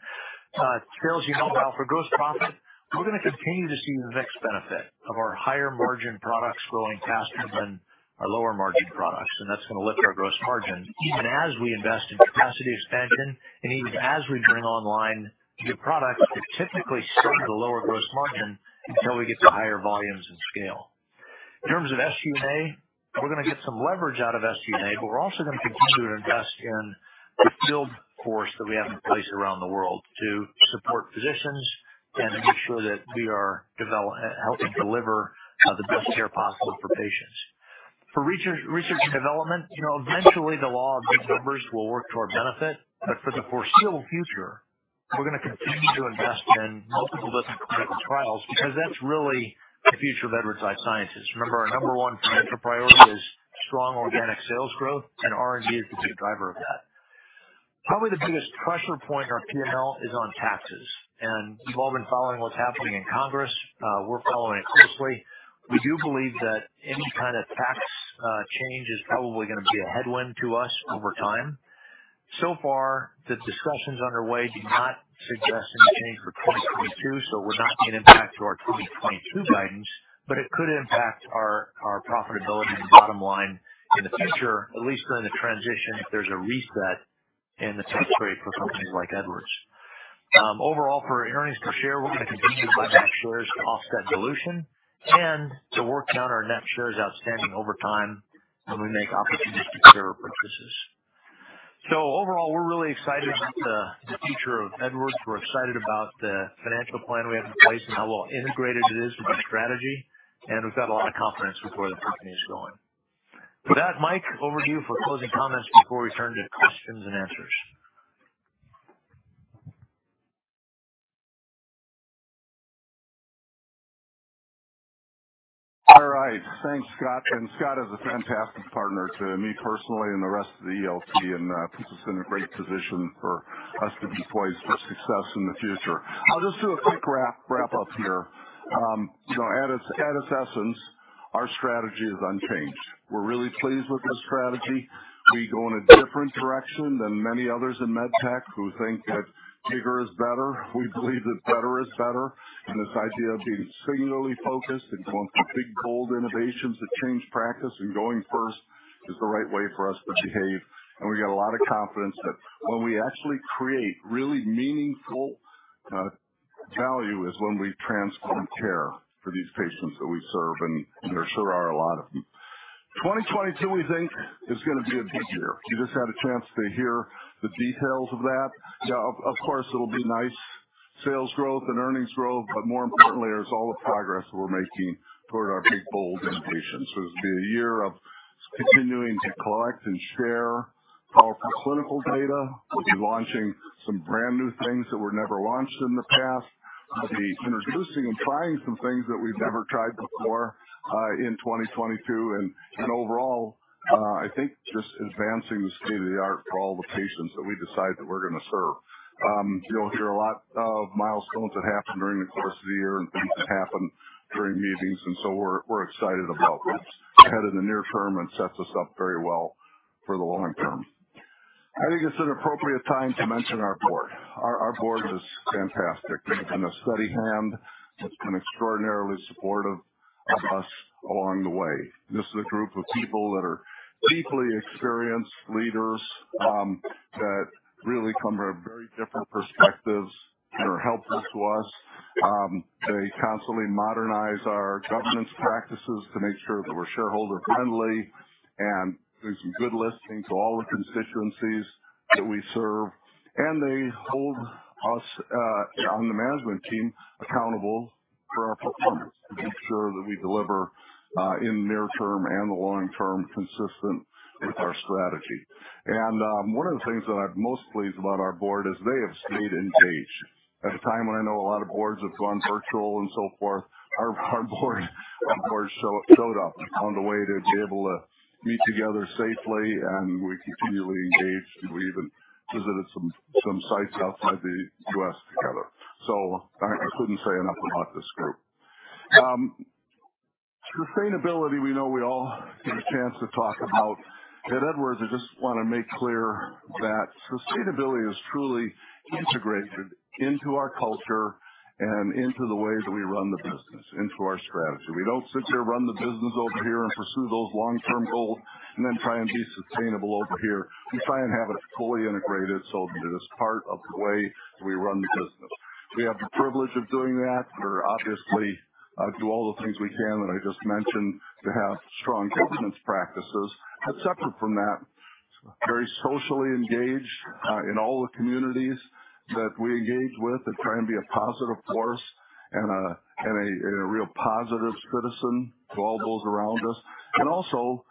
Sales, you know, for gross profit, we're gonna continue to see the mix benefit of our higher margin products growing faster than our lower margin products. That's gonna lift our gross margin even as we invest in capacity expansion and even as we bring online new products that typically see the lower gross margin until we get to higher volumes and scale. In terms of SG&A, we're gonna get some leverage out of SG&A, but we're also gonna continue to invest in the field force that we have in place around the world to support physicians and make sure that we are helping deliver the best care possible for patients. For research and development, you know, eventually the law of big numbers will work to our benefit, but for the foreseeable future, we're gonna continue to invest in multiple different clinical trials because that's really the future of Edwards Lifesciences. Remember, our number one financial priority is strong organic sales growth, and R&D is the big driver of that. Probably the biggest pressure point on our P&L is on taxes. You've all been following what's happening in Congress. We're following it closely. We do believe that any kind of tax change is probably gonna be a headwind to us over time. So far, the discussions underway do not suggest any change for 2022, so it would not be an impact to our 2022 guidance, but it could impact our profitability and bottom line in the future, at least during the transition, if there's a reset in the tax rate for companies like Edwards. Overall, for earnings per share, we're gonna continue to buy back shares to offset dilution and to work down our net shares outstanding over time when we make opportunistic share repurchases. Overall, we're really excited about the future of Edwards. We're excited about the financial plan we have in place and how well integrated it is with our strategy. We've got a lot of confidence with where the company is going. With that, Mike, over to you for closing comments before we turn to questions and answers. All right. Thanks, Scott. Scott is a fantastic partner to me personally and the rest of the ELT, and puts us in a great position for us to be poised for success in the future. I'll just do a quick wrap up here. You know, at its essence, our strategy is unchanged. We're really pleased with this strategy. We go in a different direction than many others in med tech who think that bigger is better. We believe that better is better, and this idea of being singularly focused and going for big, bold innovations that change practice and going first is the right way for us to behave. We got a lot of confidence that when we actually create really meaningful value is when we transform care for these patients that we serve, and there sure are a lot of them. 2022, we think, is gonna be a big year. You just had a chance to hear the details of that. Now, of course, it'll be nice sales growth and earnings growth, but more importantly, there's all the progress we're making toward our big, bold innovations. It'll be a year of continuing to collect and share powerful clinical data. We'll be launching some brand-new things that were never launched in the past. We'll be introducing and trying some things that we've never tried before in 2022. Overall, I think just advancing the state of the art for all the patients that we decide that we're gonna serve. You know, there are a lot of milestones that happen during the course of the year and things that happen during meetings, and so we're excited about what's ahead in the near term and sets us up very well for the long term. I think it's an appropriate time to mention our board. Our board is fantastic. It's been a steady hand that's been extraordinarily supportive of us along the way. This is a group of people that are deeply experienced leaders, that really come from very different perspectives that are helpful to us. They constantly modernize our governance practices to make sure that we're shareholder-friendly and there's some good listening to all the constituencies that we serve. They hold us on the management team accountable for our performance to make sure that we deliver in near term and the long term consistent with our strategy. One of the things that I'm most pleased about our board is they have stayed engaged. At a time when I know a lot of boards have gone virtual and so forth, our board of course showed up and found a way to be able to meet together safely, and we continually engaged, and we even visited some sites outside the U.S. together. I couldn't say enough about this group. Sustainability, we know we all get a chance to talk about. At Edwards, I just wanna make clear that sustainability is truly integrated into our culture and into the ways we run the business, into our strategy. We don't sit here, run the business over here, and pursue those long-term goals and then try and be sustainable over here. We try and have it fully integrated so that it is part of the way we run the business. We have the privilege of doing that. We're obviously do all the things we can that I just mentioned to have strong governance practices. Separate from that, very socially engaged in all the communities that we engage with and try and be a positive force and a real positive citizen to all those around us. Also,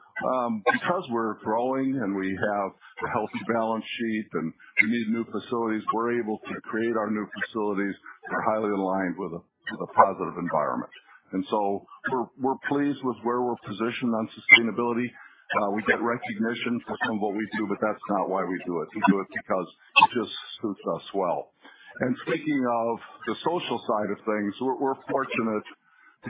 because we're growing and we have a healthy balance sheet and we need new facilities, we're able to create our new facilities that are highly aligned with a positive environment. We're pleased with where we're positioned on sustainability. We get recognition for some of what we do, but that's not why we do it. We do it because it just suits us well. Speaking of the social side of things, we're fortunate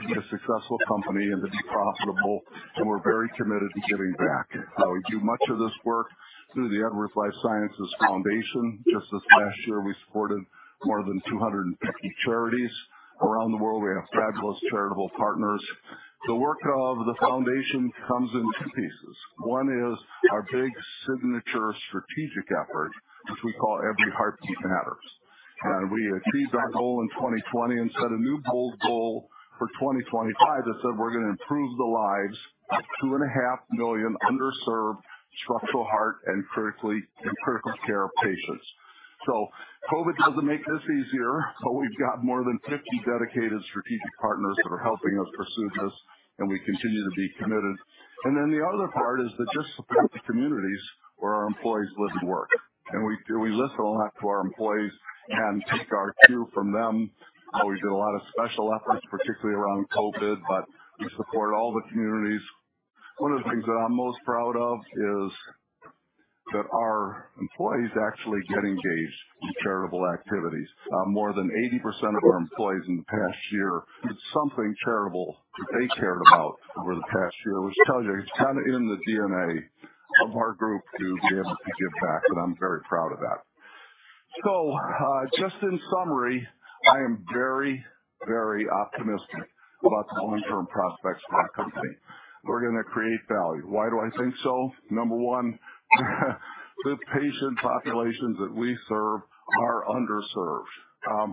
to be a successful company and to be profitable, and we're very committed to giving back. We do much of this work through the Edwards Lifesciences Foundation. Just this past year, we supported more than 250 charities around the world. We have fabulous charitable partners. The work of the foundation comes in two pieces. One is our big signature strategic effort, which we call Every Heartbeat Matters. We achieved our goal in 2020 and set a new bold goal for 2025 that said we're gonna improve the lives of 2.5 million underserved structural heart and critical care patients. COVID doesn't make this easier, but we've got more than 50 dedicated strategic partners that are helping us pursue this, and we continue to be committed. The other part is to just support the communities where our employees live and work. We listen a lot to our employees and take our cue from them. We do a lot of special efforts, particularly around COVID, but we support all the communities. One of the things that I'm most proud of is that our employees actually get engaged in charitable activities. More than 80% of our employees in the past year did something charitable that they cared about over the past year, which tells you it's kinda in the DNA of our group to be able to give back, and I'm very proud of that. Just in summary, I am very, very optimistic about the long-term prospects for our company. We're gonna create value. Why do I think so? Number one, the patient populations that we serve are underserved. Are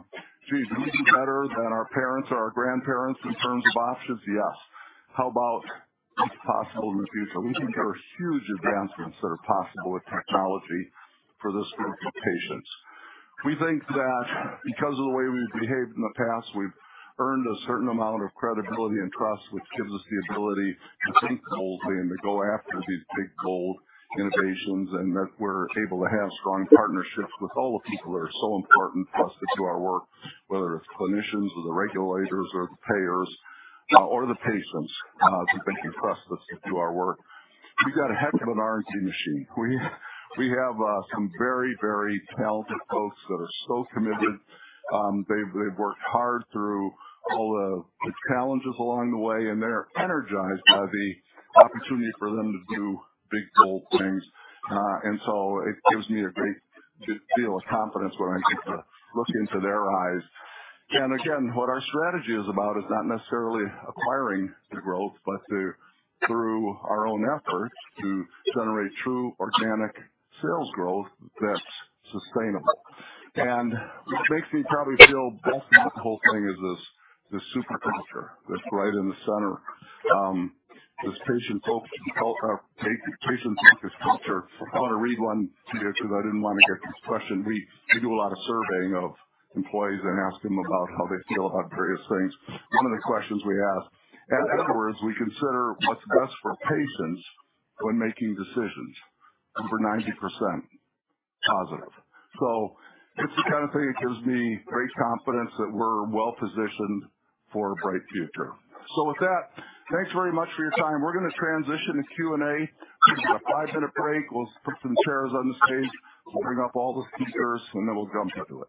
we any better than our parents or our grandparents in terms of options? Yes. How about what's possible in the future? We think there are huge advancements that are possible with technology for this group of patients. We think that because of the way we've behaved in the past, we've earned a certain amount of credibility and trust, which gives us the ability to think boldly and to go after these big, bold innovations, and that we're able to have strong partnerships with all the people that are so important to us that do our work, whether it's clinicians or the regulators or the payers, or the patients, who've been entrusted to do our work. We've got a heck of an R&D machine. We have some very, very talented folks that are so committed. They've worked hard through all the challenges along the way, and they are energized by the opportunity for them to do big, bold things. It gives me a great feel of confidence when I get to look into their eyes. What our strategy is about is not necessarily acquiring the growth, but through our own efforts to generate true organic sales growth that's sustainable. What makes me probably feel best about the whole thing is this superstructure that's right in the center. This patient-focused culture. I wanna read one to you because I didn't wanna get this question. We do a lot of surveying of employees and ask them about how they feel about various things. One of the questions we ask, "At Edwards, we consider what's best for patients when making decisions." Over 90% positive. It's the kinda thing that gives me great confidence that we're well-positioned for a bright future. With that, thanks very much for your time. We're gonna transition to Q&A. We'll take a five-minute break. We'll put some chairs on the stage. We'll bring up all the speakers, and then we'll jump into it.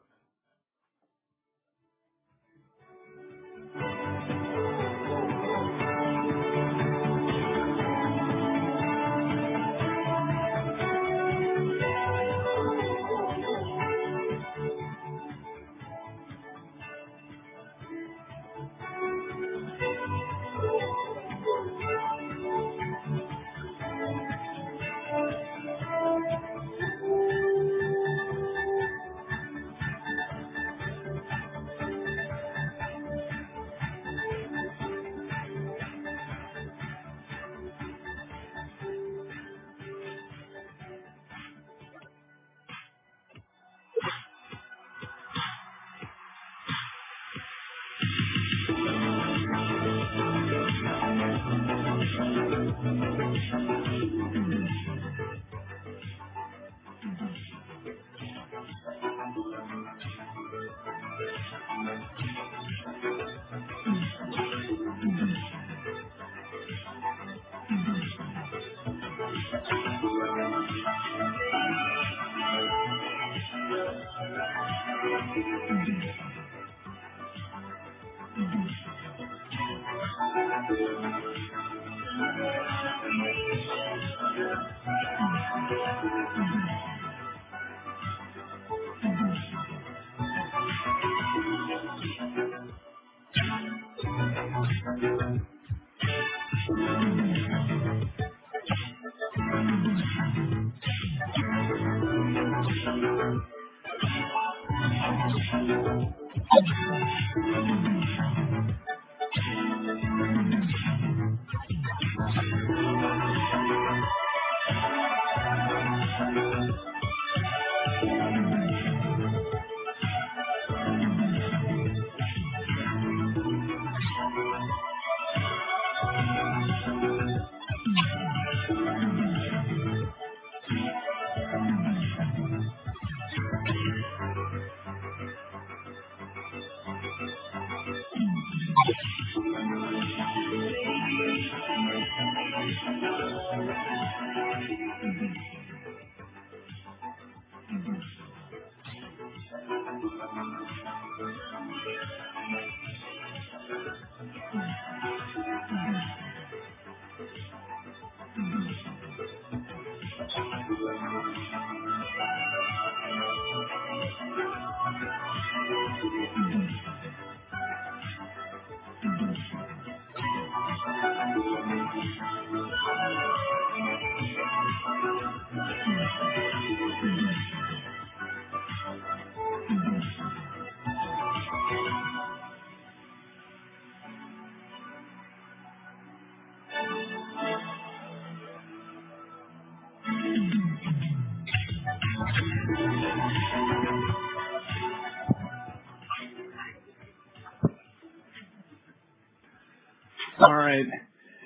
All right.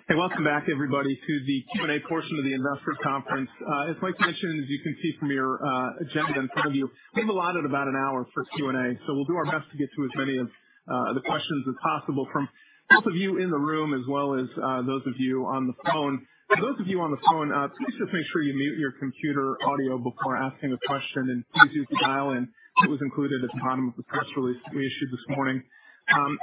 Hey, welcome back, everybody, to the Q&A portion of the investor conference. As Mike mentioned, as you can see from your agenda in front of you, we've allotted about an hour for Q&A, so we'll do our best to get to as many of the questions as possible from both of you in the room as well as those of you on the phone. For those of you on the phone, please just make sure you mute your computer audio before asking a question, and please use the dial-in that was included at the bottom of the press release we issued this morning.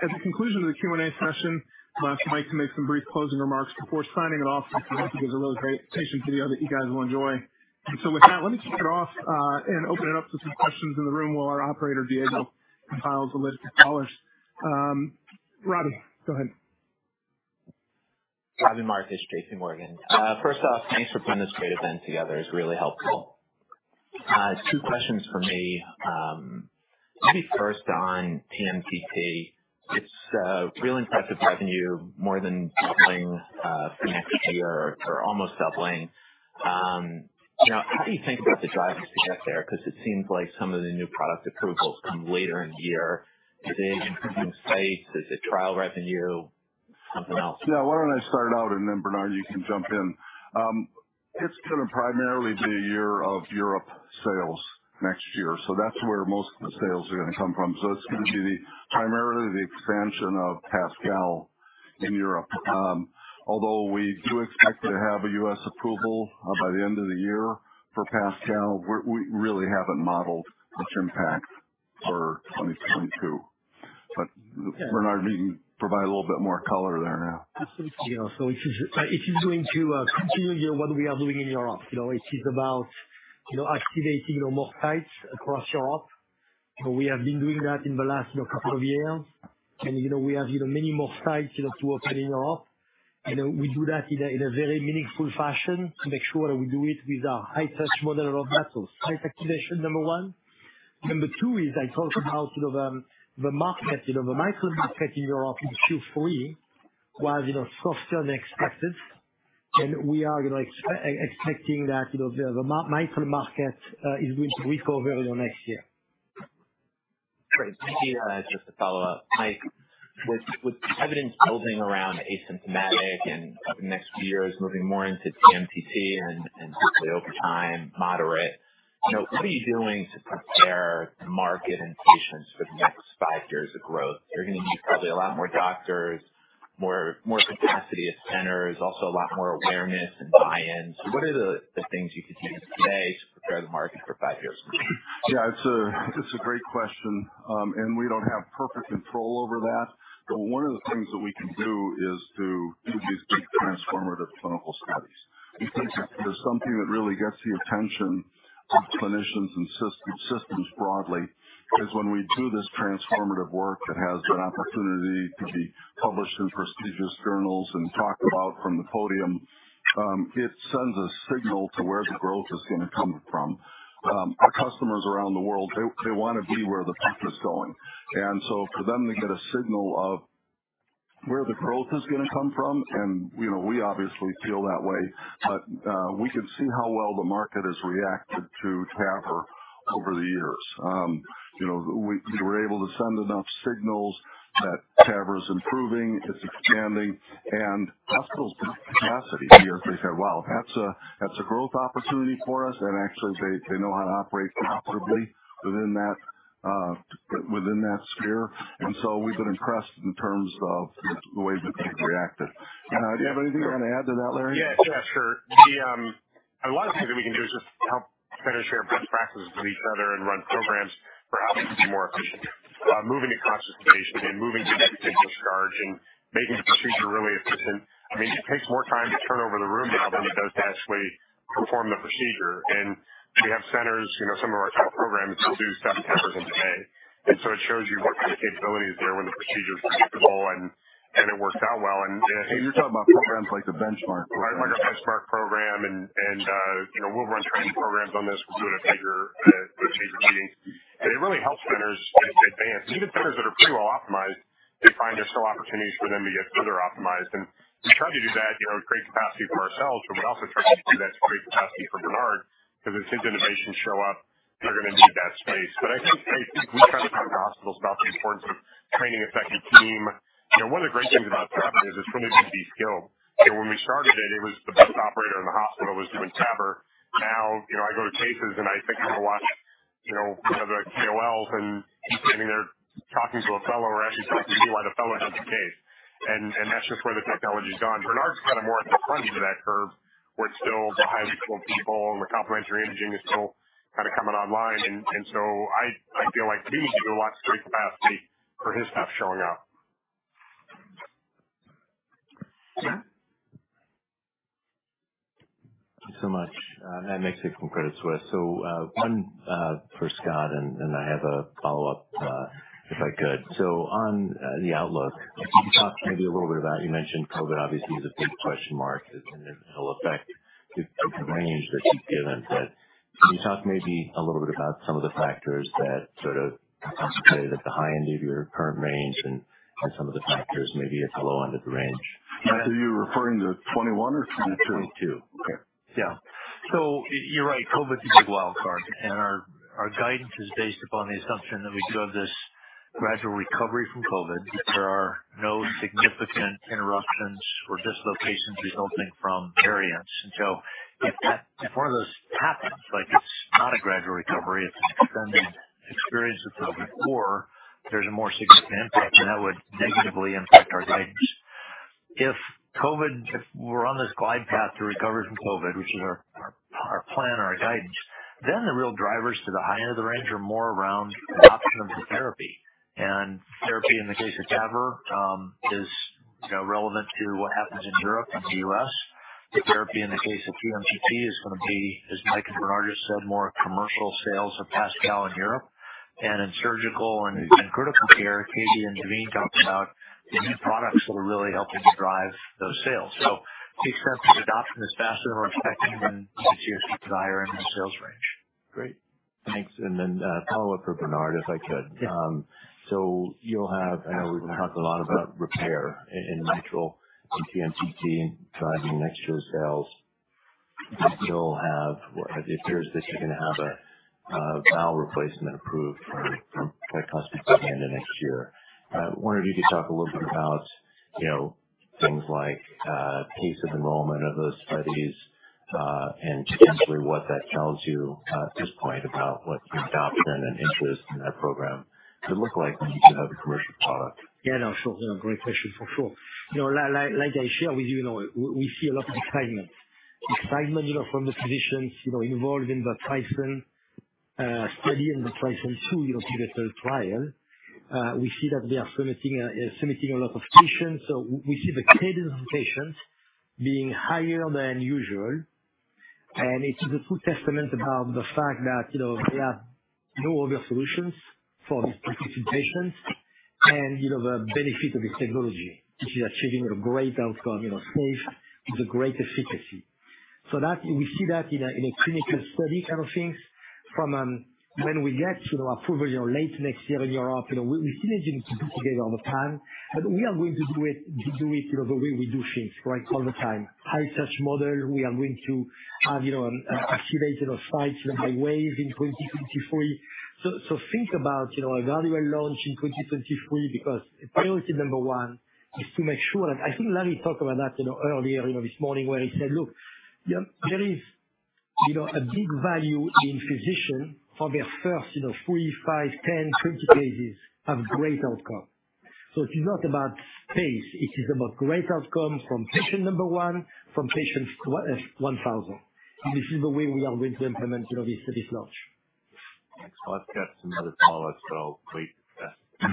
At the conclusion of the Q&A session, we'll ask Mike to make some brief closing remarks before signing it off. We'd like to give a little presentation video that you guys will enjoy. With that, let me kick it off and open it up to some questions in the room while our operator, Diego, compiles a list of callers. Robbie, go ahead. Robbie Marcus, J.P. Morgan. First off, thanks for putting this great event together. It's really helpful. Two questions from me. Maybe first on TMTT. It's real impressive revenue more than doubling through next year or almost doubling. You know, how do you think about the drivers to get there? 'Cause it seems like some of the new product approvals come later in the year. Is it increased sites? Is it trial revenue? Something else? Yeah. Why don't I start out, and then Bernard, you can jump in. It's gonna primarily be a year of Europe sales next year, so that's where most of the sales are gonna come from. It's gonna be primarily the expansion of PASCAL in Europe. Although we do expect to have a U.S. approval by the end of the year for PASCAL, we really haven't modeled much impact for 2022. Bernard, you can provide a little bit more color there now. Yeah. It is going to continue what we are doing in Europe. You know, it is about, you know, activating more sites across Europe. We have been doing that in the last, you know, couple of years. You know, we have even many more sites, you know, to opening up. We do that in a very meaningful fashion to make sure that we do it with a high-touch model of that. Site activation, number one. Number two is I talked about, you know, the market, you know, the micro market in Europe in Q3 was, you know, softer than expected. We are, you know, expecting that, you know, the micro market is going to recover in the next year. Great. Thank you. Just to follow up, Mike, with evidence building around asymptomatic and over the next few years moving more into TMTT and hopefully over time moderate, you know, what are you doing to prepare the market and patients for the next five years of growth? You're gonna need probably a lot more doctors, more capacity at centers, also a lot more awareness and buy-in. What are the things you could do today to prepare the market for five years from now? It's a great question. We don't have perfect control over that. One of the things that we can do is to do these big transformative clinical studies. There's something that really gets the attention of clinicians and systems broadly, is when we do this transformative work that has an opportunity to be published in prestigious journals and talked about from the podium, it sends a signal to where the growth is gonna come from. Our customers around the world, they wanna be where the puck is going. For them to get a signal of where the growth is gonna come from, you know, we obviously feel that way. We can see how well the market has reacted to TAVR over the years. You know, we were able to send enough signals that TAVR is improving, it's expanding, and hospitals have capacity here. They say, "Wow, that's a growth opportunity for us." Actually, they know how to operate profitably within that sphere. We've been impressed in terms of the way that people have reacted. Do you have anything you want to add to that, Larry? Yeah, sure. A lot of things that we can do is just help finish our best practices with each other and run programs for how we can be more efficient. Moving to concentration and moving to net discharge and making the procedure really efficient. I mean, it takes more time to turn over the room now than it does to actually perform the procedure. We have centers, you know, some of our top programs will do 7 TAVRs in a day. It shows you what kind of capability is there when the procedure is predictable and it works out well. You're talking about programs like the Benchmark. Right. Like our Benchmark program. You know, we'll run training programs on this. We'll do it at bigger meetings. It really helps centers advance. Even centers that are pretty well optimized. They find there's still opportunities for them to get further optimized. We try to do that, you know, to create capacity for ourselves, but we also try to do that to create capacity for Bernard because as his innovations show up, they're gonna need that space. I think we try to talk to hospitals about the importance of training effective team. You know, one of the great things about TAVR is it's relatively de-skilled. You know, when we started it was the best operator in the hospital was doing TAVR. Now, you know, I go to cases and I think you can watch, you know, one of the KOLs and he's standing there talking to a fellow or actually teaching why the fellow has the case. That's just where the technology's gone. Bernard is kind of more at the front end of that curve. We're still behind people, and the complementary imaging is still kinda coming online. I feel like he needs a lot of great capacity for his stuff showing up. Yeah. Thank you so much. Matt Miksic from Credit Suisse. One for Scott, and I have a follow-up, if I could. On the outlook, can you talk maybe a little bit about, you mentioned COVID obviously is a big question mark that can have an effect to the range that you've given. Can you talk maybe a little bit about some of the factors that sort of concentrated at the high end of your current range and some of the factors maybe at the low end of the range? Matt, are you referring to 2021 or 2022? 2022. Okay. Yeah. You're right. COVID's a big wildcard, and our guidance is based upon the assumption that we do have this gradual recovery from COVID. There are no significant interruptions or dislocations resulting from variants. If one of those happens, like it's not a gradual recovery, it's an extended experience of COVID or there's a more significant impact, then that would negatively impact our guidance. If we're on this glide path to recovery from COVID, which is our plan, our guidance, then the real drivers to the high end of the range are more around the adoption of therapy. Therapy in the case of TAVR is, you know, relevant to what happens in Europe and the US. The therapy in the case of TMTT is gonna be, as Mike and Bernard just said, more commercial sales of PASCAL in Europe. In surgical and in critical care, Katie and Daveen talked about the new products that are really helping to drive those sales. To the extent that adoption is faster than we're expecting then it's a higher end of sales range. Great. Thanks. A follow-up for Bernard, if I could. Yeah. I know we've talked a lot about repair in mitral and TMTT driving next year's sales. Do you still have, it appears that you're gonna have a valve replacement approved by possibly the end of next year. I wanted you to talk a little bit about, you know, things like pace of enrollment of those studies and potentially what that tells you at this point about what the adoption and interest in that program could look like once you have a commercial product. Yeah, no, sure. Great question. For sure. You know, like I share with you know, we see a lot of excitement. Excitement, you know, from the physicians, you know, involved in the TRISCEND study and the TRISCEND II clinical trial. We see that they are submitting a lot of patients. We see the cadence of patients being higher than usual. It is a true testament about the fact that, you know, they have no other solutions for these specific patients and, you know, the benefit of this technology, which is achieving a great outcome, you know, safe with a great efficacy. That we see that in a clinical study kind of things. From when we get to our approval, you know, late next year in Europe, you know, we're still engaging to put together all the plan, but we are going to do it, you know, the way we do things, right. All the time. High touch model. We are going to have, you know, an activated site in high volume in 2023. So think about, you know, a value-add launch in 2023, because priority number 1 is to make sure. I think Larry talked about that, you know, earlier, you know, this morning where he said, "Look, yep, there is, you know, a big value in physician for their first, you know, three, five, 10, 20 cases have great outcome." So it is not about pace, it is about great outcome from patient number one, from patient 1,000. This is the way we are going to implement, you know, this launch. Thanks. Well, I've got some other followers, so quick, yeah.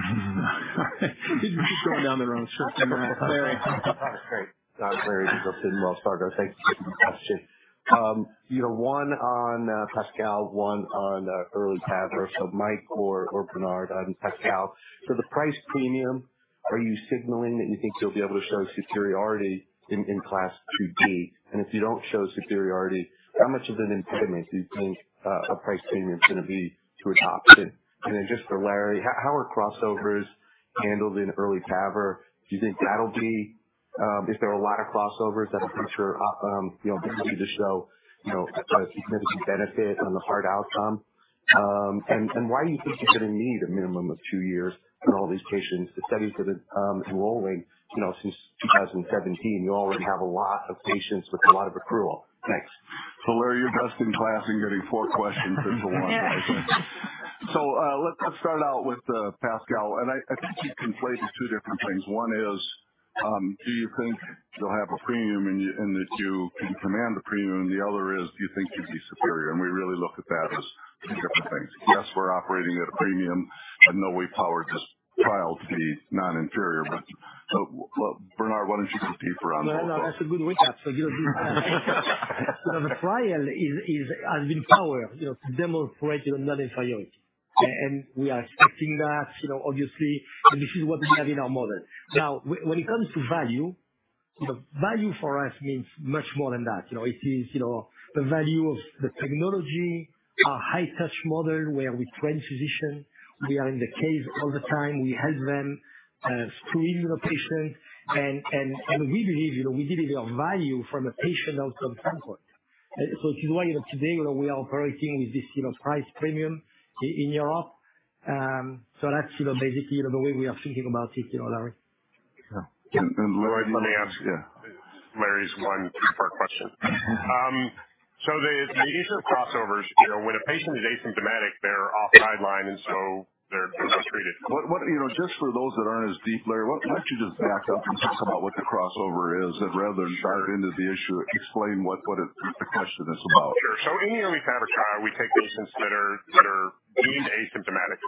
He's going down the wrong script. Great. Larry Biegelsen Wells Fargo. Thanks. Great question. You know, one on PASCAL, one on early TAVR. Mike or Bernard on PASCAL. The price premium, are you signaling that you think you'll be able to show superiority in CLASP IID? If you don't show superiority, how much of an impediment do you think a price premium's gonna be to adoption? Just for Larry, how are crossovers handled in early TAVR? Do you think that'll be. Is there a lot of crossovers that you picture, you know, to show, you know, a significant benefit on the hard outcome? Why do you think you're gonna need a minimum of two years for all these patients? The studies that are enrolling, you know, since 2017, you already have a lot of patients with a lot of accrual. Thanks. Larry, you're best in class in getting four questions into one, I think. Let's start out with PASCAL. I think you can play these two different things. One is, do you think you'll have a premium and that you can command a premium? The other is do you think you'd be superior? We really look at that as two different things. Yes, we're operating at a premium, but no way to power this trial to be non-inferior. Bernard, why don't you take the first round? Well, no, that's a good recap. The trial has been powered, you know, to demonstrate, you know, non-inferiority. And we are expecting that, you know, obviously, and this is what we have in our model. Now when it comes to value. The value for us means much more than that. You know, it is, you know, the value of the technology, our high touch model, where we train physicians, we are in the cave all the time. We help them screen the patient. And we believe, you know, we deliver value from a patient outcome standpoint. If you like, today, we are operating with this, you know, price premium in Europe. That's, you know, basically, you know, the way we are thinking about it, you know, Larry. Yeah, Larry. Larry, let me ask. Yeah. Larry's one two-part question. The issue of crossovers, you know, when a patient is asymptomatic, they're off guideline, and so they're not treated. What? You know, just for those that aren't as deep, Larry, why don't you just back up and talk about what the crossover is rather than dive into the issue. Explain what the question is about. Sure. In the EARLY CLAVAR trial, we take patients that are deemed asymptomatic.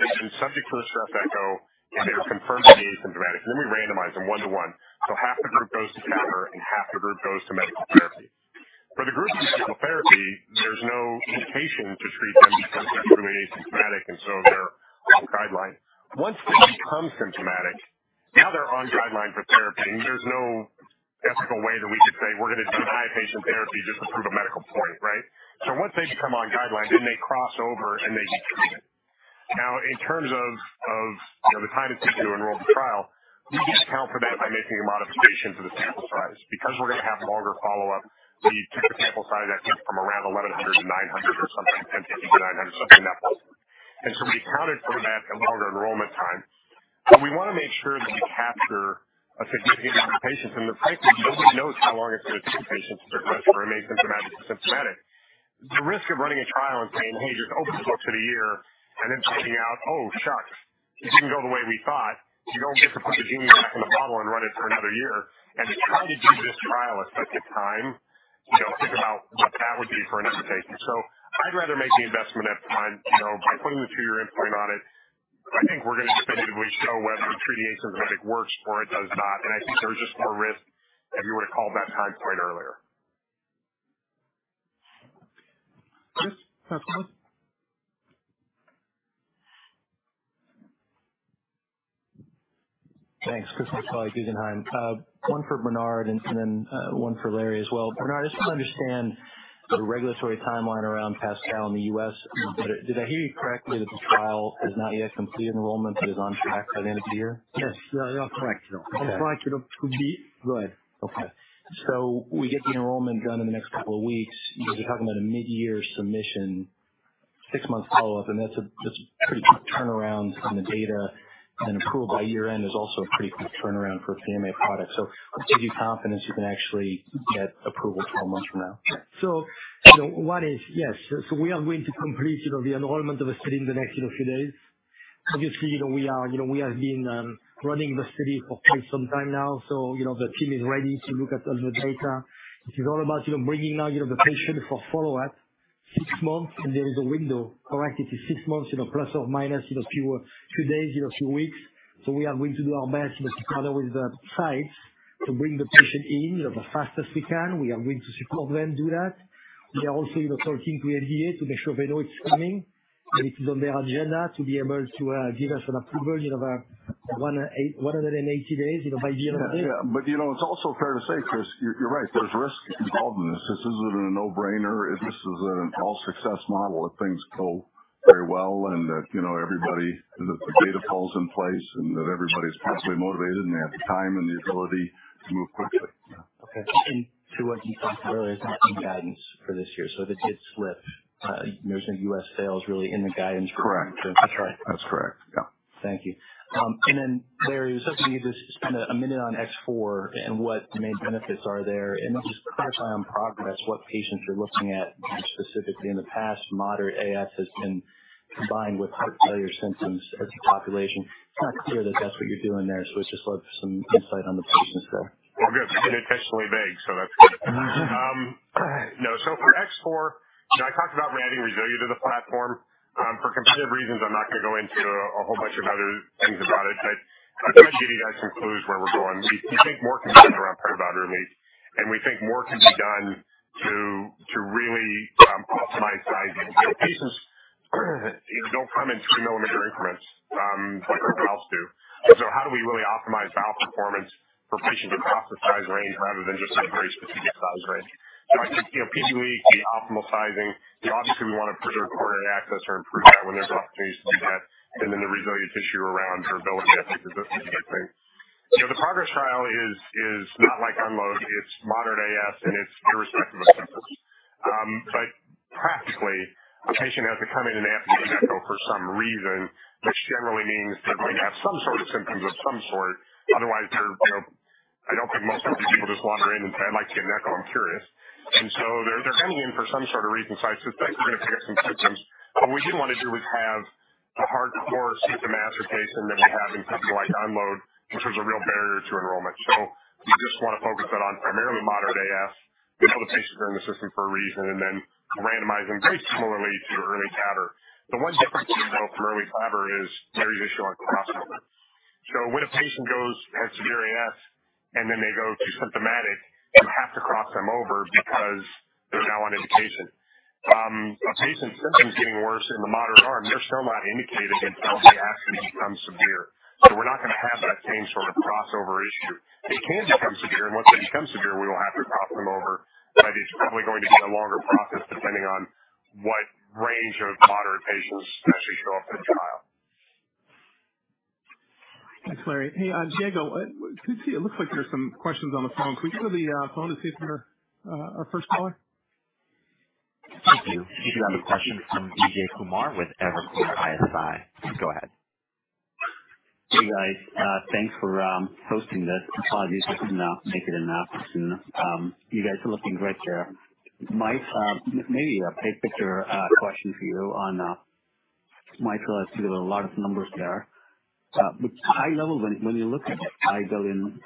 They've been studied for a stress echo, and they're confirmed to be asymptomatic. We randomize them 1 to 1. Half the group goes to CLAVAR, and half the group goes to medical therapy. For the group on medical therapy, there's no indication to treat them because they're truly asymptomatic, and so they're off guideline. Once they become symptomatic, now they're on guideline for therapy. There's no ethical way that we could say, "We're gonna deny a patient therapy just to prove a medical point." Right? Once they become on guideline, then they cross over and they get treated. Now in terms of, you know, the time it takes to enroll the trial, we account for that by making a modification to the sample size. Because we're gonna have longer follow-up, we took a sample size I think from around 1,100 to 900 or something, 1,050 to 900 something in that ballpark. We accounted for that longer enrollment time. We wanna make sure that we capture a significant amount of patients. The fact is nobody knows how long it's gonna take patients to progress from asymptomatic to symptomatic. The risk of running a trial and saying, "Hey, just open the book to the year," and then finding out, "Oh, shucks, it didn't go the way we thought." You don't get to put the genie back in the bottle and run it for another year. To try to do this trial a second time, you know, think about what that would be for an investigation. I'd rather make the investment up front, you know, by putting the two-year endpoint on it. I think we're gonna definitively show whether to treat the asymptomatic works or it does not. I think there's just more risk if you were to call that endpoint earlier. Chris Pasquale. Thanks. Chris Pasquale, Guggenheim. One for Bernard Zovighian and then one for Larry Wood as well. Bernard Zovighian, I just want to understand the regulatory timeline around PASCAL in the U.S. Did I hear you correctly that the trial has not yet completed enrollment but is on track by the end of the year? Yes. You are correct. Okay. On track to complete. Go ahead. Okay. We get the enrollment done in the next couple of weeks. You're talking about a mid-year submission, six months follow-up, and that's a pretty quick turnaround on the data. Approval by year-end is also a pretty quick turnaround for a PMA product. What gives you confidence you can actually get approval 12 months from now? You know, one is. Yes. We are going to complete, you know, the study in the next, you know, few days. Obviously, you know, we are, you know, we have been running the study for quite some time now. You know, the team is ready to look at all the data. This is all about, you know, bringing now, you know, the patient for follow-up six months, and there is a window, correct? It is six months, you know, plus or minus, you know, few days, you know, few weeks. We are going to do our best, you know, together with the sites to bring the patient in, you know, the fastest we can. We are going to support them do that. We are also, you know, talking to FDA to make sure they know it's coming, and it's on their agenda to be able to give us an approval, you know, 180 days, you know, by the end of the day. Yeah. You know, it's also fair to say, Chris, you're right. There's risk involved in this. This isn't a no-brainer. This is an all success model if things go very well and that, you know, everybody, that the data falls in place and that everybody's properly motivated, and they have the time and the ability to move quickly. Yeah. Okay. To what you said earlier, there's no guidance for this year. The guide slipped. There's no U.S. sales really in the guidance. Correct. That's right. That's correct. Yeah. Thank you. Larry, I was hoping you could just spend a minute on X4 and what the main benefits are there. Just color on PROGRESS, what patients you're looking at specifically. In the past, Moderate AS has been combined with heart failure symptoms as a population. It's not clear that that's what you're doing there, so I'm just looking for some insight on the patient side. Well, good. Intentionally vague, so that's good. No. For X4, you know, I talked about adding RESILIA to the platform. For competitive reasons, I'm not gonna go into a whole bunch of other things about it. I think JD kind of clues where we're going. We think more can be done around paravalvular leaks, and we think more can be done to really optimize sizing. Patients, you know, don't come in 3-millimeter increments like everything else do. How do we really optimize valve performance for patients across the size range rather than just some very specific size range? I think, you know, PV leak, the optimal sizing. You know, obviously we wanna preserve coronary access or improve that when there's opportunities to do that. The resilience issue around durability, I think is a big thing. You know, the PROGRESS trial is not like UNLOAD. It's moderate AS, and it's irrespective of symptoms. But practically, a patient has to come in and have an echo for some reason, which generally means they might have some sort of symptoms of some sort. Otherwise they're, you know, I don't think most healthy people just wander in and say, "I'd like to get an echo. I'm curious." They're coming in for some sort of reason, so I suspect we're gonna pick up some symptoms. What we didn't wanna do was have the hardcore symptomatic patient that we have in something like UNLOAD, which was a real barrier to enrollment. We just wanna focus it on primarily moderate AS. We know the patients are in the system for a reason, and then randomize them very similarly to early CLAVAR. The one difference, you know, from early CLAVAR is Larry's issue on crossover. When a patient goes, has severe AS and then they go to symptomatic you have to cross them- over because they're now on indication. A patient's symptoms getting worse in the moderate arm, they're still not indicated until they actually become severe. We're not gonna have that same sort of crossover issue. They can become severe, and once they become severe, we will have to cross them over. It's probably going to be a longer process depending on what range of moderate patients actually show up in the trial. Thanks, Larry. Hey, Diego, it looks like there's some questions on the phone. Could you go to the phone to see if there. Our first caller. Thank you. We do have a question from Vijay Kumar with Evercore ISI. Go ahead. Hey, guys. Thanks for hosting this. Apologies I could not make it in person. You guys are looking great here. Mike, maybe a big picture question for you on mitral. I see there are a lot of numbers there. But high level, when you look at that high billion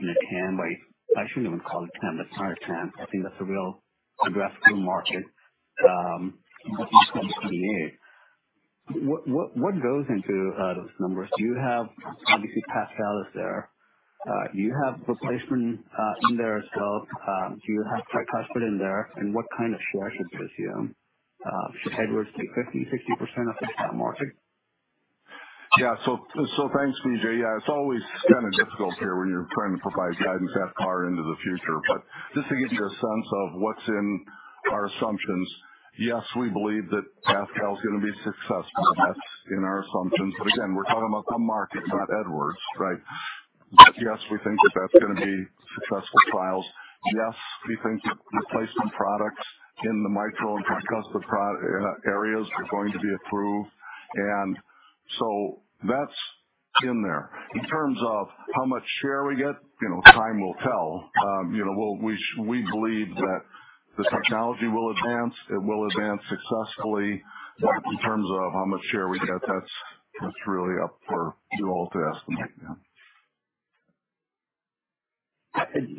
in a TAM, I shouldn't even call it TAM, the entire TAM. I think that's a real aggressive market in 2028. What goes into those numbers? Do you have obviously PASCAL is there. Do you have replacement in there as well? Do you have tricuspid in there? And what kind of share should this be, should Edwards take 50%, 60% of that market? Thanks, Vijay. It's always kind of difficult here when you're trying to provide guidance that far into the future. But just to give you a sense of what's in our assumptions, yes, we believe that PASCAL is gonna be successful. That's in our assumptions. But again, we're talking about the market, not Edwards, right? But yes, we think that that's gonna be successful trials. Yes, we think that replacement products in the mitral and tricuspid product areas are going to be approved. And so that's in there. In terms of how much share we get, you know, time will tell. You know, we believe that the technology will advance. It will advance successfully. But in terms of how much share we get, that's really up for you all to estimate. Yeah.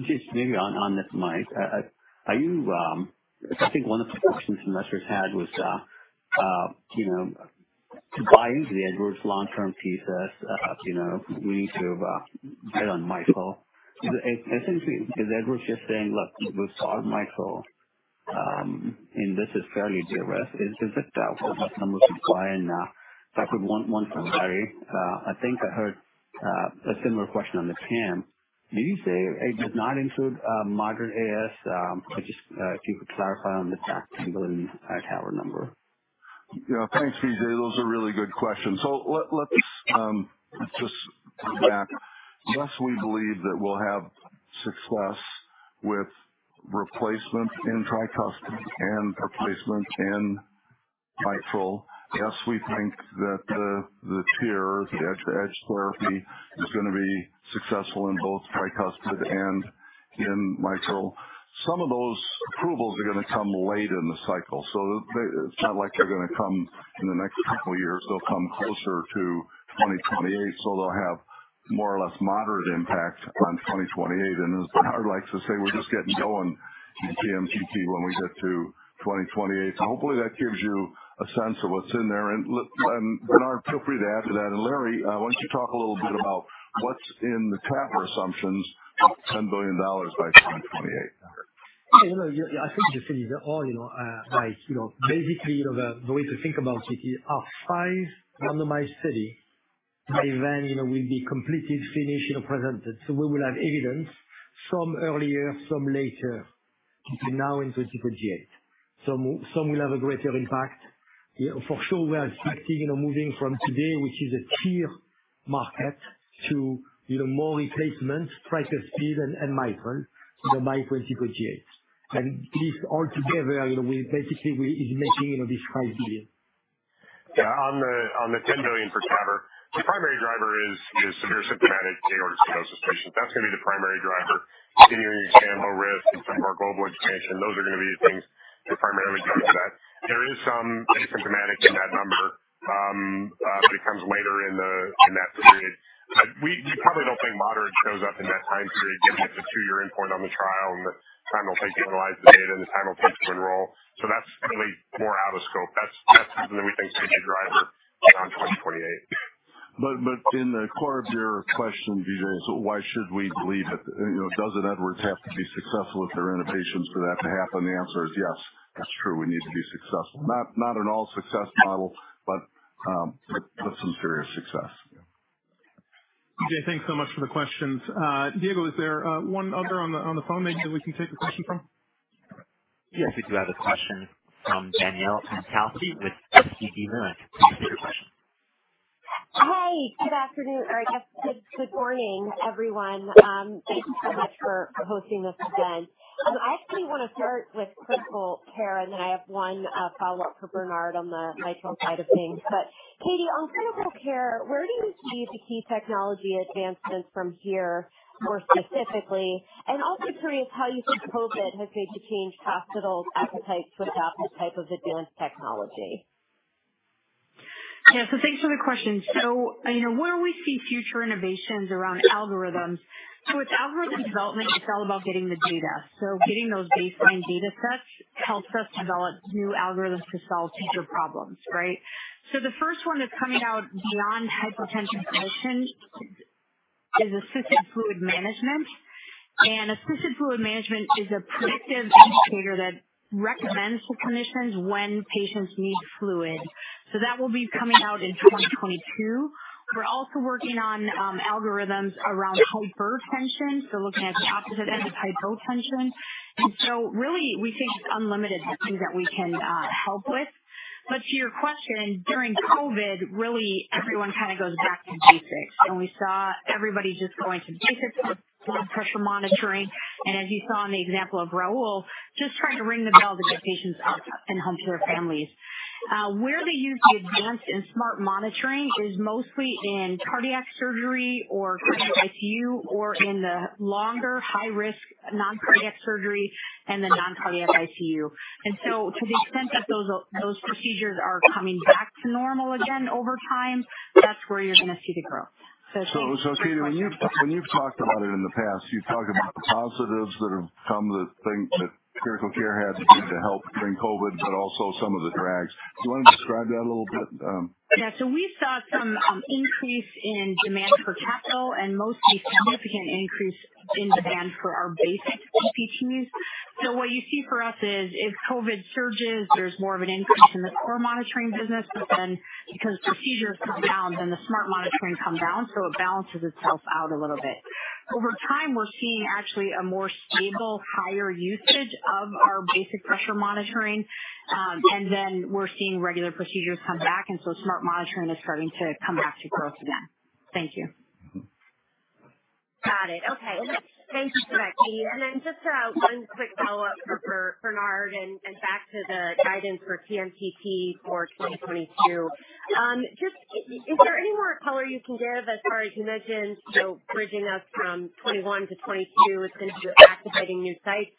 Just maybe on this, Mike. I think one of the questions investors had was, you know, to buy into the Edwards long-term thesis, you know, we need to bet on mitral. Essentially, is Edwards just saying, "Look, we've solved mitral, and this is fairly de-risked." Is it that or what's the most you buy? And if I could want one from Larry. I think I heard a similar question on the TAM. Did you say it does not include moderate AS? If you could clarify on the $10 billion TAVR number. Yeah. Thanks, Vijay. Those are really good questions. Let's just do that. Yes, we believe that we'll have success with replacement in tricuspid and replacement in mitral. Yes, we think that the TEER, the edge-to-edge therapy is gonna be successful in both tricuspid and in mitral. Some of those approvals are gonna come late in the cycle. It's not like they're gonna come in the next couple years. They'll come closer to 2028, so they'll have more or less moderate impact on 2028. As Bernard likes to say, we're just getting going in TMTT when we get to 2028. Hopefully that gives you a sense of what's in there. Bernard, feel free to add to that. Larry, why don't you talk a little bit about what's in the TAVR assumptions, $10 billion by 2028 number. Yeah, you know, yeah, I think you see all, you know, like, you know, basically, you know, the way to think about it is our five randomized study by then, you know, will be completed, finished, you know, presented. We will have evidence, some earlier, some later between now and 2028. Some will have a greater impact. You know, for sure we are expecting, you know, moving from today, which is a TAVR market to, you know, more replacements, tricuspid and mitral, you know, by 2028. This all together will basically is making, you know, this high billion. Yeah. On the $10 billion for TAVR, the primary driver is severe symptomatic aortic stenosis patients. That's gonna be the primary driver. Continuing expand low risk and some of our global expansion, those are gonna be the things that primarily drive that. There is some asymptomatic in that number, but it comes later in that period. We probably don't think moderate shows up in that time period given it's a two-year endpoint on the trial and the time it'll take to analyze the data and the time it'll take to enroll. That's probably more out of scope. That's something that we think is a big driver beyond 2028. in the core of your question, Vijay, is why should we believe it? You know, doesn't Edwards have to be successful with their innovations for that to happen? The answer is yes, that's true. We need to be successful. Not an all success model, but some serious success. Yeah. Vijay, thanks so much for the questions. Diego, is there one other on the phone maybe that we can take a question from? Yes. We do have a question from Danielle Antalffy with SVB Leerink. You can proceed with your question. Hi, good morning, everyone. Thank you so much for hosting this event. I actually wanna start with critical care, and then I have one follow-up for Bernard on the mitral side of things. Katie, on critical care, where do you see the key technology advancements from here more specifically? And also curious how you think COVID has maybe changed hospitals' appetite to adopt this type of advanced technology. Yeah. Thanks for the question. You know, where do we see future innovations around algorithms? With algorithm development, it's all about getting the data. Getting those baseline data sets helps us develop new algorithms to solve future problems, right? The first one that's coming out beyond hypotension detection is assisted fluid management. Assisted fluid management is a predictive indicator that recommends to clinicians when patients need fluid. That will be coming out in 2022. We're also working on algorithms around hypertension, so looking at the opposite end of hypotension. Really we think it's unlimited things that we can help with. To your question, during COVID, really everyone kind of goes back to basics. We saw everybody just going to basics with blood pressure monitoring. As you saw in the example of Raul, just trying to ring the bell to get patients out and home to their families. Where they use the advanced and smart monitoring is mostly in cardiac surgery or cardiac ICU or in the longer high risk non-cardiac surgery and the non-cardiac ICU. To the extent that those procedures are coming back to normal again over time, that's where you're gonna see the growth. Katie, when you've talked about it in the past, you've talked about the positives that have come, the things that critical care has been to help during COVID, but also some of the drags. Do you wanna describe that a little bit? Yeah. We saw some increase in demand for capital and mostly significant increase in demand for our basic PPTs. What you see for us is if COVID surges, there's more of an increase in the core monitoring business, but then because procedures come down, then the smart monitoring come down, so it balances itself out a little bit. Over time, we're seeing actually a more stable, higher usage of our basic pressure monitoring. We're seeing regular procedures come back, and so smart monitoring is starting to come back to growth again. Thank you. Got it. Okay. Thank you for that, Katie. Just one quick follow-up for Bernard and back to the guidance for TMTT for 2022. Just is there any more color you can give as far as you mentioned, you know, bridging us from 2021 to 2022 since you're activating new sites.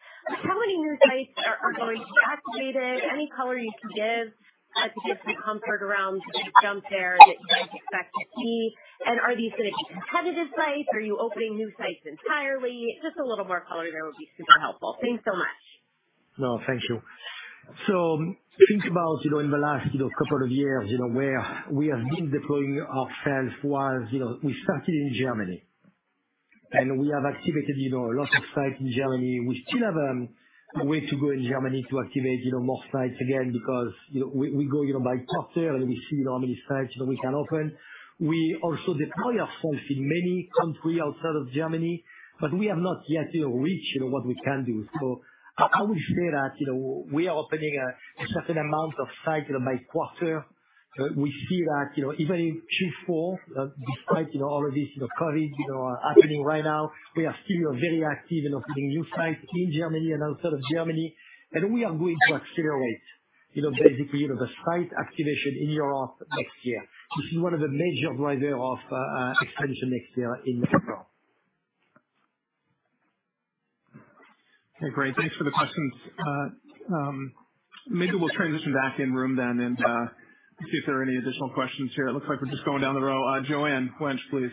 How many new sites are going to be activated? Any color you can give that could give some comfort around the jump there that you guys expect to see? And are these gonna be competitive sites? Are you opening new sites entirely? Just a little more color there would be super helpful. Thanks so much. No, thank you. Think about, you know, in the last, you know, couple of years, you know, where we have been deploying our sales force was, you know, we started in Germany. We have activated, you know, a lot of sites in Germany. We still have a way to go in Germany to activate, you know, more sites again because, you know, we go, you know, by quarter, and we see, you know, how many sites, you know, we can open. We also deploy our force in many countries outside of Germany, but we have not yet, you know, reached, you know, what we can do. I will say that, you know, we are opening a certain amount of sites, you know, by quarter. We see that, you know, even in Q4, despite, you know, all of this, you know, COVID, you know, happening right now, we are still, you know, very active in opening new sites in Germany and outside of Germany. We are going to accelerate, you know, basically, you know, the site activation in Europe next year. This is one of the major driver of expansion next year in Europe. Okay, great. Thanks for the questions. Maybe we'll transition back in the room then and see if there are any additional questions here. It looks like we're just going down the row. Joanne Wuensch, please.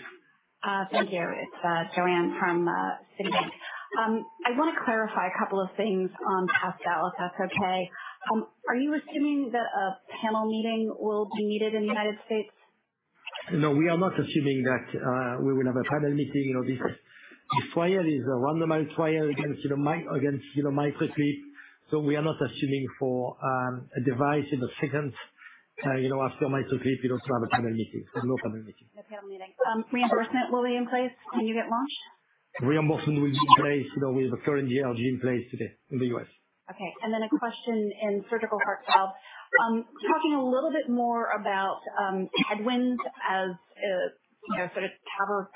Thank you. It's Joanne from Citi. I wanna clarify a couple of things on PASCAL, if that's okay. Are you assuming that a panel meeting will be needed in the United States? No, we are not assuming that we will have a panel meeting. You know, this trial is a randomized trial against, you know, MitraClip. We are not assuming for a device in the second, you know, after MitraClip, you don't have a panel meeting. There's no panel meeting. No panel meeting. Reimbursement will be in place when you get launched? Reimbursement will be in place. You know, we have a current DRG in place today in the U.S. A question in surgical heart valve. Talking a little bit more about headwinds as you know, sort of TAVR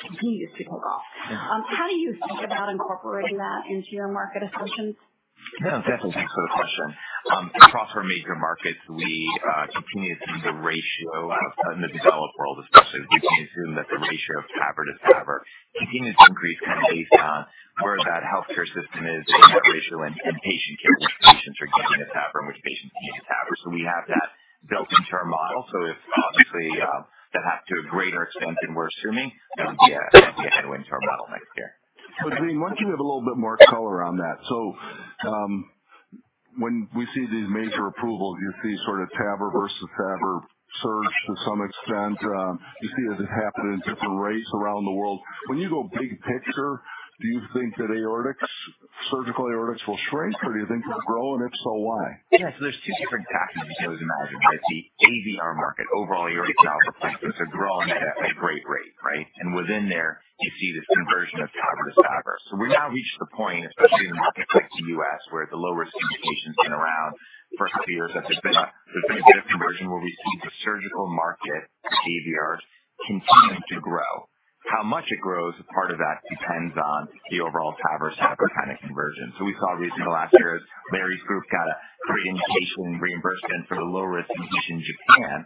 continues to take off. How do you think about incorporating that into your market assumptions? No, definitely. Thanks for the question. Across our major markets, we continue to see the ratio out in the developed world especially. We can assume that the ratio of TAVR to SAVR continues to increase kind of based on where that healthcare system is in that ratio and patient care, which patients are getting a TAVR and which patients need a TAVR. We have that built into our model. If obviously that happens to a greater extent than we're assuming, that would be a headwind to our model next year. Daveen, why don't you give a little bit more color on that? When we see these major approvals, you see sort of TAVR versus SAVR surge to some extent. You see it happen in different rates around the world. When you go big picture, do you think that aortics, surgical aortics will shrink, or do you think it'll grow? If so, why? Yeah. There's two different factors you can always imagine, right? The AVR market, overall aortic valve replacements, are growing at a great rate, right? Within there, you see this conversion of SAVR to TAVR. We've now reached the point, especially in a market like the U.S., where the lower risk indication's been around for a few years, that there's been a bit of conversion where we've seen the surgical market for AVR continue to grow. How much it grows as part of that depends on the overall SAVR to TAVR kind of conversion. We saw recently the last year as Larry's group got a great indication reimbursement for the low-risk indication in Japan,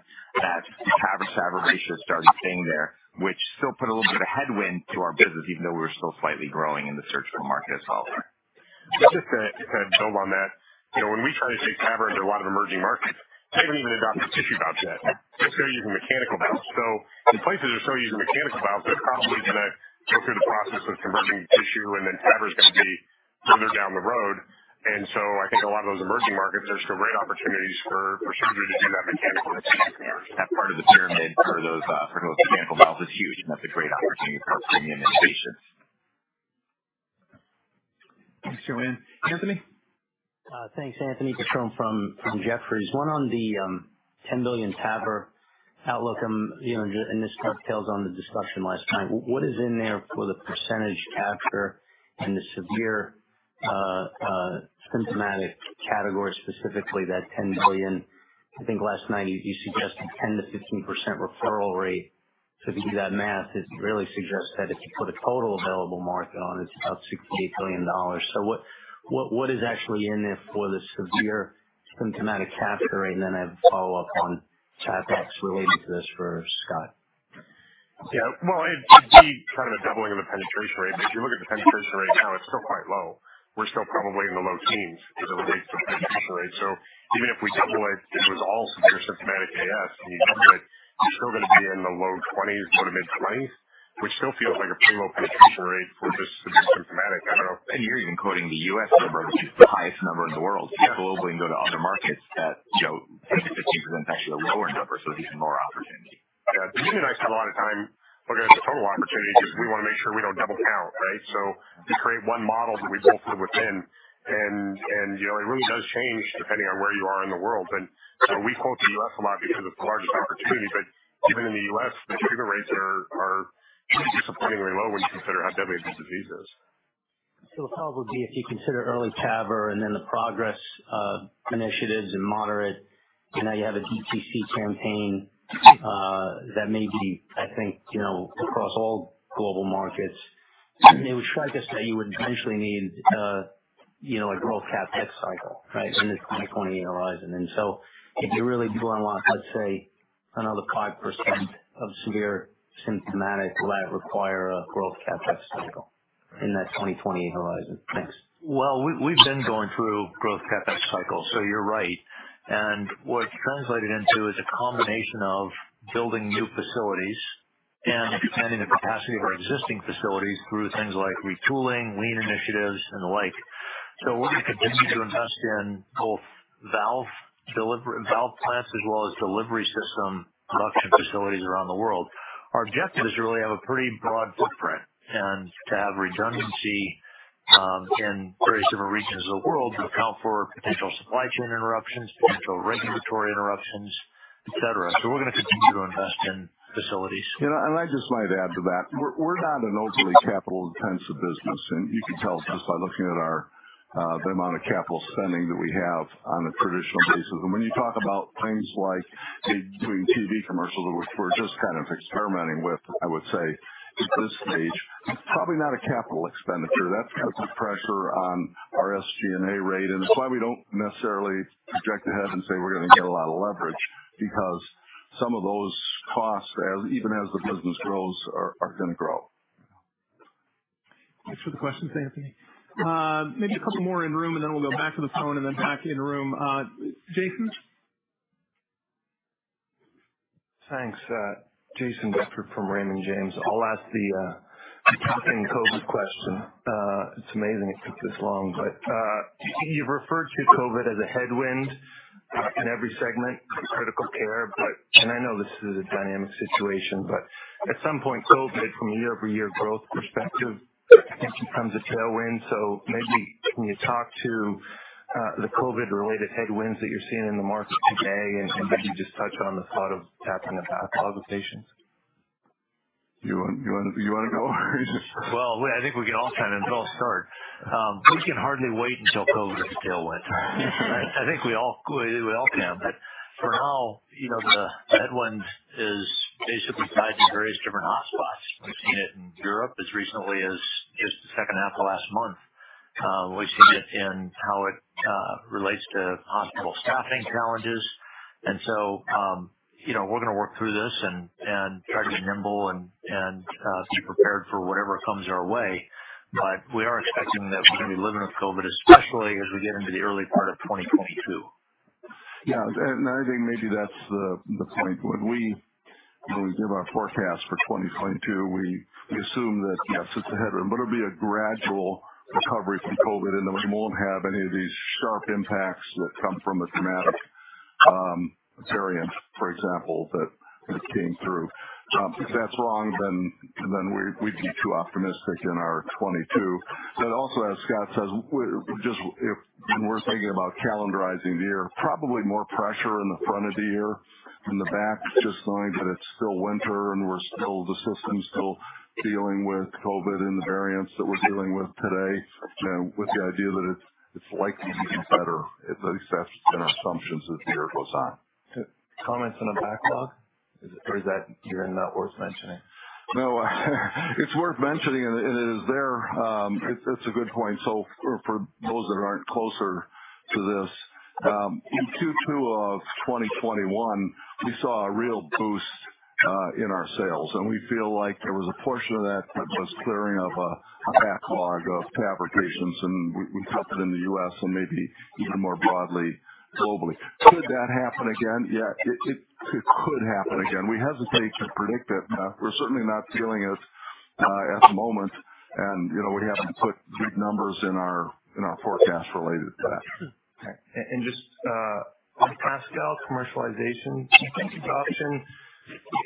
that TAVR-to-SAVR ratio started staying there, which still put a little bit of headwind to our business even though we're still slightly growing in the surgical market as a whole. Just to build on that, you know, when we try to take TAVRs to a lot of emerging markets, they haven't even adopted tissue valves yet. They're still using mechanical valves. In places they're still using mechanical valves, there's probably today. Go through the process of converting tissue, and then TAVR is gonna be further down the road. I think a lot of those emerging markets, there's still great opportunities for surgery to do that mechanical part of the pyramid for those mechanical valves is huge, and that's a great opportunity for us to win in those patients. Thanks, Joanne. Anthony? Thanks, Anthony Petrone from Jefferies. One on the $10 billion TAVR outlook, you know, and this dovetails on the discussion last time. What is in there for the percentage capture in the severe symptomatic category, specifically that $10 billion? I think last night you suggested 10%-15% referral rate. If you do that math, it really suggests that if you put a total available market on, it's about $68 billion. What is actually in there for the severe symptomatic capture rate? And then I have a follow-up on CapEx related to this for Scott. Yeah. Well, it'd be kind of a doubling of the penetration rate, because if you look at the penetration rate now, it's still quite low. We're still probably in the low teens as it relates to penetration rate. Even if we double it was all severe symptomatic AS, you double it, you're still gonna be in the low twenties, low to mid-twenties, which still feels like a pretty low penetration rate for just severe symptomatic. I don't know. You're even quoting the U.S. number, which is the highest number in the world. Yes. Globally, you go to other markets that, you know, 10%-15% is actually a lower number, so even more opportunity. Yeah. You and I spend a lot of time looking at the total opportunity because we wanna make sure we don't double count, right? We create one model that we both live within. You know, it really does change depending on where you are in the world. You know, we quote the U.S. a lot because it's the largest opportunity, but even in the U.S., the treatment rates are surprisingly low when you consider how deadly this disease is. The follow-up would be if you consider Early TAVR and then the PROGRESS initiatives and moderate, and now you have a DTC campaign, that may be, I think, you know, across all global markets, it would strike us that you would eventually need, you know, a growth CapEx cycle, right, in this 2028 horizon. If you really do unlock, let's say another 5% of severe symptomatic, will that require a growth CapEx cycle in that 2028 horizon? Thanks. Well, we've been going through growth CapEx cycles, so you're right. What it's translated into is a combination of building new facilities and expanding the capacity of our existing facilities through things like retooling, lean initiatives, and the like. We're gonna continue to invest in both valve plants as well as delivery system production facilities around the world. Our objective is to really have a pretty broad footprint and to have redundancy in various different regions of the world to account for potential supply chain interruptions, potential regulatory interruptions, et cetera. We're gonna continue to invest in facilities. You know, I just might add to that. We're not an overly capital-intensive business, and you can tell just by looking at our the amount of capital spending that we have on a traditional basis. When you talk about things like doing TV commercials, which we're just kind of experimenting with, I would say at this stage, probably not a capital expenditure. That puts pressure on our SG&A rate, and it's why we don't necessarily project ahead and say we're gonna get a lot of leverage because some of those costs, as even as the business grows, are gonna grow. Thanks for the questions, Anthony. Maybe a couple more in room, and then we'll go back to the phone and then back in room. Jayson? Thanks. Jayson Bedford from Raymond James. I'll ask the tough COVID question. It's amazing it took this long, but you've referred to COVID as a headwind in every segment of critical care. I know this is a dynamic situation, but at some point, COVID from a year-over-year growth perspective, I think, becomes a tailwind. Maybe can you talk to the COVID-related headwinds that you're seeing in the market today, and maybe just touch on the thought of tapping the backlog of patients. You wanna go? I think we can all kind of start. We can hardly wait until COVID is a tailwind. Right? I think we all can. For now, you know, the headwind is basically tied to various different hotspots. We've seen it in Europe as recently as just the second half of last month. We've seen it in how it relates to hospital staffing challenges. We're gonna work through this and try to be nimble and be prepared for whatever comes our way. We are expecting that we're gonna be living with COVID, especially as we get into the early part of 2022. Yeah. I think maybe that's the point. When we give our forecast for 2022, we assume that, yes, it's a headwind, but it'll be a gradual recovery from COVID, and that we won't have any of these sharp impacts that come from a dramatic variant, for example, that came through. If that's wrong, then we'd be too optimistic in our 2022. Also, as Scott says, when we're thinking about calendarizing the year, probably more pressure in the front of the year than the back, just knowing that it's still winter and the system's still dealing with COVID and the variants that we're dealing with today, you know, with the idea that it's likely to be better, at least that's been our assumptions as the year goes on. Comments on the backlog? Is that, you know, not worth mentioning? No. It's worth mentioning, and it is there. It's a good point. For those that aren't closer to this, in Q2 of 2021, we saw a real boost in our sales, and we feel like there was a portion of that that was clearing of a backlog of fabrications, and we felt it in the U.S. and maybe even more broadly globally. Could that happen again? Yeah, it could happen again. We hesitate to predict it. We're certainly not feeling it at the moment, you know, we haven't put big numbers in our forecast related to that. Okay. Just on PASCAL commercialization adoption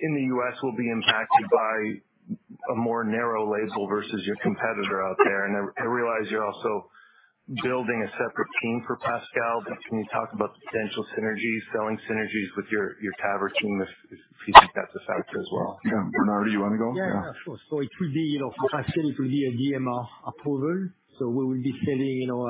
in the U.S. will be impacted by a more narrow label versus your competitor out there. I realize you're also building a separate team for PASCAL, but can you talk about the potential synergies, selling synergies with your TAVR team if you think that's a factor as well? Yeah. Bernard, you wanna go? Yeah, sure. It will be, you know, for PASCAL, it will be a DMR approval, so we will be selling, you know,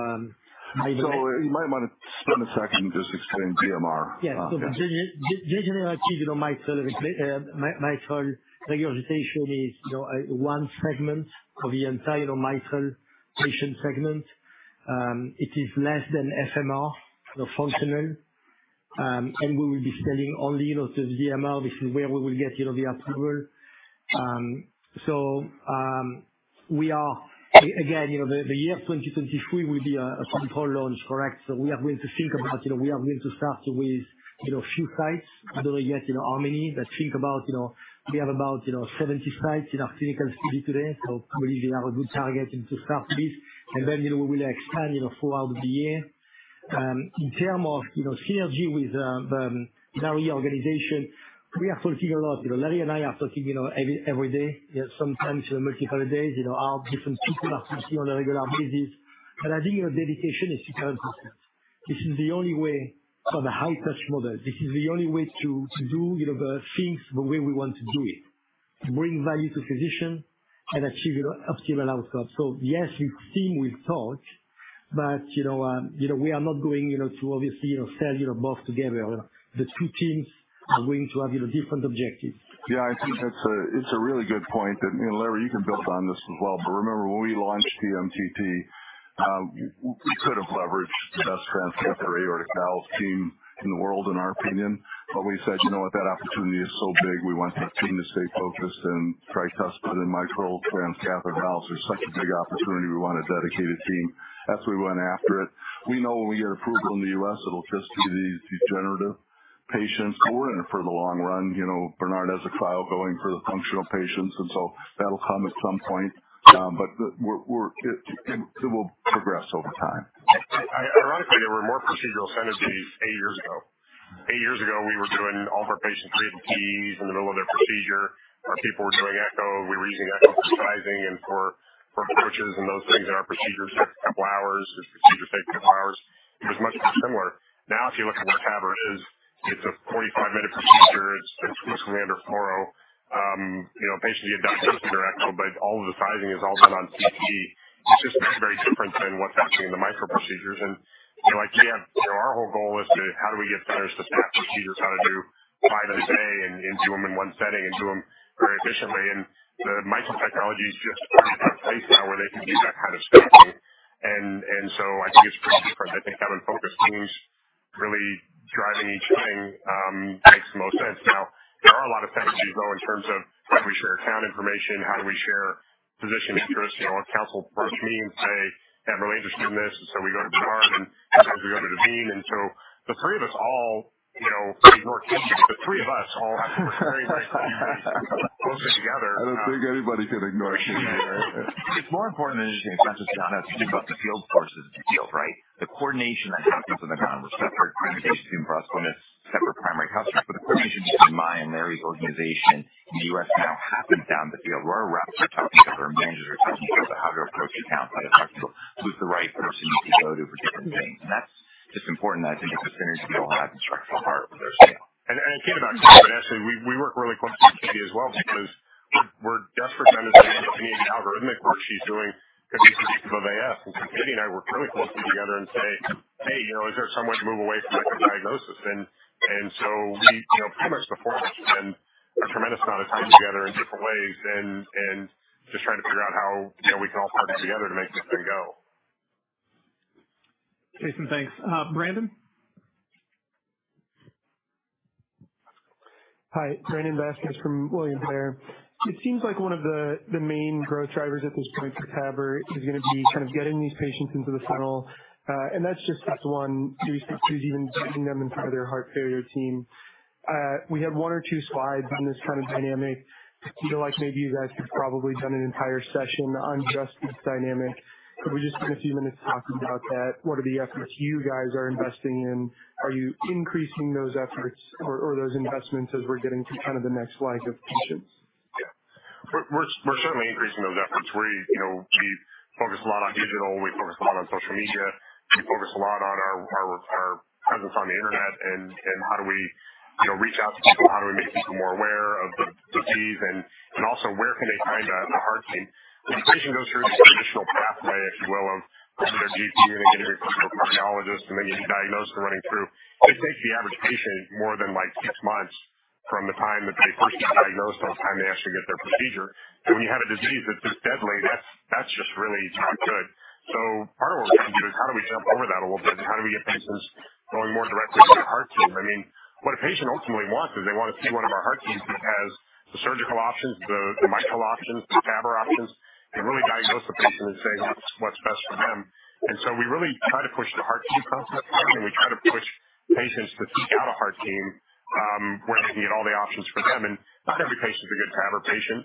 You might wanna spend a section just explaining DMR. Degenerative, you know, mitral regurgitation is, you know, one segment of the entire, you know, mitral patient segment. It is less than FMR, you know, functional. We will be selling only, you know, to the DMR, which is where we will get, you know, the approval. The year 2023 will be a full-blown launch, correct. We are going to start with, you know, a few sites. I don't know yet, you know, how many, but think about, you know, we have about, you know, 70 sites in our clinical study today. I believe we have a good target to start with. Then, you know, we will expand, you know, throughout the year. In terms of synergy with Larry's organization, we are talking a lot. You know, Larry and I are talking, you know, every day. Yeah, sometimes, you know, multiple days. You know, our different people are talking on a regular basis. I think, you know, dedication is key to success. This is the only way for the high touch model. This is the only way to do, you know, the things the way we want to do it, to bring value to physicians and achieve, you know, optimal outcomes. Yes, the team will talk, but, you know, we are not going to obviously sell both together. The two teams are going to have, you know, different objectives. Yeah, I think that's a really good point that you know, Larry, you can build on this as well, but remember when we launched TMTT, we could have leveraged the best transcatheter aortic valve team in the world in our opinion. We said, "You know what? That opportunity is so big, we want that team to stay focused, and tricuspid and mitral transcatheter valves are such a big opportunity, we want a dedicated team." That's why we went after it. We know when we get approval in the U.S., it'll just be the degenerative patients. We're in it for the long run. You know, Bernard has a trial going for the functional patients, and that'll come at some point. It will progress over time. Ironically, there were more procedural synergies eight years ago. Eight years ago, we were doing all of our patient pre-op TEEs in the middle of their procedure. Our people were doing echo. We were using echo for sizing and for approaches and those things, and our procedures took a couple hours. This procedure takes a couple hours. It was much more similar. Now, if you look at where TAVR is, it's a 45-minute procedure. It's mostly under fluoro. You know, a patient can get done faster under echo, but all of the sizing is done on CT, which is very different than what's happening in the mitral procedures. You know, like we have. You know, our whole goal is to how do we get better, faster procedures, how to do five a day and do them in one setting and do them very efficiently. The mitral technology is just not there place now where they can do that kind of staffing. I think it's pretty different. I think having focused teams really driving each thing makes the most sense now. There are a lot of synergies, though, in terms of how do we share account information, how do we share physician interests. You know, our council approach means, say, Kevin really interested in this, and so we go to Bernard, and sometimes we go to Naveen. The three of us all, you know, ignore Kevin, but the three of us all have very nice relationships and work closely together. I don't think anybody could ignore Kevin there. It's more important than just consensus, John. It's just about the field forces in the field, right? The coordination that happens on account with separate presentations from us when it's separate primary customers. The coordination between Bernard and Larry's organization in the U.S. now happens down the field. Our reps are talking to her, managers are talking to her about how to approach accounts by detecting who's the right person you should go to for different things. That's just important. I think it's a synergy we all have in Structural Heart with our scale. It came back to you, but actually we work really closely with Katie as well because we're desperate sometimes to get any of the algorithmic work she's doing to be susceptible to AF. Katie and I work really closely together and say, "Hey, you know, is there some way to move away from echo diagnosis?" We pretty much spend a tremendous amount of time together in different ways and just trying to figure out how, you know, we can all partner together to make this thing go. Jayson, thanks. Brandon? Hi, Brandon Vazquez from William Blair. It seems like one of the main growth drivers at this point for TAVR is gonna be sort of getting these patients into the funnel. That's just step one. Seriously, even getting them into their heart failure team. We had one or two slides on this kind of dynamic. I feel like maybe you guys could probably done an entire session on just this dynamic. Could we just get a few minutes talking about that? What are the efforts you guys are investing in? Are you increasing those efforts or those investments as we're getting to kind of the next leg of patients? Yeah. We're certainly increasing those efforts. We're, you know, we focus a lot on digital. We focus a lot on social media. We focus a lot on our presence on the Internet, and how do we, you know, reach out to people, how do we make people more aware of the disease, and also where can they find a heart team. The patient goes through this traditional pathway, if you will, of going to their GP and getting a referral to a cardiologist, and then getting diagnosed and running through. It takes the average patient more than like six months from the time that they first get diagnosed till the time they actually get their procedure. When you have a disease that's this deadly, that's just really not good. Part of what we're trying to do is how do we jump over that a little bit and how do we get patients flowing more directly to a heart team? I mean, what a patient ultimately wants is they wanna see one of our heart teams that has the surgical options, the mitral options, the TAVR options the patient and say what's best for them. We really try to push the heart team concept, and we try to push patients to seek out a heart team, where they can get all the options for them. Not every patient is a good TAVR patient.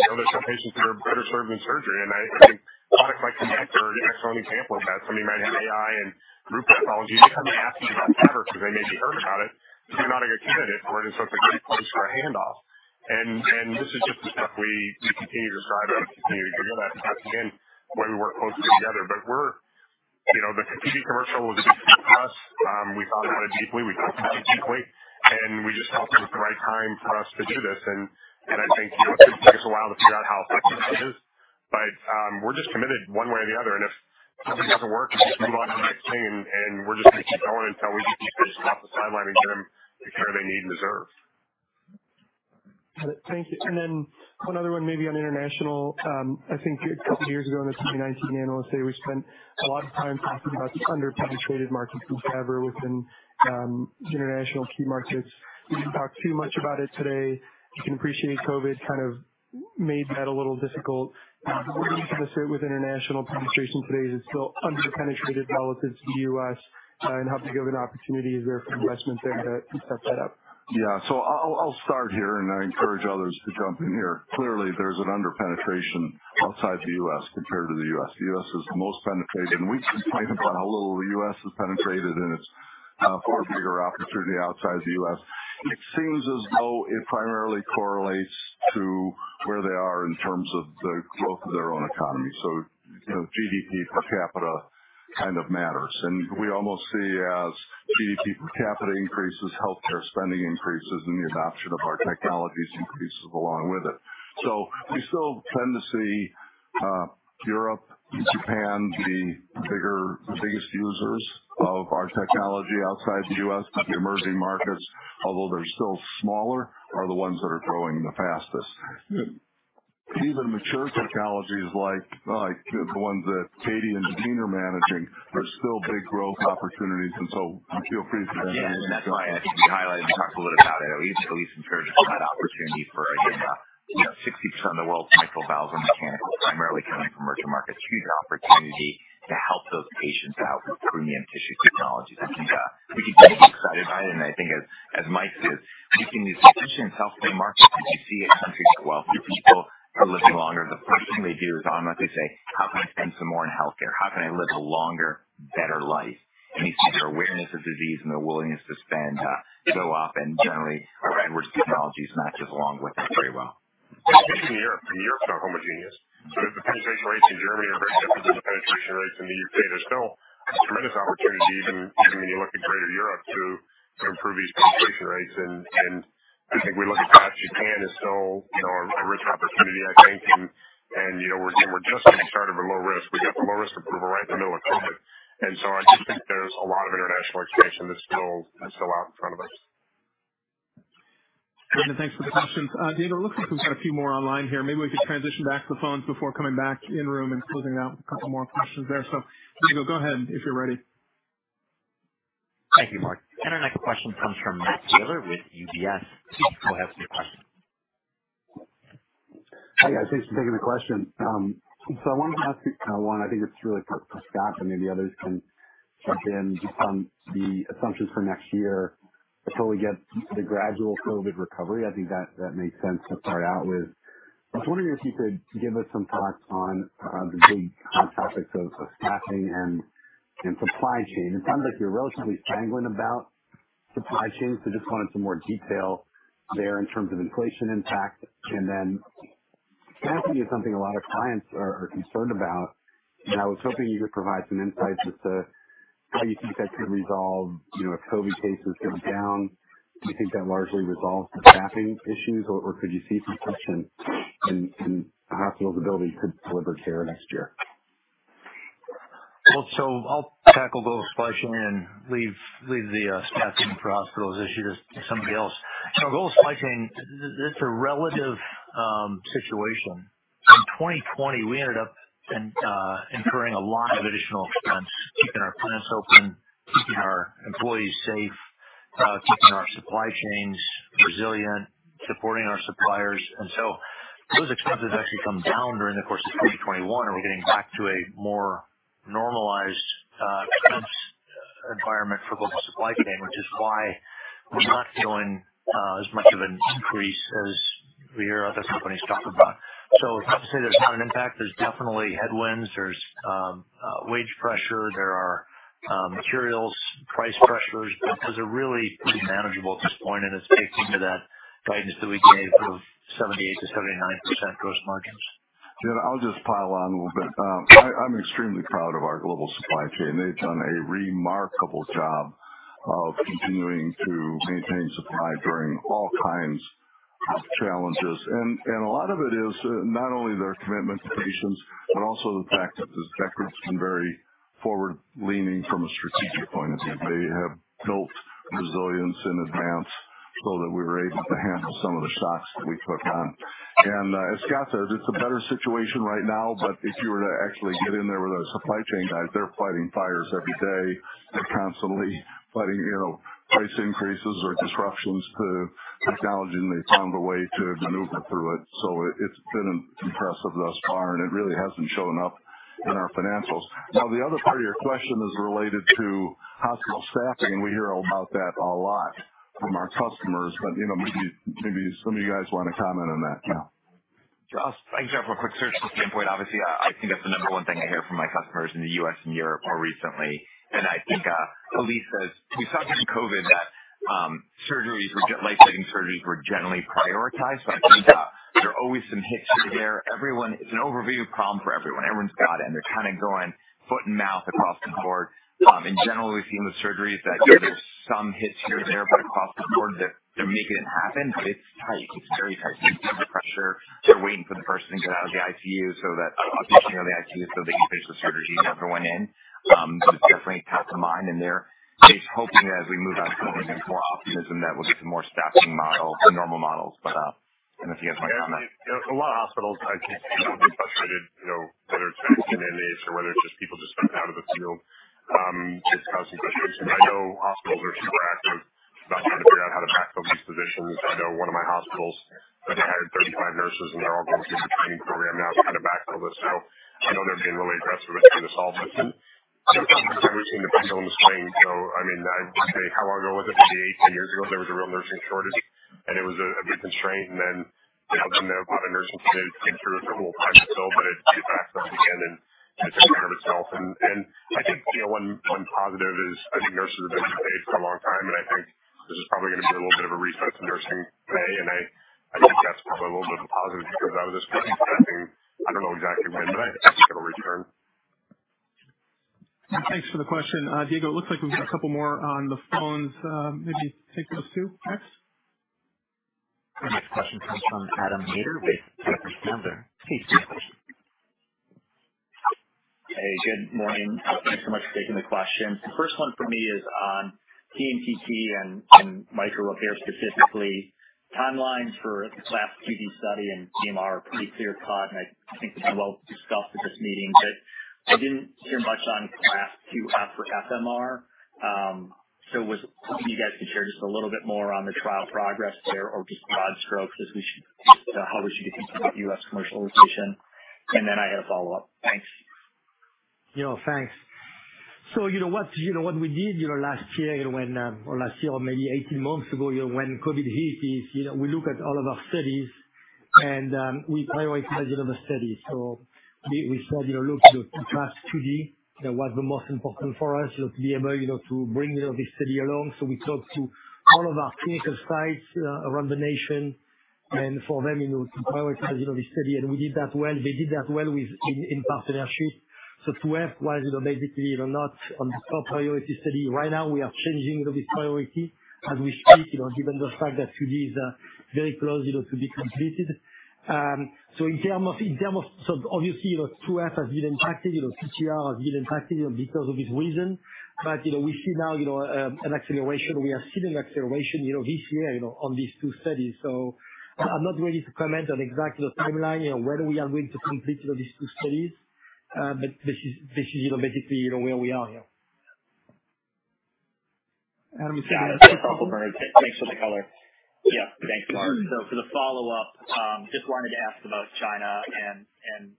You know, there's some patients that are better served in surgery, and I think product like KONECT are an excellent example of that. Somebody might have aortic and root pathology. They come and ask you about TAVR because they maybe heard about it. If you're not a good candidate for it's just a great place for a handoff. This is just the stuff we continue to drive and continue to bring that. That's again why we work closely together. You know, the DTC commercial was a big leap for us. We thought about it deeply. We cared about it deeply, and we just felt it was the right time for us to do this. I think it'll take us a while to figure out how effective it is, but we're just committed one way or the other. If something doesn't work, we just move on to the next thing, and we're just gonna keep going until we get these patients off the sideline and get them the care they need and deserve. Got it. Thank you. Then one other one maybe on international. I think a couple of years ago in the 2019 analyst day, we spent a lot of time talking about under-penetrated markets in TAVR within international key markets. We didn't talk too much about it today. You can appreciate COVID kind of made that a little difficult. Where do you kind of sit with international penetration today? Is it still under-penetrated relative to the U.S.? And how big of an opportunity is there for investment there to set that up? Yeah. I'll start here, and I encourage others to jump in here. Clearly, there's an under-penetration outside the U.S. compared to the U.S. The U.S. is the most penetrated, and we've just talked about how little the U.S. is penetrated, and it's a far bigger opportunity outside the U.S. It seems as though it primarily correlates to where they are in terms of the growth of their own economy. You know, GDP per capita kind of matters. We almost see as GDP per capita increases, healthcare spending increases, and the adoption of our technologies increases along with it. We still tend to see Europe and Japan, the biggest users of our technology outside the U.S. The emerging markets, although they're still smaller, are the ones that are growing the fastest. Even mature technologies like the ones that Katie and Daveen are managing are still big growth opportunities. Feel free to jump in. Yeah. That's why I think we highlighted and talked a little about it. At least in terms of that opportunity for, I think, you know, 60% of the world's mitral valves are mechanical, primarily coming from emerging markets. Huge opportunity to help those patients out with premium tissue technologies. I think, we can get excited about it. And I think as Mike says, we see these patients in self-pay markets, and you see a country get wealthier, people are living longer. The first thing they do is automatically say, "How can I spend some more on healthcare? How can I live a longer, better life?" You see their awareness of disease and their willingness to spend, go up and generally our end-use technologies matches along with that pretty well. Even in Europe, and Europe's not homogeneous. If the penetration rates in Germany are very different than the penetration rates in the UK, there's still tremendous opportunity even when you look at greater Europe to improve these penetration rates. I think we look across Japan is still, you know, a rich opportunity, I think. You know, we're just getting started with low risk. We got the low-risk approval right in the middle of COVID. I just think there's a lot of international expansion that's still out in front of us. Great. Thanks for the questions. Diego, it looks like we've got a few more online here. Maybe we could transition back to the phones before coming back in room and closing out a couple more questions there. Diego, go ahead if you're ready. Thank you, Mark. Our next question comes from Matt Taylor with UBS. Go ahead with your question. Hi, guys. Thanks for taking the question. So I wanted to ask you kind of one, I think it's really for Scott and maybe others can jump in just on the assumptions for next year before we get to the gradual COVID recovery. I think that makes sense to start out with. I was wondering if you could give us some thoughts on the big topics of staffing and supply chain. It sounds like you're relatively sanguine about supply chain, so just wanted some more detail there in terms of inflation impact. Then staffing is something a lot of clients are concerned about. I was hoping you could provide some insights as to how you think that could resolve, you know, if COVID cases come down, do you think that largely resolves the staffing issues or could you see some tension in a hospital's ability to deliver care next year? Well, I'll tackle global supply chain and leave the staffing for hospitals issue to somebody else. Global supply chain, it's a relative situation. In 2020, we ended up incurring a lot of additional expense, keeping our plants open, keeping our employees safe, keeping our supply chains resilient, supporting our suppliers. Those expenses actually come down during the course of 2021, and we're getting back to a more normalized expense environment for global supply chain, which is why we're not feeling as much of an increase as we hear other companies talk about. Not to say there's not an impact, there's definitely headwinds, there's wage pressure, there are materials price pressures, but those are really pretty manageable at this point, and it's baked into that guidance that we gave of 78%-79% gross margins. Matt, I'll just pile on a little bit. I'm extremely proud of our global supply chain. They've done a remarkable job of continuing to maintain supply during all kinds of challenges. A lot of it is not only their commitment to patients, but also the fact that the doctors have been very forward-leaning from a strategic point of view. They have built resilience in advance so that we were able to handle some of the shocks that we put on. As Scott said, it's a better situation right now, but if you were to actually get in there with those supply chain guys, they're fighting fires every day. They're constantly fighting, you know, price increases or disruptions to technology, and they found a way to maneuver through it. It's been impressive thus far, and it really hasn't shown up in our financials. Now, the other part of your question is related to hospital staffing. We hear about that a lot from our customers, but, you know, maybe some of you guys wanna comment on that now. I can jump real quick. From Scott's standpoint, obviously, I think that's the number one thing I hear from my customers in the U.S. and Europe more recently. I think, at least we saw during COVID that, surgeries were generally prioritized. I think, there are always some hits here or there. It's an overview problem for everyone. Everyone's got it, and they're kinda going hand to mouth across the board. In general, we've seen with surgeries that, there's some hits here or there, but across the board they're making it happen. It's tight. It's very tight. Pressure. They're waiting for the patient to get out of the ICU so they can finish the surgery and everyone in. It's definitely top of mind, and they're hoping that as we move on from COVID, there's more optimism that we'll get to more staffing models, the normal models. If you guys wanna comment. Yeah, I mean, a lot of hospitals, I think people have been frustrated, you know, whether it's kind of been in this or whether it's just people just stepping out of the field, it's causing frustration. I know hospitals are super active about trying to figure out how to backfill these positions. I know one of my hospitals, they hired 35 nurses, and they're all going through the training program now to kind of backfill this. I know they're being really aggressive in this all, but I think we're seeing the pendulum swing. I mean, I'd say how long ago was it? Maybe eight, 10 years ago, there was a real nursing shortage, and it was a big constraint. Then, you know, don't know how the nursing thing, it took years to go, but it backed up again, and it took care of itself. I think, you know, one positive is I think nurses have been underpaid for a long time, and I think this is probably gonna be a little bit of a reset to nursing pay. I think that's probably a little bit of a positive because I was expecting, I don't know exactly when, but I think it'll return. Thanks for the question. Diego, it looks like we've got a couple more on the phones. Maybe take those two next. The next question comes from Adam Maeder with Piper Sandler. Please take your question. Hey, good morning. Thanks so much for taking the questions. The first one for me is on TMTT and mitral repair, specifically. Timelines for CLASP IID study and DMR are pretty clear-cut, and I think kind of well discussed at this meeting. I didn't hear much on CLASP IIF for FMR. Was hoping you guys could share just a little bit more on the trial progress there or just broad strokes how we should be thinking about US commercialization. I had a follow-up. Thanks. You know, thanks. You know what we did last year or maybe 18 months ago, when COVID hit, we look at all of our studies and we prioritized the studies. We said, you know, look, you know, the TRISCEND study, you know, what the most important for us, you know, to be able, you know, to bring, you know, this study along. We talked to all of our clinical sites around the nation and for them, you know, to prioritize, you know, the study. We did that well. They did that well within partnership. TOF was, you know, basically, you know, not on the top priority study. Right now we are changing the priority as we speak, you know, given the fact that study is very close, you know, to be completed. Obviously, you know, IIF has been impacted. You know, CTR has been impacted, you know, because of this reason. You know, we see now, you know, an acceleration. We are seeing an acceleration, you know, this year, you know, on these two studies. I'm not ready to comment on exactly the timeline, you know, when we are going to complete, you know, these two studies. But this is, you know, basically you know where we are here. Adam- Yeah. Thanks for the color. Yeah. Thanks, Mark. For the follow-up, just wanted to ask about China and,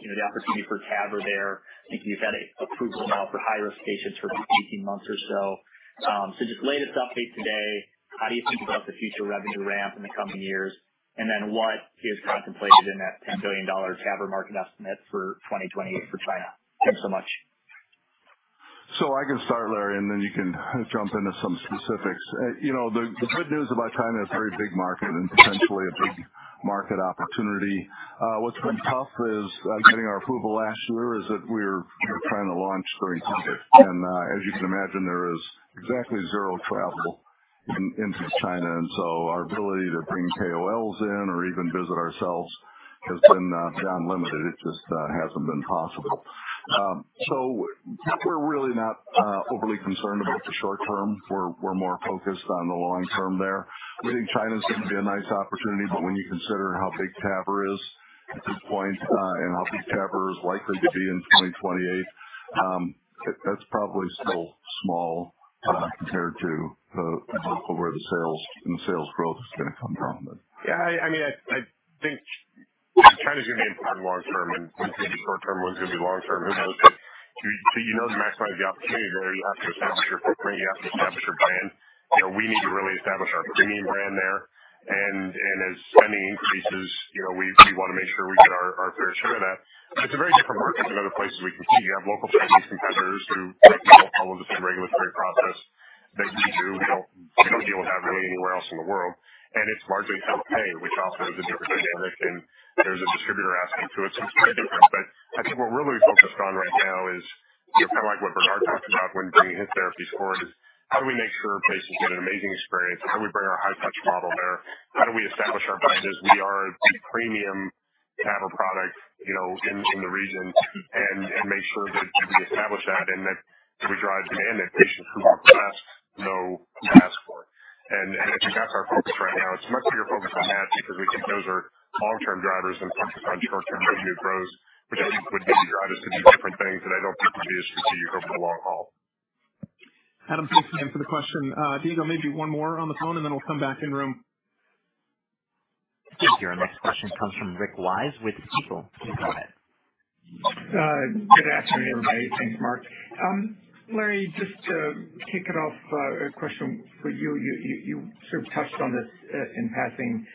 you know, the opportunity for TAVR there. I think you've had an approval now for high-risk patients for 18 months or so. Just latest update today, how do you think about the future revenue ramp in the coming years? And then what is contemplated in that $10 billion TAVR market estimate for 2028 for China? Thanks so much. I can start, Larry, and then you can jump into some specifics. The good news about China, it's a very big market and potentially a big market opportunity. What's been tough is getting our approval last year is that we're trying to launch during COVID. As you can imagine, there is exactly zero travel into China. Our ability to bring KOLs in or even visit ourselves has been severely limited. It just hasn't been possible. We're really not overly concerned about the short term. We're more focused on the long term there. We think China's gonna be a nice opportunity, but when you consider how big TAVR is at this point, and how big TAVR is likely to be in 2028, that's probably still small, compared to the overall where the sales and sales growth is gonna come from then. Yeah, I mean, I think China's gonna be important long term and what's gonna be short term, what's gonna be long term, who knows? You know to maximize the opportunity, Larry, you have to establish your footprint, you have to establish your brand. You know, we need to really establish our premium brand there. As spending increases, you know, we wanna make sure we get our fair share of that. It's a very different market than other places we compete. You have local Chinese competitors who don't follow the same regulatory process that we do. We don't deal with that really anywhere else in the world. It's largely self-pay, which also is a different dynamic, and there's a distributor aspect to it, so it's pretty different. I think what we're really focused on right now is kinda like what Bernard talked about when bringing his therapy forward, is how do we make sure patients get an amazing experience? How do we bring our high touch model there? How do we establish our brand as we are a premium TAVR product, you know, in the region and make sure that we establish that and that we drive in patients who are best known to ask for it. I think that's our focus right now. It's much bigger focus on that because we think those are long-term drivers than focused on short-term revenue growth, which I think would be drivers to different things that I don't think would be as strategic over the long haul. Adam, thanks again for the question. Diego, maybe one more on the phone and then we'll come back in room. Your next question comes from Rick Wise with Stifel. Please go ahead. Good afternoon, everybody. Thanks, Mark. Larry, just to kick it off, a question for you. You sort of touched on this in passing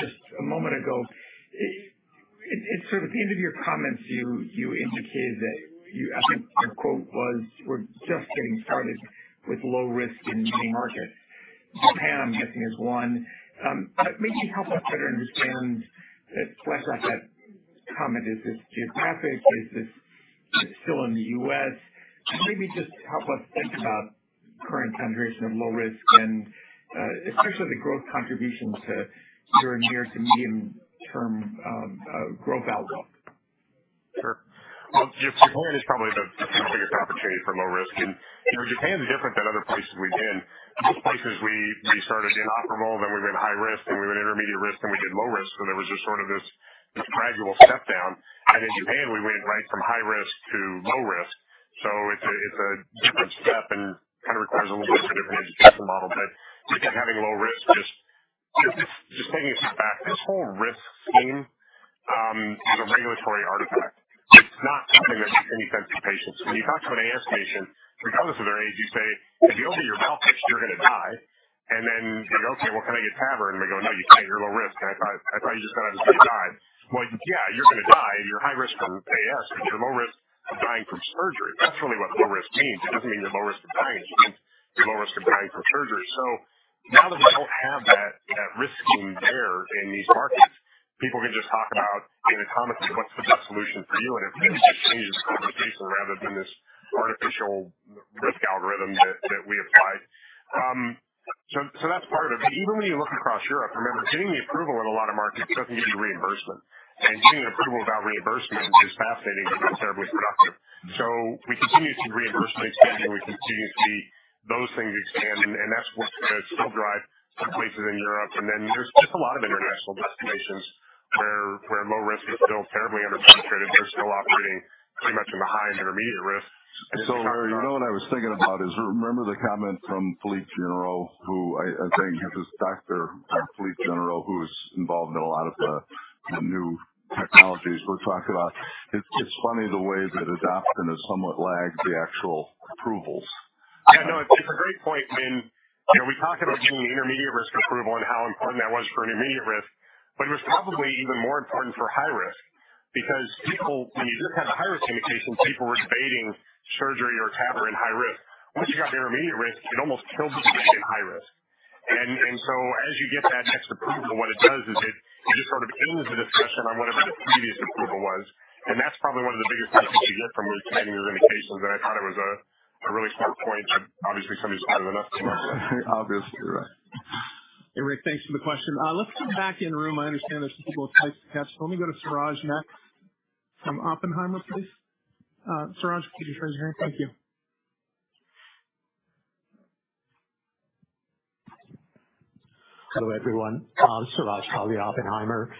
just a moment ago. It sort of at the end of your comments, you indicated that you I think your quote was, "We're just getting started with low risk in many markets." Japan, I'm guessing, is one. But maybe help us better understand why that comment. Is this geographic? Is this still in the U.S.? And maybe just help us think about current penetration of low risk and especially the growth contribution to your near- to medium-term growth outlook. Sure. Well, Japan is probably the biggest opportunity for low risk. You know, Japan is different than other places we've been. Most places we started inoperable, then we went high risk, and we went intermediate risk, and we did low risk. There was just sort of this gradual step down. In Japan, we went right from high risk to low risk. It's a different step and kind of requires a little bit of a different education model. But again, having low risk, just taking a step back, this whole risk scheme is a regulatory artifact. It's not something that makes any sense to patients. When you talk to an AS patient, regardless of their age, you say, "If you don't get your valve fixed, you're gonna die." Then they go, "Okay, well, can I get TAVR?" They go, "No, you can't. You're low risk." "I thought you just said I was gonna die." Well, yeah, you're gonna die. You're high risk from AS, but you're low risk of dying from surgery. That's really what low risk means. It doesn't mean you're low risk of dying. It just means you're low risk of dying from surgery. Now that we don't have that risk scheme there in these markets, people can just talk about, you know, commonly, what's the best solution for you and everything. It just changes the conversation rather than this artificial risk algorithm that we applied. So that's part of it. Even when you look across Europe, remember, getting the approval in a lot of markets doesn't get you reimbursement. Getting an approval without reimbursement is fascinating, but not terribly productive. We continue to see reimbursement expanding, we continue to see those things expand, and that's what's gonna still drive some places in Europe. There's just a lot of international destinations where low risk is still terribly underpenetrated. They're still operating pretty much in the high and intermediate risk. Larry, you know what I was thinking about is, remember the comment from Philippe Généreux, who I think is this doctor at Philippe Généreux who's involved in a lot of the new technologies we're talking about. It's funny the way that adoption has somewhat lagged the actual approvals. Yeah, no, it's a great point. I mean, you know, we talk about getting the intermediate risk approval and how important that was for an intermediate risk, but it was probably even more important for high risk because people, when you just had the high-risk indication, people were debating surgery or TAVR in high risk. Once you got the intermediate risk, it almost killed the debate in high risk. And so as you get that next approval, what it does is it just sort of ends the discussion on whatever the previous approval was, and that's probably one of the biggest benefits you get from expanding those indications. I thought it was a really smart point from obviously somebody who's thought enough about it. Obviously, right. Hey, Rick, thanks for the question. Let's come back to the room. I understand there's some people typing in chat. Let me go to Suraj next from Oppenheimer, please. Suraj, could you raise your hand? Thank you. Hello, everyone. Suraj Kalia, Oppenheimer.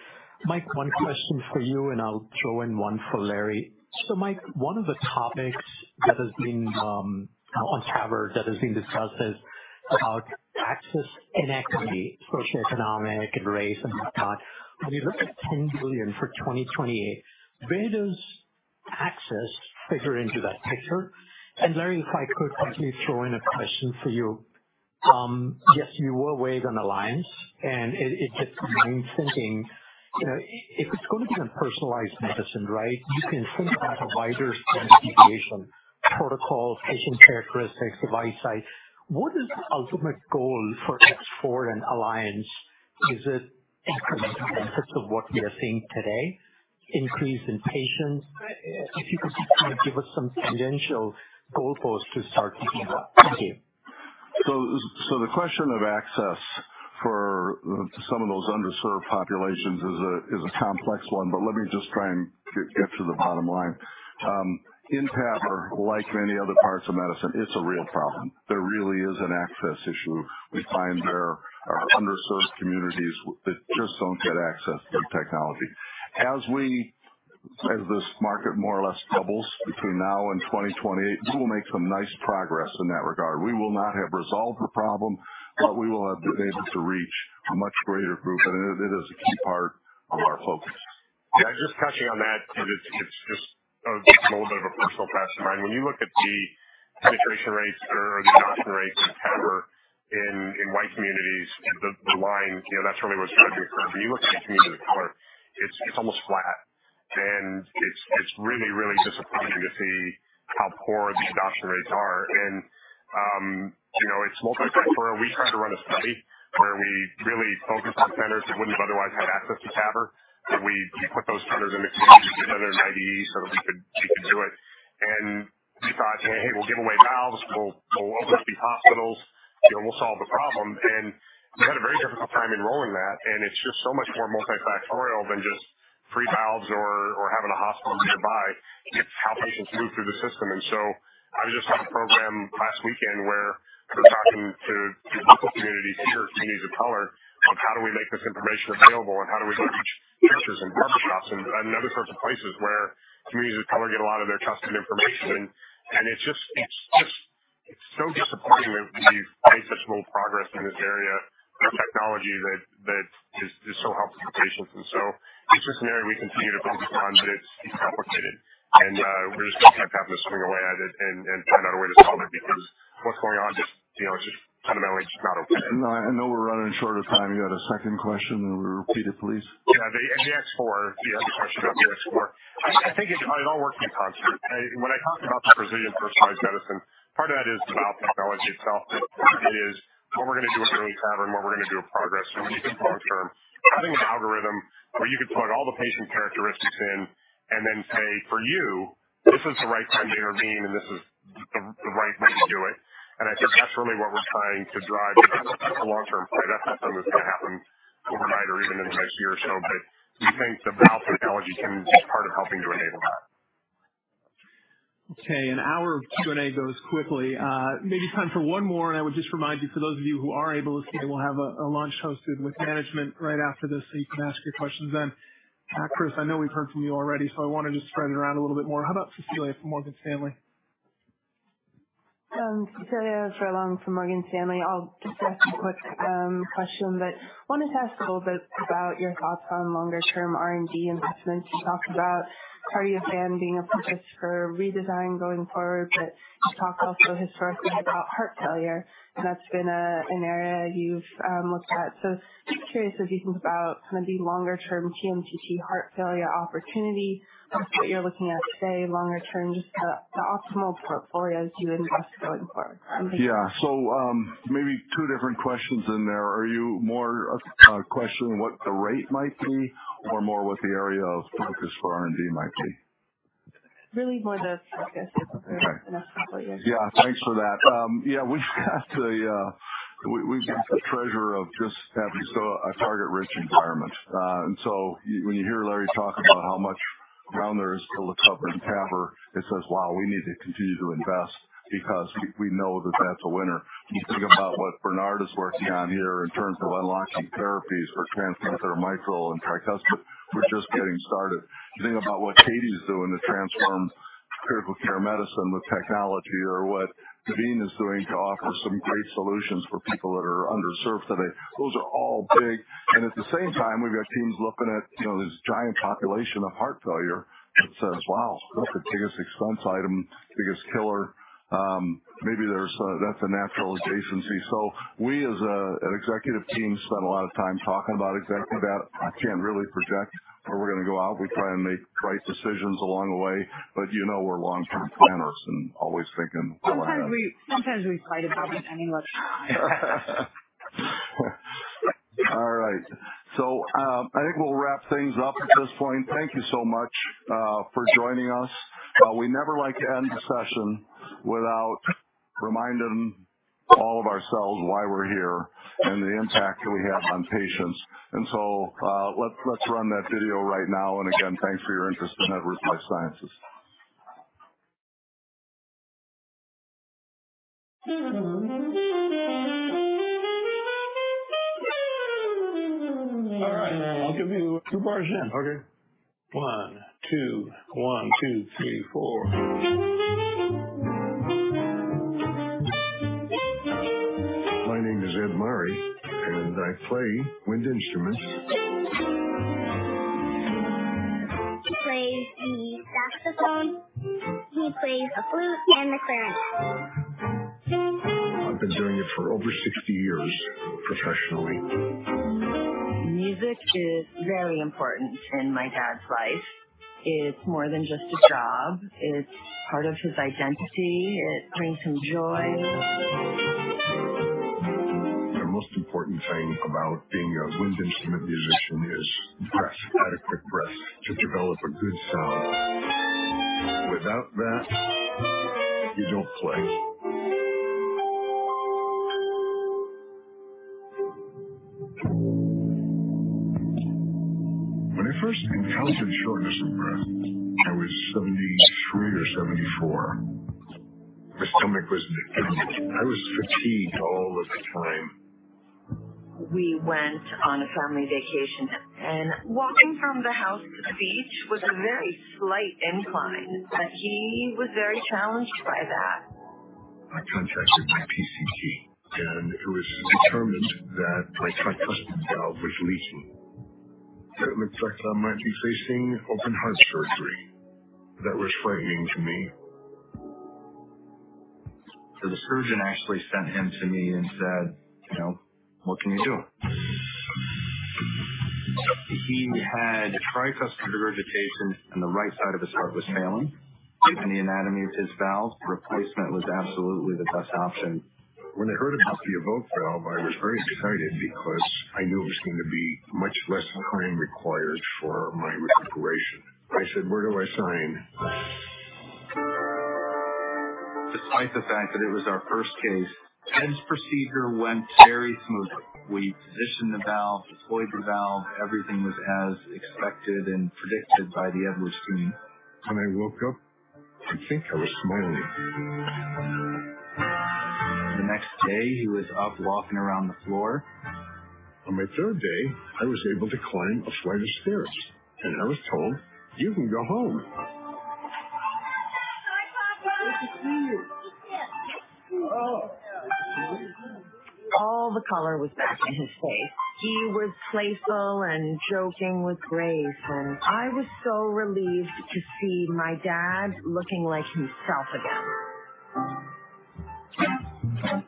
Mike, one question for you, and I'll throw in one for Larry. Mike, one of the topics that has been on TAVR that has been discussed is about access inequity, socioeconomic and race and whatnot. When you look at $10 billion for 2028, where does access figure into that picture? Larry, if I could quickly throw in a question for you. Yes, you will weigh on Alliance, and it just means thinking, you know, if it's gonna be on personalized medicine, right? You can think about providers and deviation protocols, patient characteristics, device site. What is the ultimate goal for SAPIEN X4 Alliance? Is it incremental benefits of what we are seeing today? Increase in patients? If you could just kinda give us some tangential goalposts to start thinking about. Thank you. The question of access for some of those underserved populations is a complex one, but let me just try and get to the bottom line. In TAVR, like many other parts of medicine, it's a real problem. There really is an access issue. We find there are underserved communities that just don't get access to technology. As this market more or less doubles between now and 2028, we will make some nice progress in that regard. We will not have resolved the problem, but we will have been able to reach a much greater group, and it is a key part of our focus. Yeah, just touching on that. It's just a little bit of a personal passion of mine. When you look at the penetration rates or the adoption rates of TAVR in white communities, the line, you know, that's really what's driving the curve. When you look at communities of color, it's almost flat. It's really disappointing to see how poor the adoption rates are. You know, it's multifactorial. We tried to run a study where we really focused on centers that wouldn't otherwise have access to TAVR. We put those centers in a community, we put another in IDE. We'll give away valves. We'll open up these hospitals. You know, we'll solve the problem. We had a very difficult time enrolling that, and it's just so much more multifactorial than just free valves or having a hospital nearby. It's how patients move through the system. I just had a program last weekend where I was talking to local communities here in communities of color on how do we make this information available and how do we go to churches and barber shops and other sorts of places where communities of color get a lot of their trusted information. It's just. It's so disappointing that we've made such little progress in this area with technology that is so helpful to patients. It's just an area we continue to focus on, but it's complicated. We're just gonna keep having to swing away at it and find out a way to solve it because what's going on just, you know, it's just fundamentally just not okay. No, I know we're running short of time. You had a second question. Will you repeat it, please? Yeah, the X-four. The other question about the X-four. I think it all works in concert. When I talk about the precision personalized medicine, part of that is about technology itself. It is what we're gonna do with EARLY TAVR and what we're gonna do with PROGRESS and what we do long term. Having an algorithm where you can plug all the patient characteristics in and then say, "For you, this is the right time to intervene, and this is the right way to do it." I think that's really what we're trying to drive a long-term play. That's not something that's gonna happen overnight or even in the next year or so, but we think the valve technology can be part of helping to enable that. Okay. An hour of Q&A goes quickly. Maybe time for one more, and I would just remind you, for those of you who are able to stay, we'll have a lunch hosted with management right after this, so you can ask your questions then. Chris, I know we've heard from you already, so I wanna just spread it around a little bit more. How about Cecilia from Morgan Stanley? Cecilia Furlong from Morgan Stanley. I'll just ask a quick question, but wanted to ask a little bit about your thoughts on longer term R&D investments. You talked about Cardioband being a focus for redesign going forward, but you talked also historically about heart failure, and that's been an area you've looked at. So just curious as you think about some of the longer term TMTT heart failure opportunity, what you're looking at, say, longer term, just the optimal portfolios you invest going forward. Yeah. Maybe two different questions in there. Are you more of a question what the rate might be or more what the area of focus for R&D might be? Really more the focus. Yeah. Thanks for that. We've got the treasure of just having a target-rich environment. When you hear Larry talk about how much ground there is to cover in TAVR, it says, wow, we need to continue to invest because we know that's a winner. When you think about what Bernard is working on here in terms of unlocking therapies for transcatheter mitral and tricuspid, we're just getting started. You think about what Katie's doing to transform critical care medicine with technology or what Daveen's doing to offer some great solutions for people that are underserved today. Those are all big. At the same time, we've got teams looking at, you know, this giant population of heart failure that says, wow, that's the biggest expense item, biggest killer. Maybe that's a natural adjacency. We as an executive team spend a lot of time talking about exactly that. I can't really project where we're gonna go out. We try and make right decisions along the way. You know we're long-term planners and always thinking. Sometimes we fight about it. I mean, look All right. I think we'll wrap things up at this point. Thank you so much for joining us. We never like to end a session without reminding all of ourselves why we're here and the impact that we have on patients. Let's run that video right now. Again, thanks for your interest in Edwards Lifesciences. All right. I'll give you two bars in. Okay. One, two. One, two, three, four. My name is Ed Murray, and I play wind instruments. He plays the saxophone. He plays a flute and the clarinet. I've been doing it for over 60 years professionally. Music is very important in my dad's life. It's more than just a job. It's part of his identity. It brings him joy. The most important thing about being a wind instrument musician is breath, adequate breath to develop a good sound. Without that, you don't play. When I first encountered shortness of breath, I was 73 or 74. My stomach was an empty. I was fatigued all of the time. We went on a family vacation, and walking from the house to the beach was a very slight incline, but he was very challenged by that. I contacted my PCP, and it was determined that my tricuspid valve was leaking. It looked like I might be facing open heart surgery. That was frightening to me. The surgeon actually sent him to me and said, you know, "What can you do?" He had tricuspid regurgitation, and the right side of his heart was failing. Given the anatomy of his valve, replacement was absolutely the best option. When I heard about the EVOQUE valve, I was very excited because I knew it was going to be much less time required for my recuperation. I said, "Where do I sign? Despite the fact that it was our first case, Ed's procedure went very smoothly. We positioned the valve, deployed the valve. Everything was as expected and predicted by the Edwards screen. When I woke up, I think I was smiling. The next day, he was up walking around the floor. On my third day, I was able to climb a flight of stairs, and I was told, "You can go home. Welcome back, my Papa. Good to see you. Give me a kiss. Oh. All the color was back in his face. He was playful and joking with Grace, and I was so relieved to see my dad looking like himself again.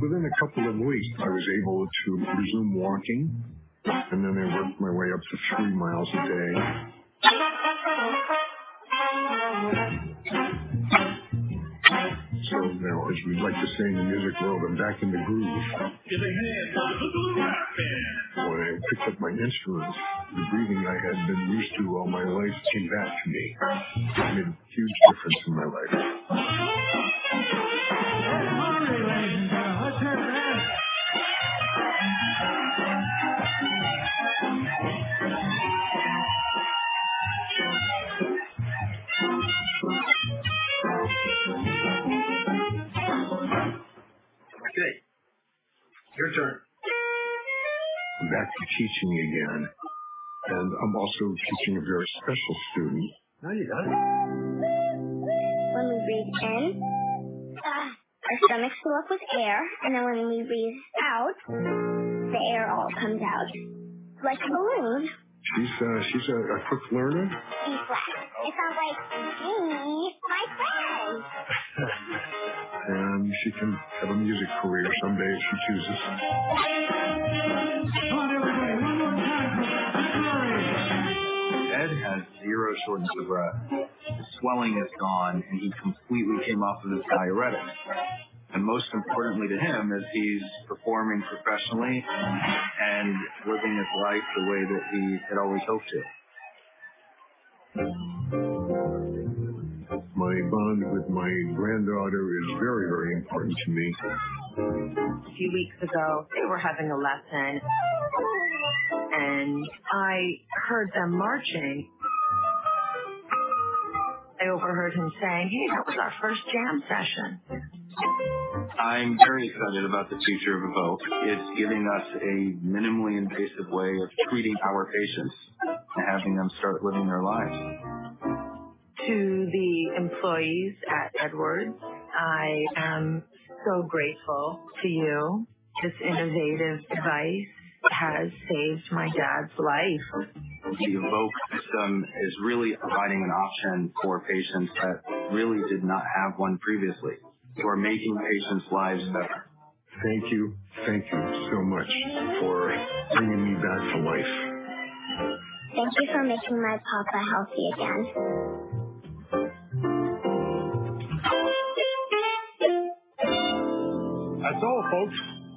Within a couple of weeks, I was able to resume walking, and then I worked my way up to three miles a day. Now, as we like to say in the music world, I'm back in the groove. Get ahead, boogaloo. Rocking. When I picked up my instruments, the breathing I had been used to all my life came back to me. It made a huge difference in my life. Everybody, ladies and gentlemen. Let's hear it for Ed. Okay. Your turn. I'm back to teaching again, and I'm also teaching a very special student. No, you don't. When we breathe in, our stomachs fill up with air, and then when we breathe out, the air all comes out like a balloon. She's a quick learner. B-flat. It sounds like, "Bee, my friend. She can have a music career someday if she chooses. Come on, everybody. One more time for Ed Murray. Ed has zero shortness of breath. The swelling is gone, and he completely came off of his diuretics. Most importantly to him is he's performing professionally and living his life the way that he had always hoped to. My bond with my granddaughter is very, very important to me. A few weeks ago, they were having a lesson, and I heard them marching. I overheard him say, "Hey, that was our first jam session. I'm very excited about the future of EVOQUE. It's giving us a minimally invasive way of treating our patients and having them start living their lives. To the employees at Edwards, I am so grateful to you. This innovative device has saved my dad's life. The EVOQUE system is really providing an option for patients that really did not have one previously. We're making patients' lives better. Thank you. Thank you so much for bringing me back to life. Thank you for making my papa healthy again. That's all, folks.